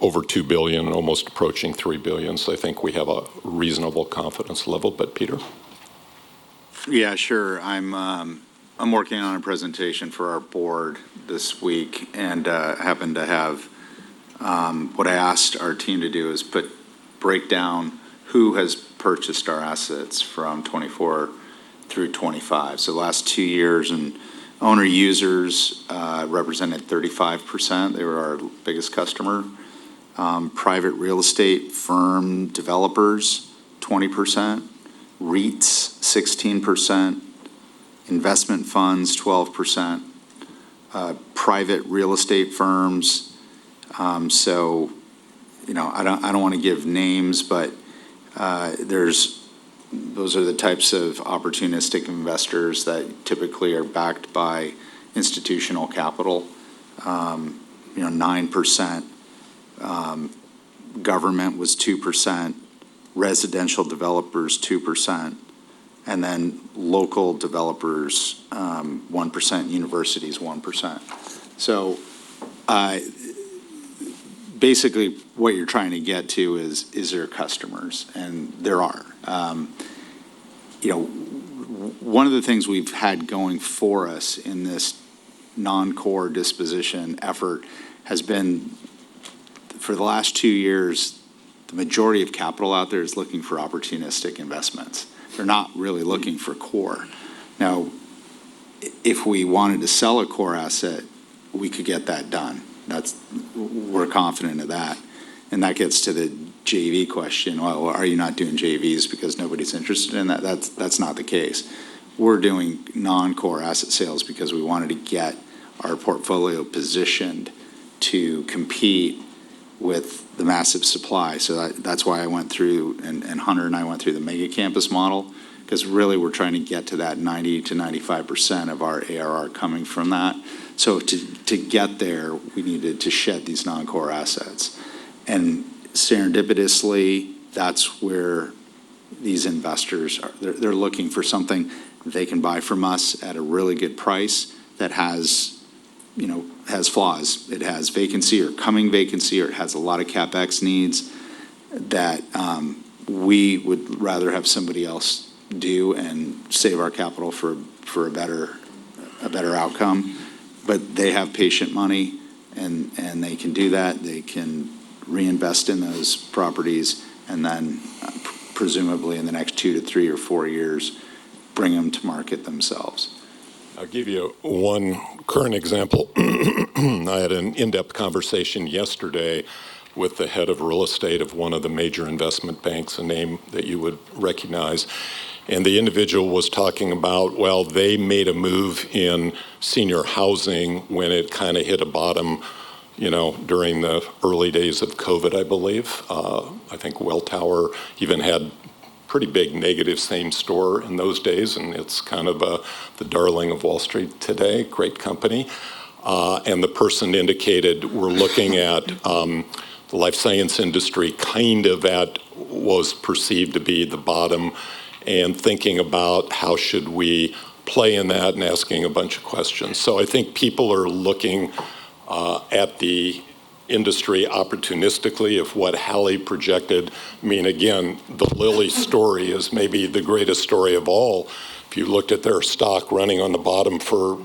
over $2 billion, almost approaching $3 billion. So I think we have a reasonable confidence level. But, Peter. Yeah, sure. I'm working on a presentation for our board this week and happen to have what I asked our team to do is break down who has purchased our assets from 2024 through 2025. So last two years, owner users represented 35%. They were our biggest customer. Private real estate firm developers, 20%. REITs, 16%. Investment funds, 12%. Private real estate firms. So I don't want to give names, but those are the types of opportunistic investors that typically are backed by institutional capital. 9%. Government was 2%. Residential developers, 2%. And then local developers, 1%. Universities, 1%. So basically, what you're trying to get to is, is there customers? And there are. One of the things we've had going for us in this non-core disposition effort has been for the last two years, the majority of capital out there is looking for opportunistic investments. They're not really looking for core. Now, if we wanted to sell a core asset, we could get that done. We're confident of that. And that gets to the JV question. Well, are you not doing JVs because nobody's interested in that? That's not the case. We're doing non-core asset sales because we wanted to get our portfolio positioned to compete with the massive supply. So that's why I went through, and Hunter and I went through the mega campus model because really we're trying to get to that 90%-95% of our ARR coming from that. So to get there, we needed to shed these non-core assets. And serendipitously, that's where these investors, they're looking for something they can buy from us at a really good price that has flaws. It has vacancy or coming vacancy, or it has a lot of CapEx needs that we would rather have somebody else do and save our capital for a better outcome. But they have patient money, and they can do that. They can reinvest in those properties, and then presumably in the next two to three or four years, bring them to market themselves. I'll give you one current example. I had an in-depth conversation yesterday with the head of real estate of one of the major investment banks, a name that you would recognize, and the individual was talking about, well, they made a move in senior housing when it kind of hit a bottom during the early days of COVID, I believe. I think Welltower even had pretty big negative same store in those days, and it's kind of the darling of Wall Street today, great company, and the person indicated we're looking at the life science industry kind of at what was perceived to be the bottom and thinking about how should we play in that and asking a bunch of questions, so I think people are looking at the industry opportunistically at what Hallie projected. I mean, again, the Lilly story is maybe the greatest story of all. If you looked at their stock running on the bottom for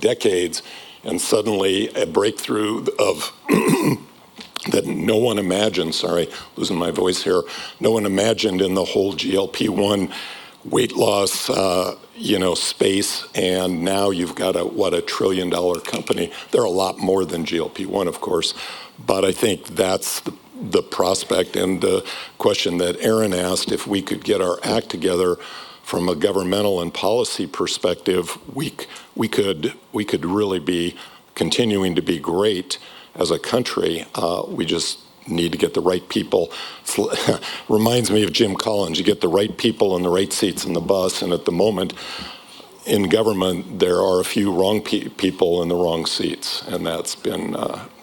decades and suddenly a breakthrough of that no one imagined, sorry, losing my voice here, no one imagined in the whole GLP-1 weight loss space, and now you've got a, what, a trillion-dollar company. They're a lot more than GLP-1, of course. But I think that's the prospect. And the question that Aaron asked, if we could get our act together from a governmental and policy perspective, we could really be continuing to be great as a country. We just need to get the right people. Reminds me of Jim Collins. You get the right people in the right seats in the bus. And at the moment in government, there are a few wrong people in the wrong seats, and that's been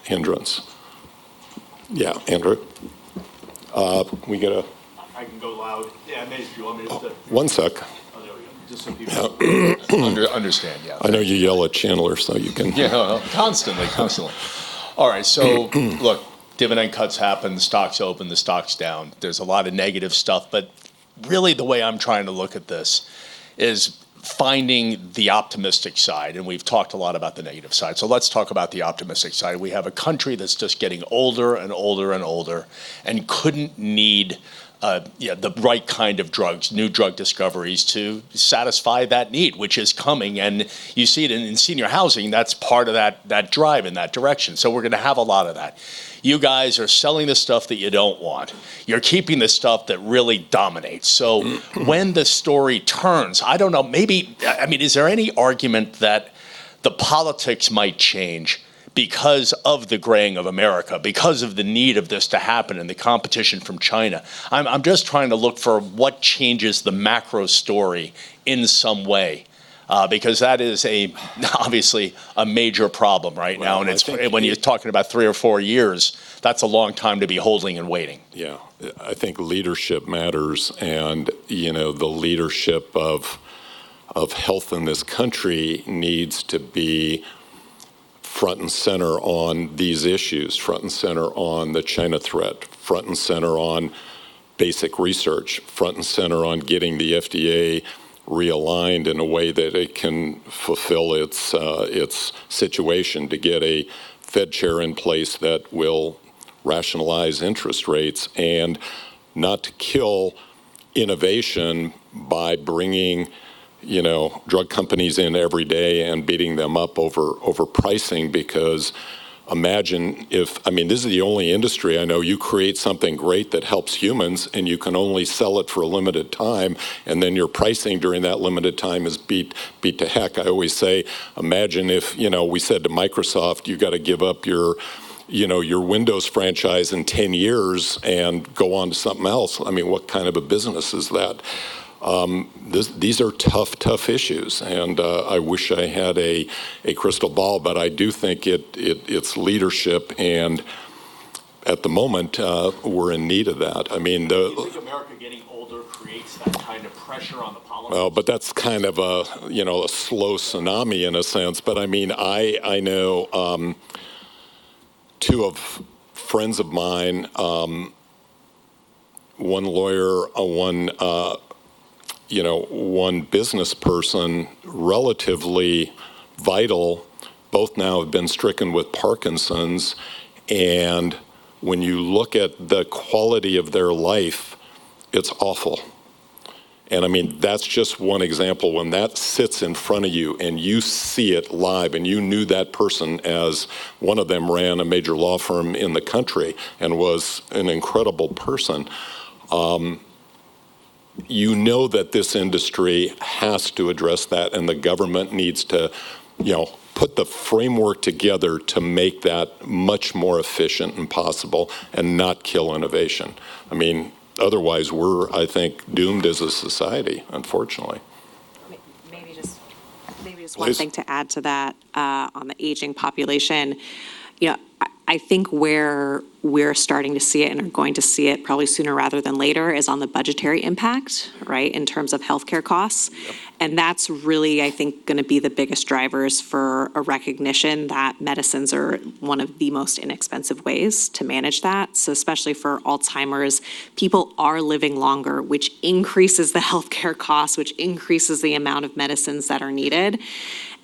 hindrance. Yeah, Andrew? We get a... I can go loud. Yeah, maybe if you want me to just... One sec. Oh, there we go. Just so people... Understand, yeah. I know you yell at channelers, though. You can... Yeah, no, no. Constantly, constantly. All right, so look, dividend cuts happen, the stocks open, the stocks down. There's a lot of negative stuff, but really, the way I'm trying to look at this is finding the optimistic side, and we've talked a lot about the negative side, so let's talk about the optimistic side. We have a country that's just getting older and older and older and couldn't need the right kind of drugs, new drug discoveries to satisfy that need, which is coming, and you see it in senior housing. That's part of that drive in that direction, so we're going to have a lot of that. You guys are selling the stuff that you don't want. You're keeping the stuff that really dominates. So when the story turns, I don't know, maybe, I mean, is there any argument that the politics might change because of the graying of America, because of the need of this to happen and the competition from China? I'm just trying to look for what changes the macro story in some way because that is obviously a major problem right now. And when you're talking about three or four years, that's a long time to be holding and waiting. Yeah, I think leadership matters. The leadership of health in this country needs to be front and center on these issues, front and center on the China threat, front and center on basic research, front and center on getting the FDA realigned in a way that it can fulfill its mission, to get a Fed chair in place that will rationalize interest rates and not kill innovation by bringing drug companies in every day and beating them up over pricing, because imagine if, I mean, this is the only industry I know where you create something great that helps humans, and you can only sell it for a limited time, and then your pricing during that limited time is beat to heck. I always say, imagine if we said to Microsoft, "You've got to give up your Windows franchise in 10 years and go on to something else. I mean, what kind of a business is that? These are tough, tough issues. And I wish I had a crystal ball, but I do think it's leadership. And at the moment, we're in need of that. I mean. Is America getting older creates that kind of pressure on the policy? Oh, but that's kind of a slow tsunami in a sense. But I mean, I know two of my friends of mine, one lawyer, one business person, relatively vital, both now have been stricken with Parkinson's. And when you look at the quality of their life, it's awful. And I mean, that's just one example when that sits in front of you and you see it live and you knew that person as one of them ran a major law firm in the country and was an incredible person. You know that this industry has to address that, and the government needs to put the framework together to make that much more efficient and possible and not kill innovation. I mean, otherwise, we're, I think, doomed as a society, unfortunately. Maybe just one thing to add to that on the aging population. I think where we're starting to see it and are going to see it probably sooner rather than later is on the budgetary impact, right, in terms of healthcare costs. And that's really, I think, going to be the biggest drivers for a recognition that medicines are one of the most inexpensive ways to manage that. So especially for Alzheimer's, people are living longer, which increases the healthcare costs, which increases the amount of medicines that are needed.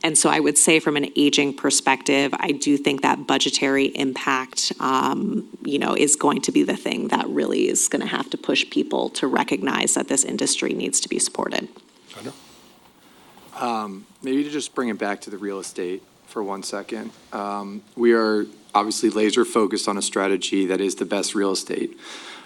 And so I would say from an aging perspective, I do think that budgetary impact is going to be the thing that really is going to have to push people to recognize that this industry needs to be supported. Maybe to just bring it back to the real estate for one second. We are obviously laser-focused on a strategy that is the best real estate.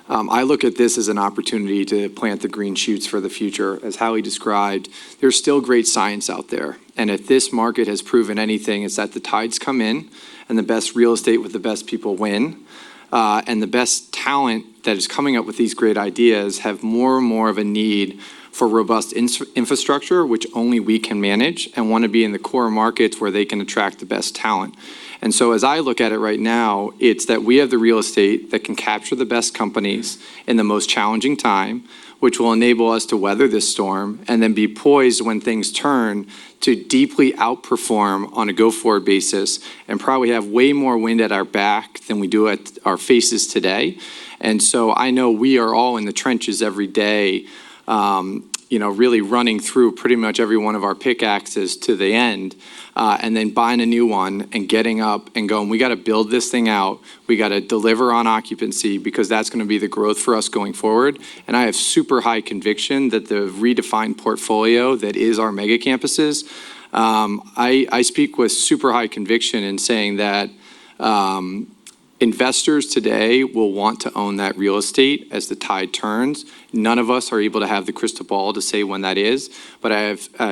I look at this as an opportunity to plant the green shoots for the future. As Hallie described, there's still great science out there. And if this market has proven anything, it's that the tides come in and the best real estate with the best people win. And the best talent that is coming up with these great ideas have more and more of a need for robust infrastructure, which only we can manage and want to be in the core markets where they can attract the best talent. And so as I look at it right now, it's that we have the real estate that can capture the best companies in the most challenging time, which will enable us to weather this storm and then be poised when things turn to deeply outperform on a go-forward basis and probably have way more wind at our back than we do at our faces today. And so I know we are all in the trenches every day, really running through pretty much every one of our pickaxes to the end and then buying a new one and getting up and going, "We got to build this thing out. We got to deliver on occupancy because that's going to be the growth for us going forward," and I have super high conviction that the redefined portfolio that is our mega campuses. I speak with super high conviction in saying that investors today will want to own that real estate as the tide turns. None of us are able to have the crystal ball to say when that is. But I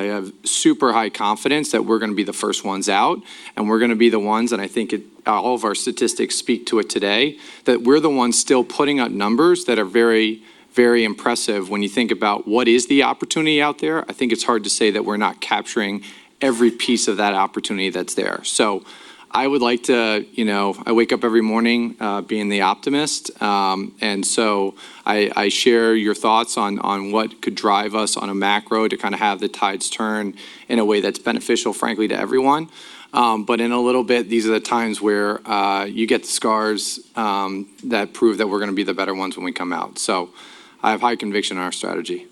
have super high confidence that we're going to be the first ones out and we're going to be the ones, and I think all of our statistics speak to it today, that we're the ones still putting out numbers that are very, very impressive when you think about what is the opportunity out there. I think it's hard to say that we're not capturing every piece of that opportunity that's there. So I would like to. I wake up every morning being the optimist. And so I share your thoughts on what could drive us on a macro to kind of have the tides turn in a way that's beneficial, frankly, to everyone. But in a little bit, these are the times where you get the scars that prove that we're going to be the better ones when we come out. So I have high conviction in our strategy.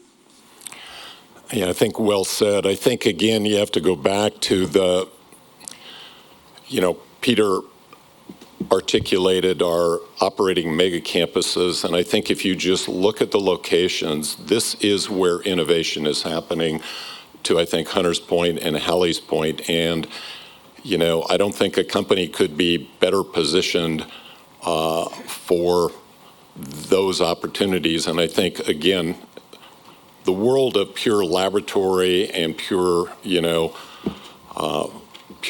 Yeah, I think well said. I think, again, you have to go back to what Peter articulated about our operating mega campuses. And I think if you just look at the locations, this is where innovation is happening too, I think, Hunter's point and Hallie's point. And I don't think a company could be better positioned for those opportunities. And I think, again, the world of pure laboratory and pure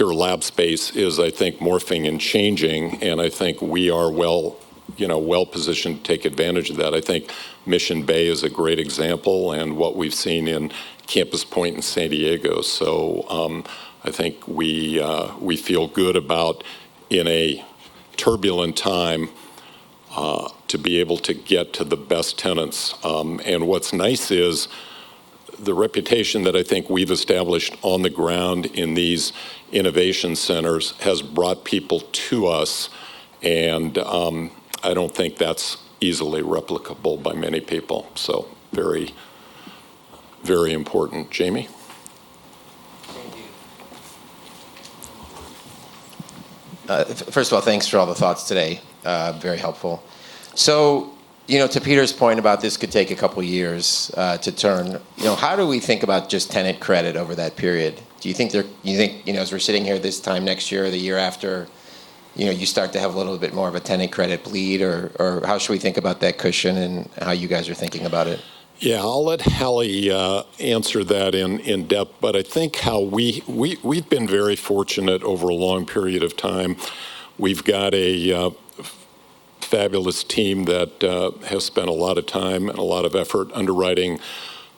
lab space is, I think, morphing and changing. And I think we are well-positioned to take advantage of that. I think Mission Bay is a great example and what we've seen in Campus Point in San Diego. So I think we feel good about, in a turbulent time, to be able to get to the best tenants. And what's nice is the reputation that I think we've established on the ground in these innovation centers has brought people to us. And I don't think that's easily replicable by many people. So very, very important. Jamie. Thank you. First of all, thanks for all the thoughts today. Very helpful. So to Peter's point about this could take a couple of years to turn. How do we think about just tenant credit over that period? Do you think as we're sitting here this time next year or the year after, you start to have a little bit more of a tenant credit bleed? Or how should we think about that cushion and how you guys are thinking about it? Yeah, I'll let Hallie answer that in depth, but I think how we've been very fortunate over a long period of time. We've got a fabulous team that has spent a lot of time and a lot of effort underwriting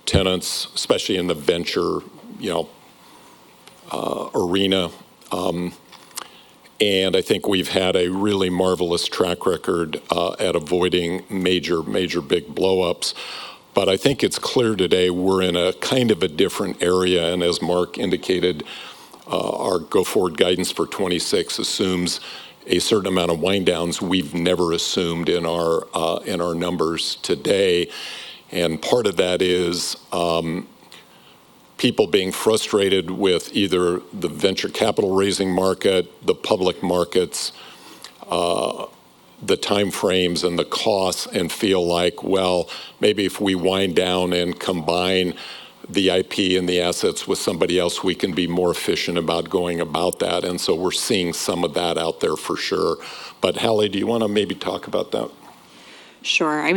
tenants, especially in the venture arena, and I think we've had a really marvelous track record at avoiding major, major big blow-ups, but I think it's clear today we're in a kind of a different era, and as Marc indicated, our go-forward guidance for 2026 assumes a certain amount of wind-downs we've never assumed in our numbers today. And part of that is people being frustrated with either the venture capital raising market, the public markets, the time frames and the costs and feel like, "Well, maybe if we wind down and combine the IP and the assets with somebody else, we can be more efficient about going about that." And so we're seeing some of that out there for sure. But Hallie, do you want to maybe talk about that? Sure. I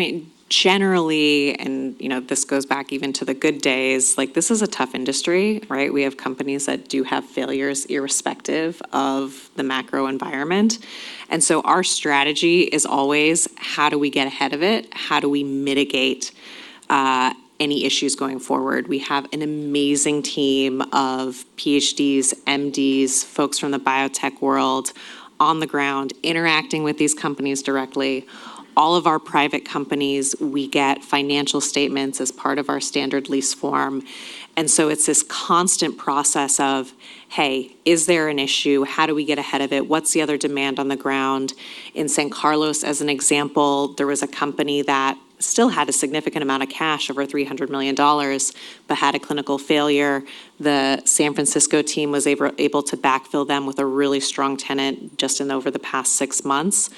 mean, generally, and this goes back even to the good days, this is a tough industry, right? We have companies that do have failures irrespective of the macro environment. And so our strategy is always, how do we get ahead of it? How do we mitigate any issues going forward? We have an amazing team of PhDs, MDs, folks from the biotech world on the ground interacting with these companies directly. All of our private companies, we get financial statements as part of our standard lease form. And so it's this constant process of, "Hey, is there an issue? How do we get ahead of it? What's the other demand on the ground?" In San Carlos, as an example, there was a company that still had a significant amount of cash, over $300 million, but had a clinical failure. The San Francisco team was able to backfill them with a really strong tenant just in over the past six months.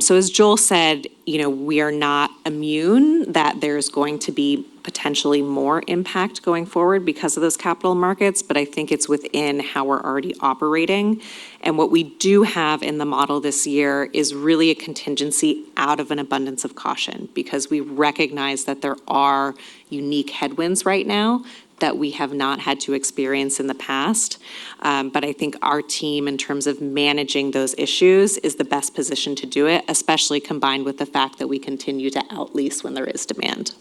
So as Joel said, we are not immune that there's going to be potentially more impact going forward because of those capital markets. But I think it's within how we're already operating. And what we do have in the model this year is really a contingency out of an abundance of caution because we recognize that there are unique headwinds right now that we have not had to experience in the past. But I think our team, in terms of managing those issues, is the best position to do it, especially combined with the fact that we continue to outlease when there is demand.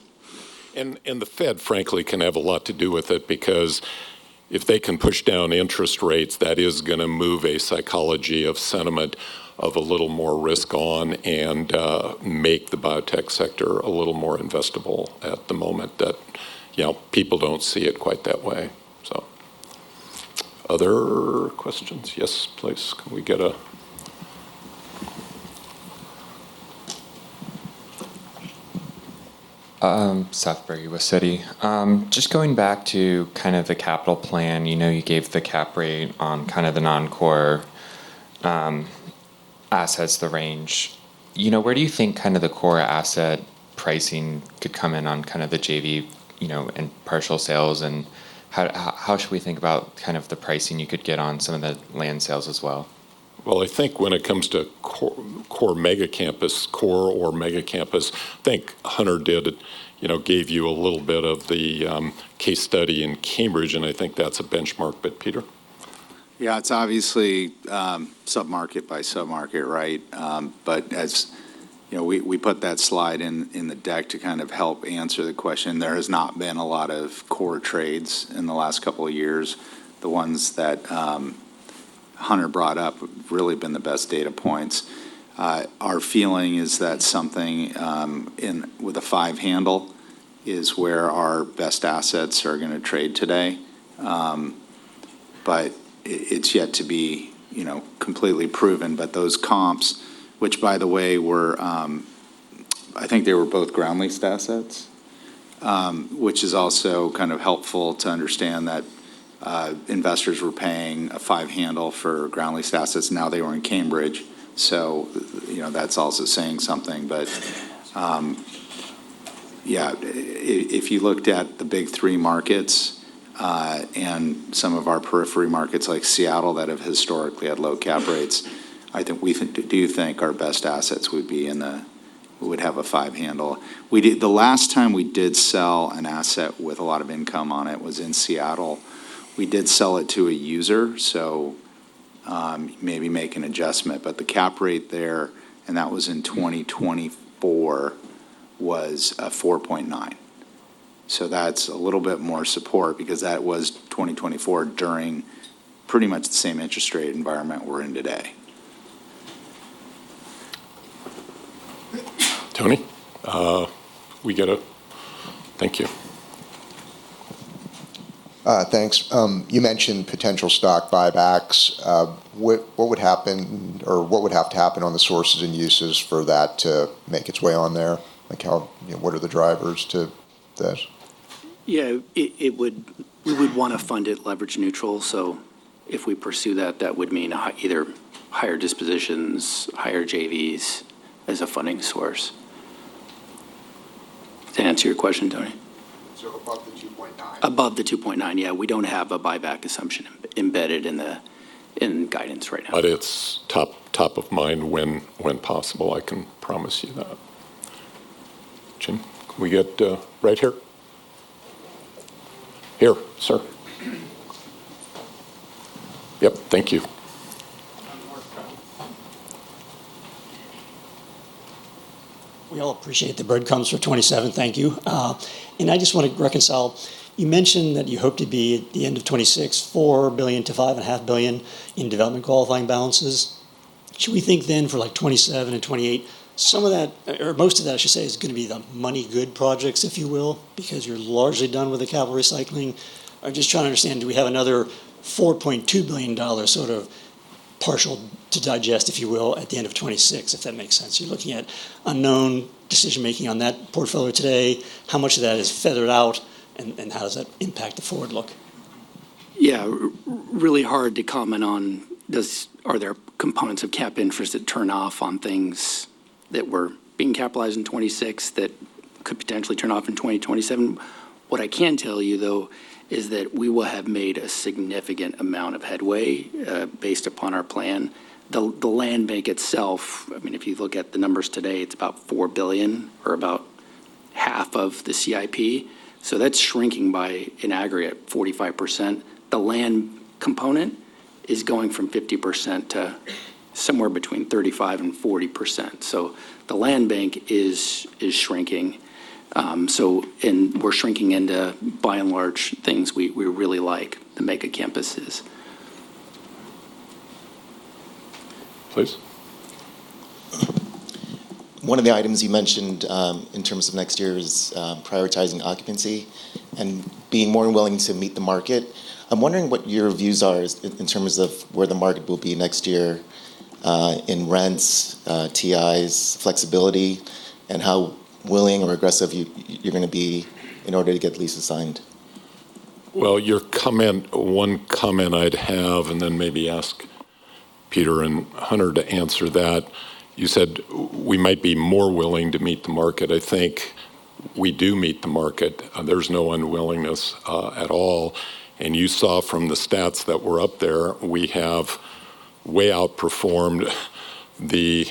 And the Fed, frankly, can have a lot to do with it because if they can push down interest rates, that is going to move a psychology of sentiment of a little more risk on and make the biotech sector a little more investable at the moment that people don't see it quite that way. So. Other questions? Yes, please. Can we get a? Southbury, West City. Just going back to kind of the capital plan, you gave the cap rate on kind of the non-core assets, the range. Where do you think kind of the core asset pricing could come in on kind of the JV and partial sales? And how should we think about kind of the pricing you could get on some of the land sales as well? I think when it comes to core mega campus, core or mega campus, I think Hunter did give you a little bit of the case study in Cambridge, and I think that's a benchmark. But Peter? Yeah, it's obviously sub-market by sub-market, right? But as we put that slide in the deck to kind of help answer the question, there has not been a lot of core trades in the last couple of years. The ones that Hunter brought up have really been the best data points. Our feeling is that something with a five handle is where our best assets are going to trade today. But it's yet to be completely proven. But those comps, which, by the way, I think they were both ground-leased assets, which is also kind of helpful to understand that investors were paying a five handle for ground-leased assets. Now they were in Cambridge. So that's also saying something. But yeah, if you looked at the big three markets and some of our periphery markets like Seattle that have historically had low cap rates, I think we do think our best assets would have a five handle. The last time we did sell an asset with a lot of income on it was in Seattle. We did sell it to a user, so maybe make an adjustment. But the cap rate there, and that was in 2024, was a 4.9%. So that's a little bit more support because that was 2024 during pretty much the same interest rate environment we're in today. Tony, we get it. Thank you. Thanks. You mentioned potential stock buybacks. What would happen or what would have to happen on the sources and uses for that to make its way on there? What are the drivers to that? Yeah, we would want to fund it leverage neutral. So if we pursue that, that would mean either higher dispositions, higher JVs as a funding source. To answer your question, Tony. So above the 2.9? Above the 2.9, yeah. We don't have a buyback assumption embedded in guidance right now. But it's top of mind when possible. I can promise you that. Jim? Can we get right here? Here, sir. Yep. Thank you. We all appreciate the guidance for 2027. Thank you. And I just want to reconcile. You mentioned that you hope to be at the end of 2026, $4 billion-$5.5 billion in development qualifying balances. Should we think then for 2027 and 2028, some of that, or most of that, I should say, is going to be the money good projects, if you will, because you're largely done with the capital recycling? I'm just trying to understand, do we have another $4.2 billion sort of portfolio to digest, if you will, at the end of 2026, if that makes sense? You're looking at unknown decision-making on that portfolio today. How much of that is factored out, and how does that impact the forward look? Yeah, really hard to comment on. Are there components of capitalized interest that turn off on things that were being capitalized in 2026 that could potentially turn off in 2027? What I can tell you, though, is that we will have made a significant amount of headway based upon our plan. The land bank itself, I mean, if you look at the numbers today, it's about $4 billion or about half of the CIP. So that's shrinking by an aggregate 45%. The land component is going from 50% to somewhere between 35% and 40%. So the land bank is shrinking, and we're shrinking into, by and large, things we really like, the mega campuses. Please. One of the items you mentioned in terms of next year is prioritizing occupancy and being more willing to meet the market. I'm wondering what your views are in terms of where the market will be next year in rents, TIs, flexibility, and how willing or aggressive you're going to be in order to get leases signed? One comment I'd have, and then maybe ask Peter and Hunter to answer that. You said we might be more willing to meet the market. I think we do meet the market. There's no unwillingness at all. And you saw from the stats that were up there, we have way outperformed the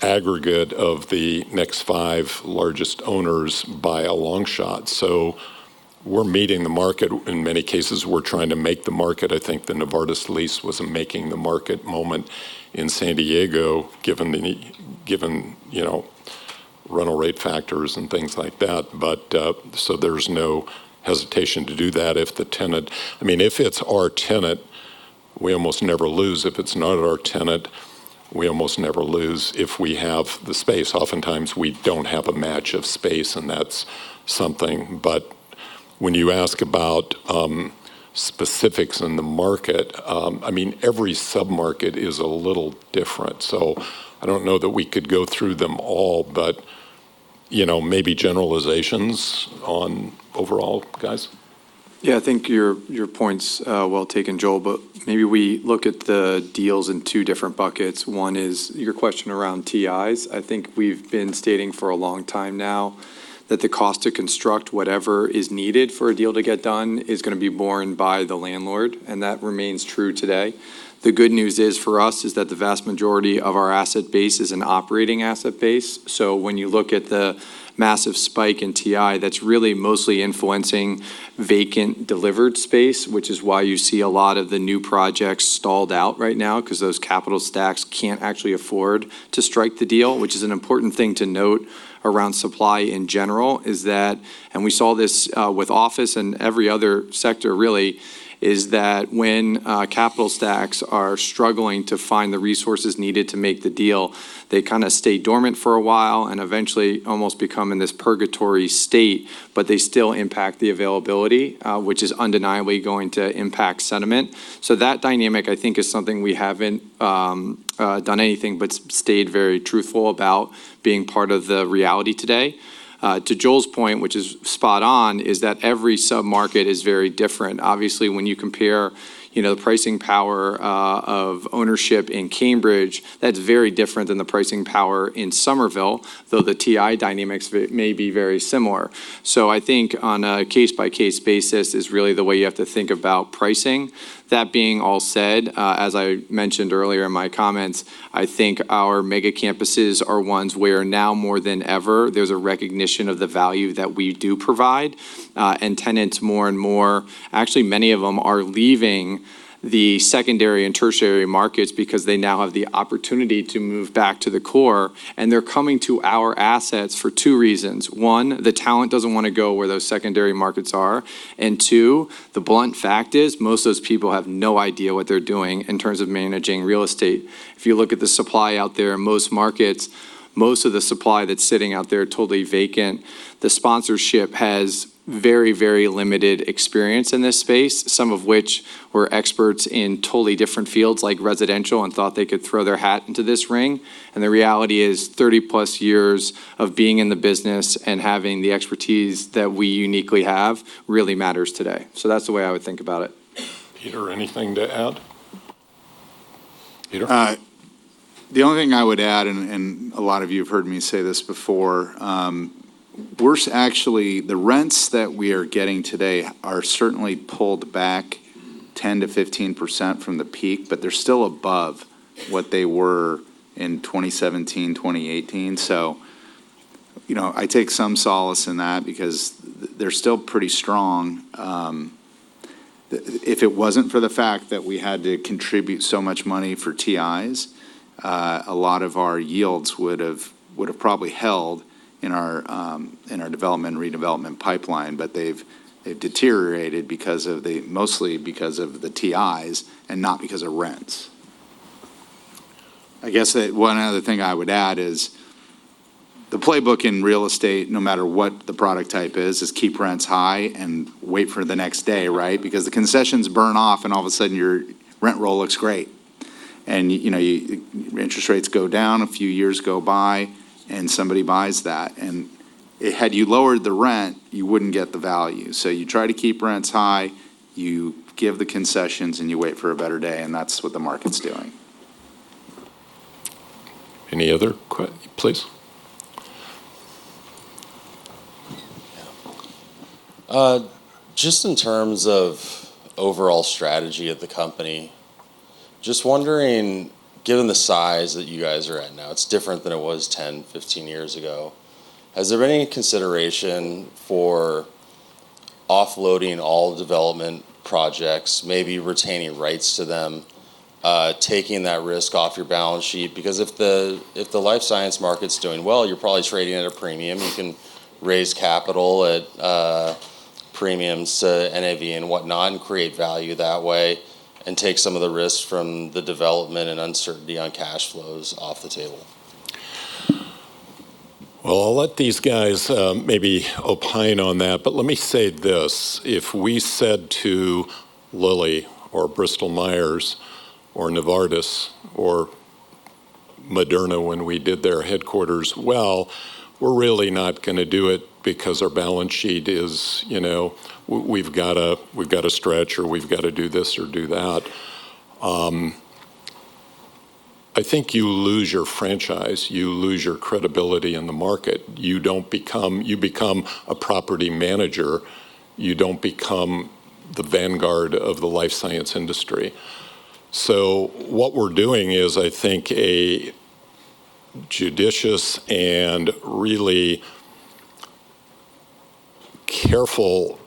aggregate of the next five largest owners by a long shot. So we're meeting the market. In many cases, we're trying to make the market. I think the Novartis lease was a making the market moment in San Diego, given rental rate factors and things like that. So there's no hesitation to do that if the tenant, I mean, if it's our tenant, we almost never lose. If it's not our tenant, we almost never lose if we have the space. Oftentimes, we don't have a match of space, and that's something. But when you ask about specifics in the market, I mean, every sub-market is a little different. So I don't know that we could go through them all, but maybe generalizations on overall, guys? Yeah, I think your points are well taken, Joel. But maybe we look at the deals in two different buckets. One is your question around TIs. I think we've been stating for a long time now that the cost to construct whatever is needed for a deal to get done is going to be borne by the landlord. And that remains true today. The good news for us is that the vast majority of our asset base is an operating asset base. So when you look at the massive spike in TI, that's really mostly influencing vacant delivered space, which is why you see a lot of the new projects stalled out right now because those capital stacks can't actually afford to strike the deal, which is an important thing to note around supply in general. We saw this with office and every other sector, really, is that when capital stacks are struggling to find the resources needed to make the deal, they kind of stay dormant for a while and eventually almost become in this purgatory state. But they still impact the availability, which is undeniably going to impact sentiment. So that dynamic, I think, is something we haven't done anything but stayed very truthful about being part of the reality today. To Joel's point, which is spot on, is that every sub-market is very different. Obviously, when you compare the pricing power of ownership in Cambridge, that's very different than the pricing power in Somerville, though the TI dynamics may be very similar. So I think on a case-by-case basis is really the way you have to think about pricing. That being all said, as I mentioned earlier in my comments, I think our mega campuses are ones where now more than ever, there's a recognition of the value that we do provide. Tenants, more and more, actually, many of them are leaving the secondary and tertiary markets because they now have the opportunity to move back to the core. And they're coming to our assets for two reasons. One, the talent doesn't want to go where those secondary markets are. And two, the blunt fact is most of those people have no idea what they're doing in terms of managing real estate. If you look at the supply out there, most markets, most of the supply that's sitting out there are totally vacant. The sponsors have very, very limited experience in this space, some of which were experts in totally different fields like residential and thought they could throw their hat into this ring, and the reality is 30-plus years of being in the business and having the expertise that we uniquely have really matters today, so that's the way I would think about it. Peter, anything to add? Peter? The only thing I would add, and a lot of you have heard me say this before, actually, the rents that we are getting today are certainly pulled back 10%-15% from the peak, but they're still above what they were in 2017, 2018. So I take some solace in that because they're still pretty strong. If it wasn't for the fact that we had to contribute so much money for TIs, a lot of our yields would have probably held in our development and redevelopment pipeline. But they've deteriorated mostly because of the TIs and not because of rents. I guess one other thing I would add is the playbook in real estate, no matter what the product type is, is keep rents high and wait for the next day, right? Because the concessions burn off, and all of a sudden, your rent roll looks great. Interest rates go down, a few years go by, and somebody buys that. Had you lowered the rent, you wouldn't get the value. You try to keep rents high, you give the concessions, and you wait for a better day. That's what the market's doing. Any other questions, please? Just in terms of overall strategy of the company, just wondering, given the size that you guys are at now, it's different than it was 10, 15 years ago. Has there been any consideration for offloading all development projects, maybe retaining rights to them, taking that risk off your balance sheet? Because if the life science market's doing well, you're probably trading at a premium. You can raise capital at premiums to NAV and whatnot and create value that way and take some of the risk from the development and uncertainty on cash flows off the table. I'll let these guys maybe opine on that. But let me say this. If we said to Lilly or Bristol Myers or Novartis or Moderna when we did their headquarters, "Well, we're really not going to do it because our balance sheet is we've got to stretch or we've got to do this or do that," I think you lose your franchise. You lose your credibility in the market. You become a property manager. You don't become the vanguard of the life science industry. So what we're doing is, I think, a judicious and really careful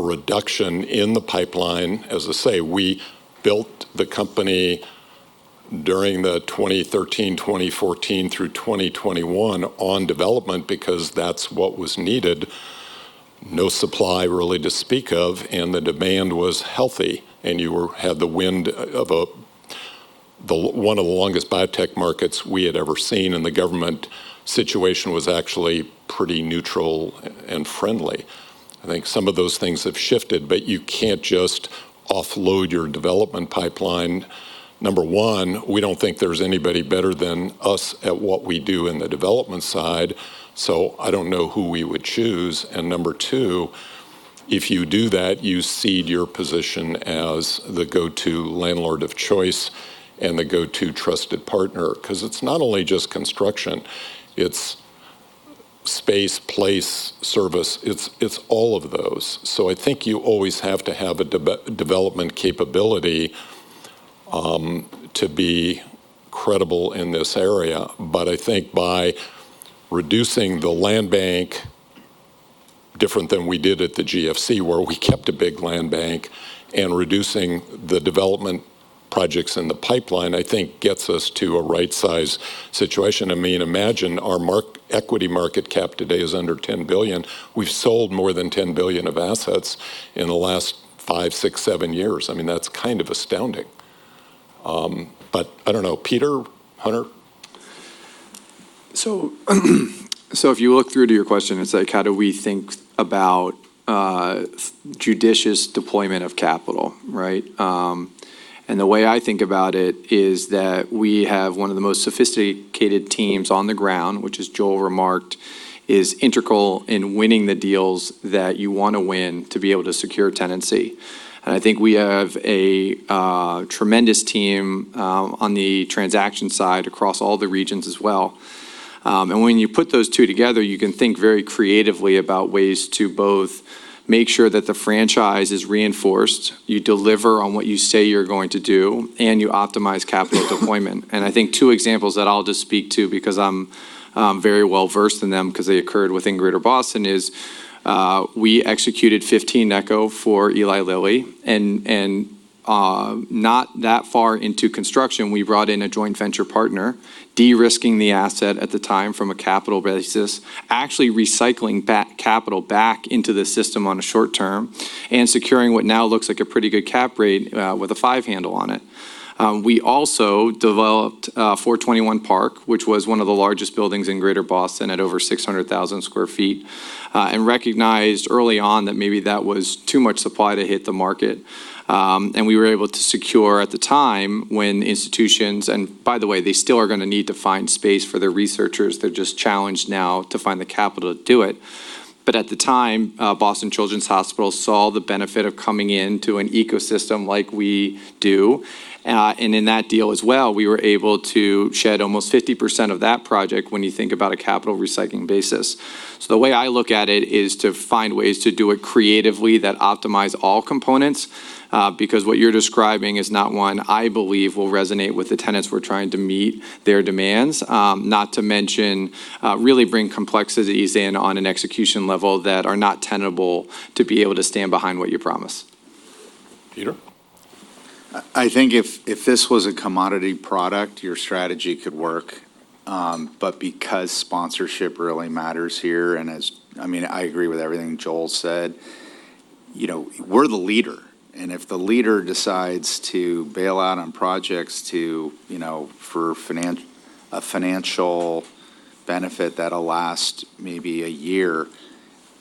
reduction in the pipeline. As I say, we built the company during the 2013, 2014 through 2021 on development because that's what was needed. No supply really to speak of. And the demand was healthy. And you had the wind of one of the longest biotech markets we had ever seen. And the government situation was actually pretty neutral and friendly. I think some of those things have shifted. But you can't just offload your development pipeline. Number one, we don't think there's anybody better than us at what we do in the development side. So I don't know who we would choose. And number two, if you do that, you cede your position as the go-to landlord of choice and the go-to trusted partner because it's not only just construction. It's space, place, service. It's all of those. So I think you always have to have a development capability to be credible in this area. But I think by reducing the land bank, different than we did at the GFC, where we kept a big land bank, and reducing the development projects in the pipeline, I think gets us to a right-sized situation. I mean, imagine our equity market cap today is under $10 billion. We've sold more than $10 billion of assets in the last five, six, seven years. I mean, that's kind of astounding. But I don't know. Peter, Hunter? So if you look through to your question, it's like, how do we think about judicious deployment of capital, right? And the way I think about it is that we have one of the most sophisticated teams on the ground, which, as Joel remarked, is integral in winning the deals that you want to win to be able to secure tenancy. And I think we have a tremendous team on the transaction side across all the regions as well. And when you put those two together, you can think very creatively about ways to both make sure that the franchise is reinforced, you deliver on what you say you're going to do, and you optimize capital deployment. And I think two examples that I'll just speak to because I'm very well versed in them because they occurred within Greater Boston is we executed 15 Necco for Eli Lilly. Not that far into construction, we brought in a joint venture partner, de-risking the asset at the time from a capital basis, actually recycling capital back into the system on a short term and securing what now looks like a pretty good cap rate with a five handle on it. We also developed 421 Park, which was one of the largest buildings in Greater Boston at over 600,000 sq ft, and recognized early on that maybe that was too much supply to hit the market. We were able to secure at the time when institutions, and by the way, they still are going to need to find space for their researchers. They're just challenged now to find the capital to do it. At the time, Boston Children's Hospital saw the benefit of coming into an ecosystem like we do. In that deal as well, we were able to shed almost 50% of that project when you think about a capital recycling basis. The way I look at it is to find ways to do it creatively that optimize all components because what you're describing is not one I believe will resonate with the tenants who are trying to meet their demands, not to mention really bring complexities in on an execution level that are not tenable to be able to stand behind what you promise. Peter? I think if this was a commodity product, your strategy could work. But because sponsorship really matters here and I mean, I agree with everything Joel said. We're the leader. And if the leader decides to bail out on projects for a financial benefit that'll last maybe a year,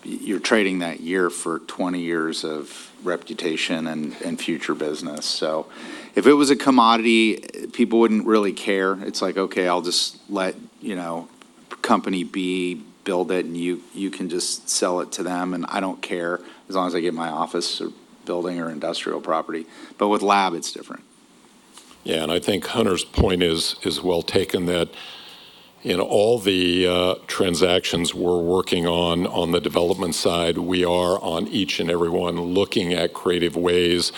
you're trading that year for 20 years of reputation and future business. So if it was a commodity, people wouldn't really care. It's like, "Okay, I'll just let company B build it, and you can just sell it to them. And I don't care as long as I get my office building or industrial property." But with lab, it's different. Yeah. And I think Hunter's point is well taken that in all the transactions we're working on, on the development side, we are on each and every one looking at creative ways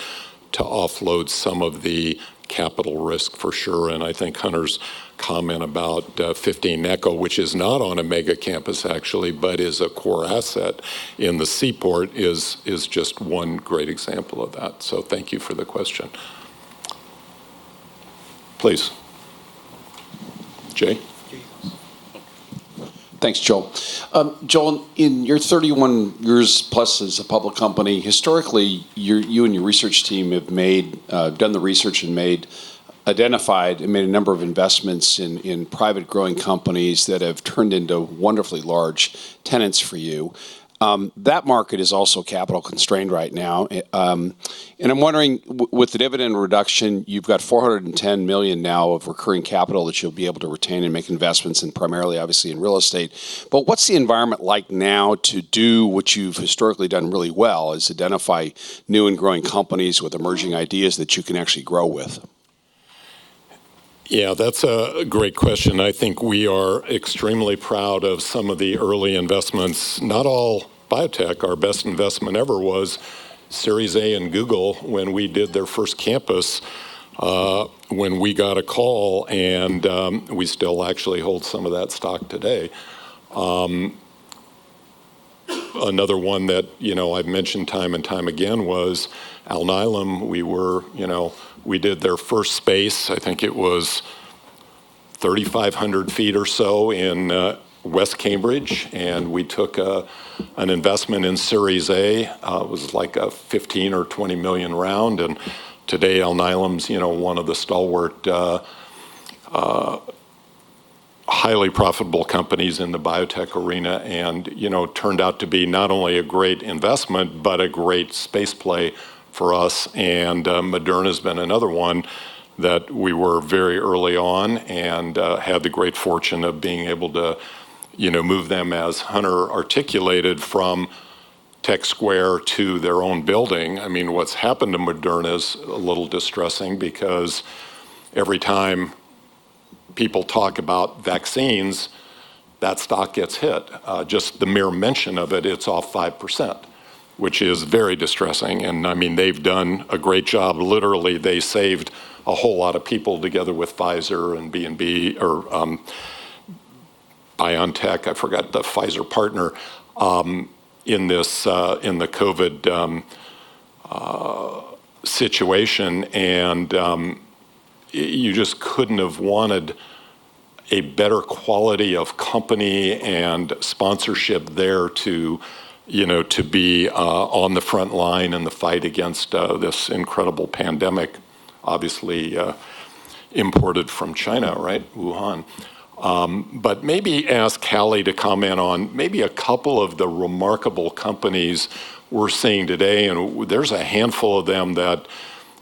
to offload some of the capital risk for sure. And I think Hunter's comment about 15 Necco, which is not on a mega campus actually, but is a core asset in the seaport, is just one great example of that. So thank you for the question. Please. Jay? Thanks, Joel. Joel, in your 31 years plus as a public company, historically, you and your research team have done the research and identified and made a number of investments in private growing companies that have turned into wonderfully large tenants for you. That market is also capital constrained right now. And I'm wondering, with the dividend reduction, you've got $410 million now of recurring capital that you'll be able to retain and make investments in primarily, obviously, in real estate. But what's the environment like now to do what you've historically done really well is identify new and growing companies with emerging ideas that you can actually grow with? Yeah, that's a great question. I think we are extremely proud of some of the early investments. Not all biotech. Our best investment ever was Series A in Google when we did their first campus when we got a call. And we still actually hold some of that stock today. Another one that I've mentioned time and time again was Alnylam. We did their first space. I think it was 3,500 sq ft or so in West Cambridge. And we took an investment in Series A. It was like a $15- or $20-million round. And today, Alnylam is one of the stalwart, highly profitable companies in the biotech arena. And it turned out to be not only a great investment, but a great space play for us. Moderna has been another one that we were very early on and had the great fortune of being able to move them, as Hunter articulated, from Tech Square to their own building. I mean, what's happened to Moderna is a little distressing because every time people talk about vaccines, that stock gets hit. Just the mere mention of it, it's off 5%, which is very distressing. And I mean, they've done a great job. Literally, they saved a whole lot of people together with Pfizer and BioNTech. I forgot the Pfizer partner in the COVID situation. And you just couldn't have wanted a better quality of company and sponsorship there to be on the front line in the fight against this incredible pandemic, obviously imported from China, right? Wuhan. But maybe ask Kelly to comment on maybe a couple of the remarkable companies we're seeing today. There's a handful of them that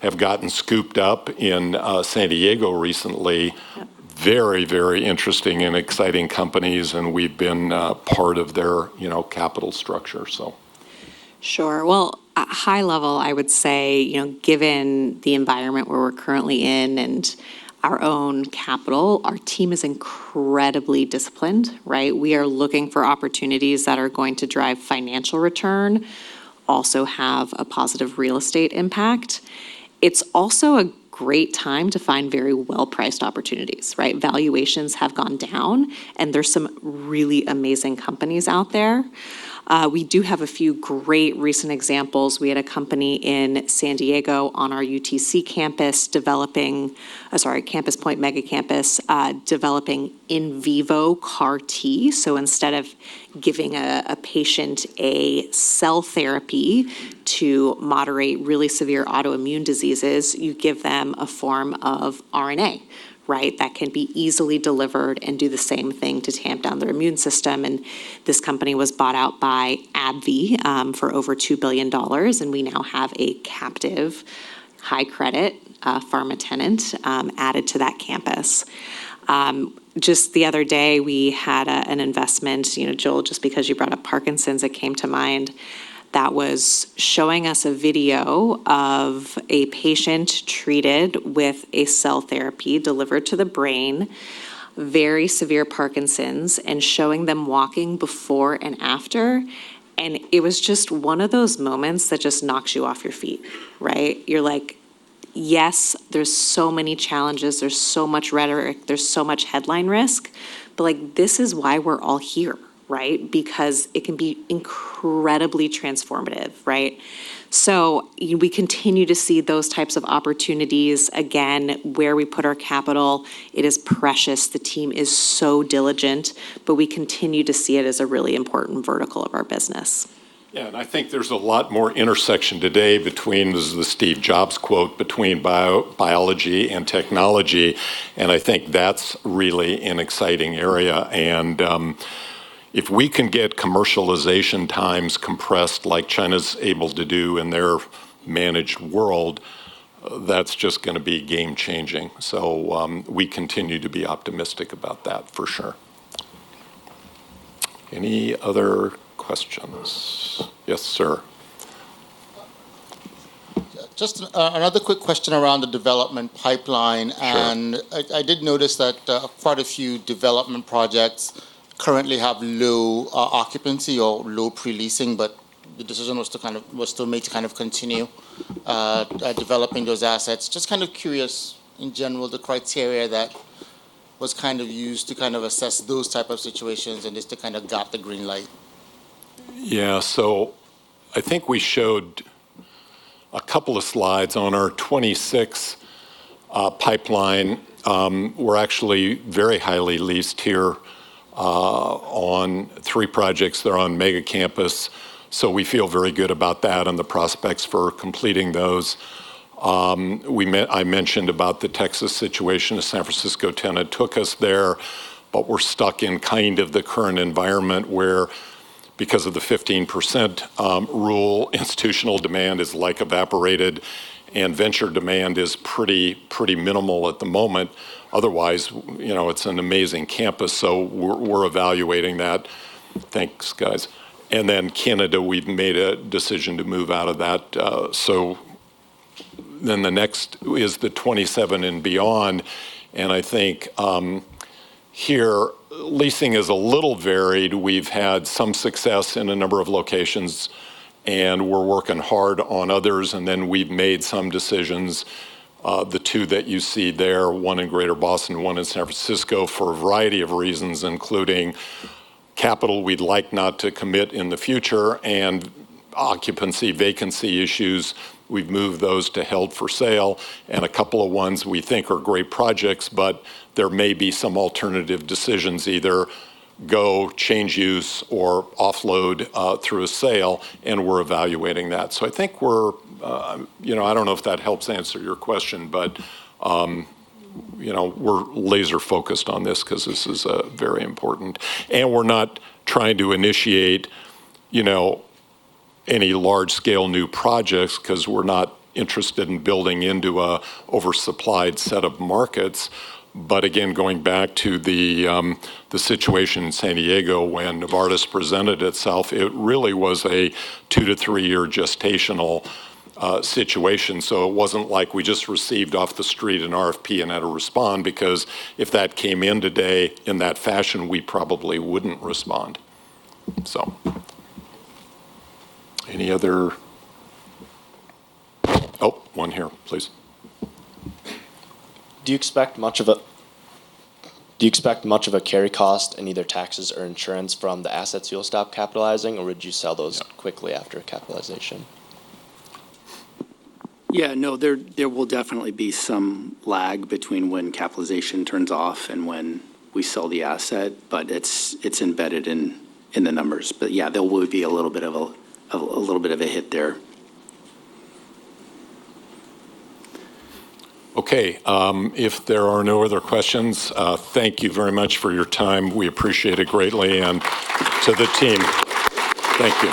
have gotten scooped up in San Diego recently. Very, very interesting and exciting companies. We've been part of their capital structure, so. Sure. Well, high level, I would say, given the environment where we're currently in and our own capital, our team is incredibly disciplined, right? We are looking for opportunities that are going to drive financial return, also have a positive real estate impact. It's also a great time to find very well-priced opportunities, right? Valuations have gone down, and there's some really amazing companies out there. We do have a few great recent examples. We had a company in San Diego on our UTC campus developing, sorry, Campus Point Mega Campus, developing in vivo CAR-T. So instead of giving a patient a cell therapy to moderate really severe autoimmune diseases, you give them a form of RNA, right? That can be easily delivered and do the same thing to tamp down their immune system. And this company was bought out by AbbVie for over $2 billion. We now have a captive, high-credit pharma tenant added to that campus. Just the other day, we had an investment. Joel, just because you brought up Parkinson's, it came to mind. That was showing us a video of a patient treated with a cell therapy delivered to the brain, very severe Parkinson's, and showing them walking before and after. And it was just one of those moments that just knocks you off your feet, right? You're like, "Yes, there's so many challenges. There's so much rhetoric. There's so much headline risk." But this is why we're all here, right? Because it can be incredibly transformative, right? So we continue to see those types of opportunities. Again, where we put our capital, it is precious. The team is so diligent. But we continue to see it as a really important vertical of our business. Yeah. And I think there's a lot more intersection today (this is the Steve Jobs quote) between biology and technology. And I think that's really an exciting area. And if we can get commercialization times compressed like China's able to do in their managed world, that's just going to be game-changing. So we continue to be optimistic about that for sure. Any other questions? Yes, sir. Just another quick question around the development pipeline and I did notice that quite a few development projects currently have low occupancy or low pre-leasing, but the decision was to kind of continue developing those assets. Just kind of curious, in general, the criteria that was kind of used to assess those types of situations and just kind of got the green light. Yeah. So I think we showed a couple of slides on our 26 pipeline. We're actually very highly leased here on three projects. They're on mega campus. So we feel very good about that and the prospects for completing those. I mentioned about the Texas situation. The San Francisco tenant took us there. But we're stuck in kind of the current environment where, because of the 15% rule, institutional demand is like evaporated, and venture demand is pretty minimal at the moment. Otherwise, it's an amazing campus. So we're evaluating that. Thanks, guys. And then Canada, we've made a decision to move out of that. So then the next is the 27 and beyond. And I think here, leasing is a little varied. We've had some success in a number of locations, and we're working hard on others. And then we've made some decisions. The two that you see there, one in Greater Boston, one in San Francisco, for a variety of reasons, including capital we'd like not to commit in the future and occupancy vacancy issues. We've moved those to held for sale and a couple of ones we think are great projects, but there may be some alternative decisions, either go, change use, or offload through a sale, and we're evaluating that, so I think we're—I don't know if that helps answer your question, but we're laser-focused on this because this is very important, and we're not trying to initiate any large-scale new projects because we're not interested in building into an oversupplied set of markets, but again, going back to the situation in San Diego when Novartis presented itself, it really was a two- to three-year gestational situation. So it wasn't like we just received off the street an RFP and had to respond because if that came in today in that fashion, we probably wouldn't respond, so. Any other, oh, one here, please. Do you expect much of a carry cost in either taxes or insurance from the assets you'll stop capitalizing, or would you sell those quickly after capitalization? Yeah. No, there will definitely be some lag between when capitalization turns off and when we sell the asset. But it's embedded in the numbers. But yeah, there will be a little bit of a hit there. Okay. If there are no other questions, thank you very much for your time. We appreciate it greatly. And to the team, thank you.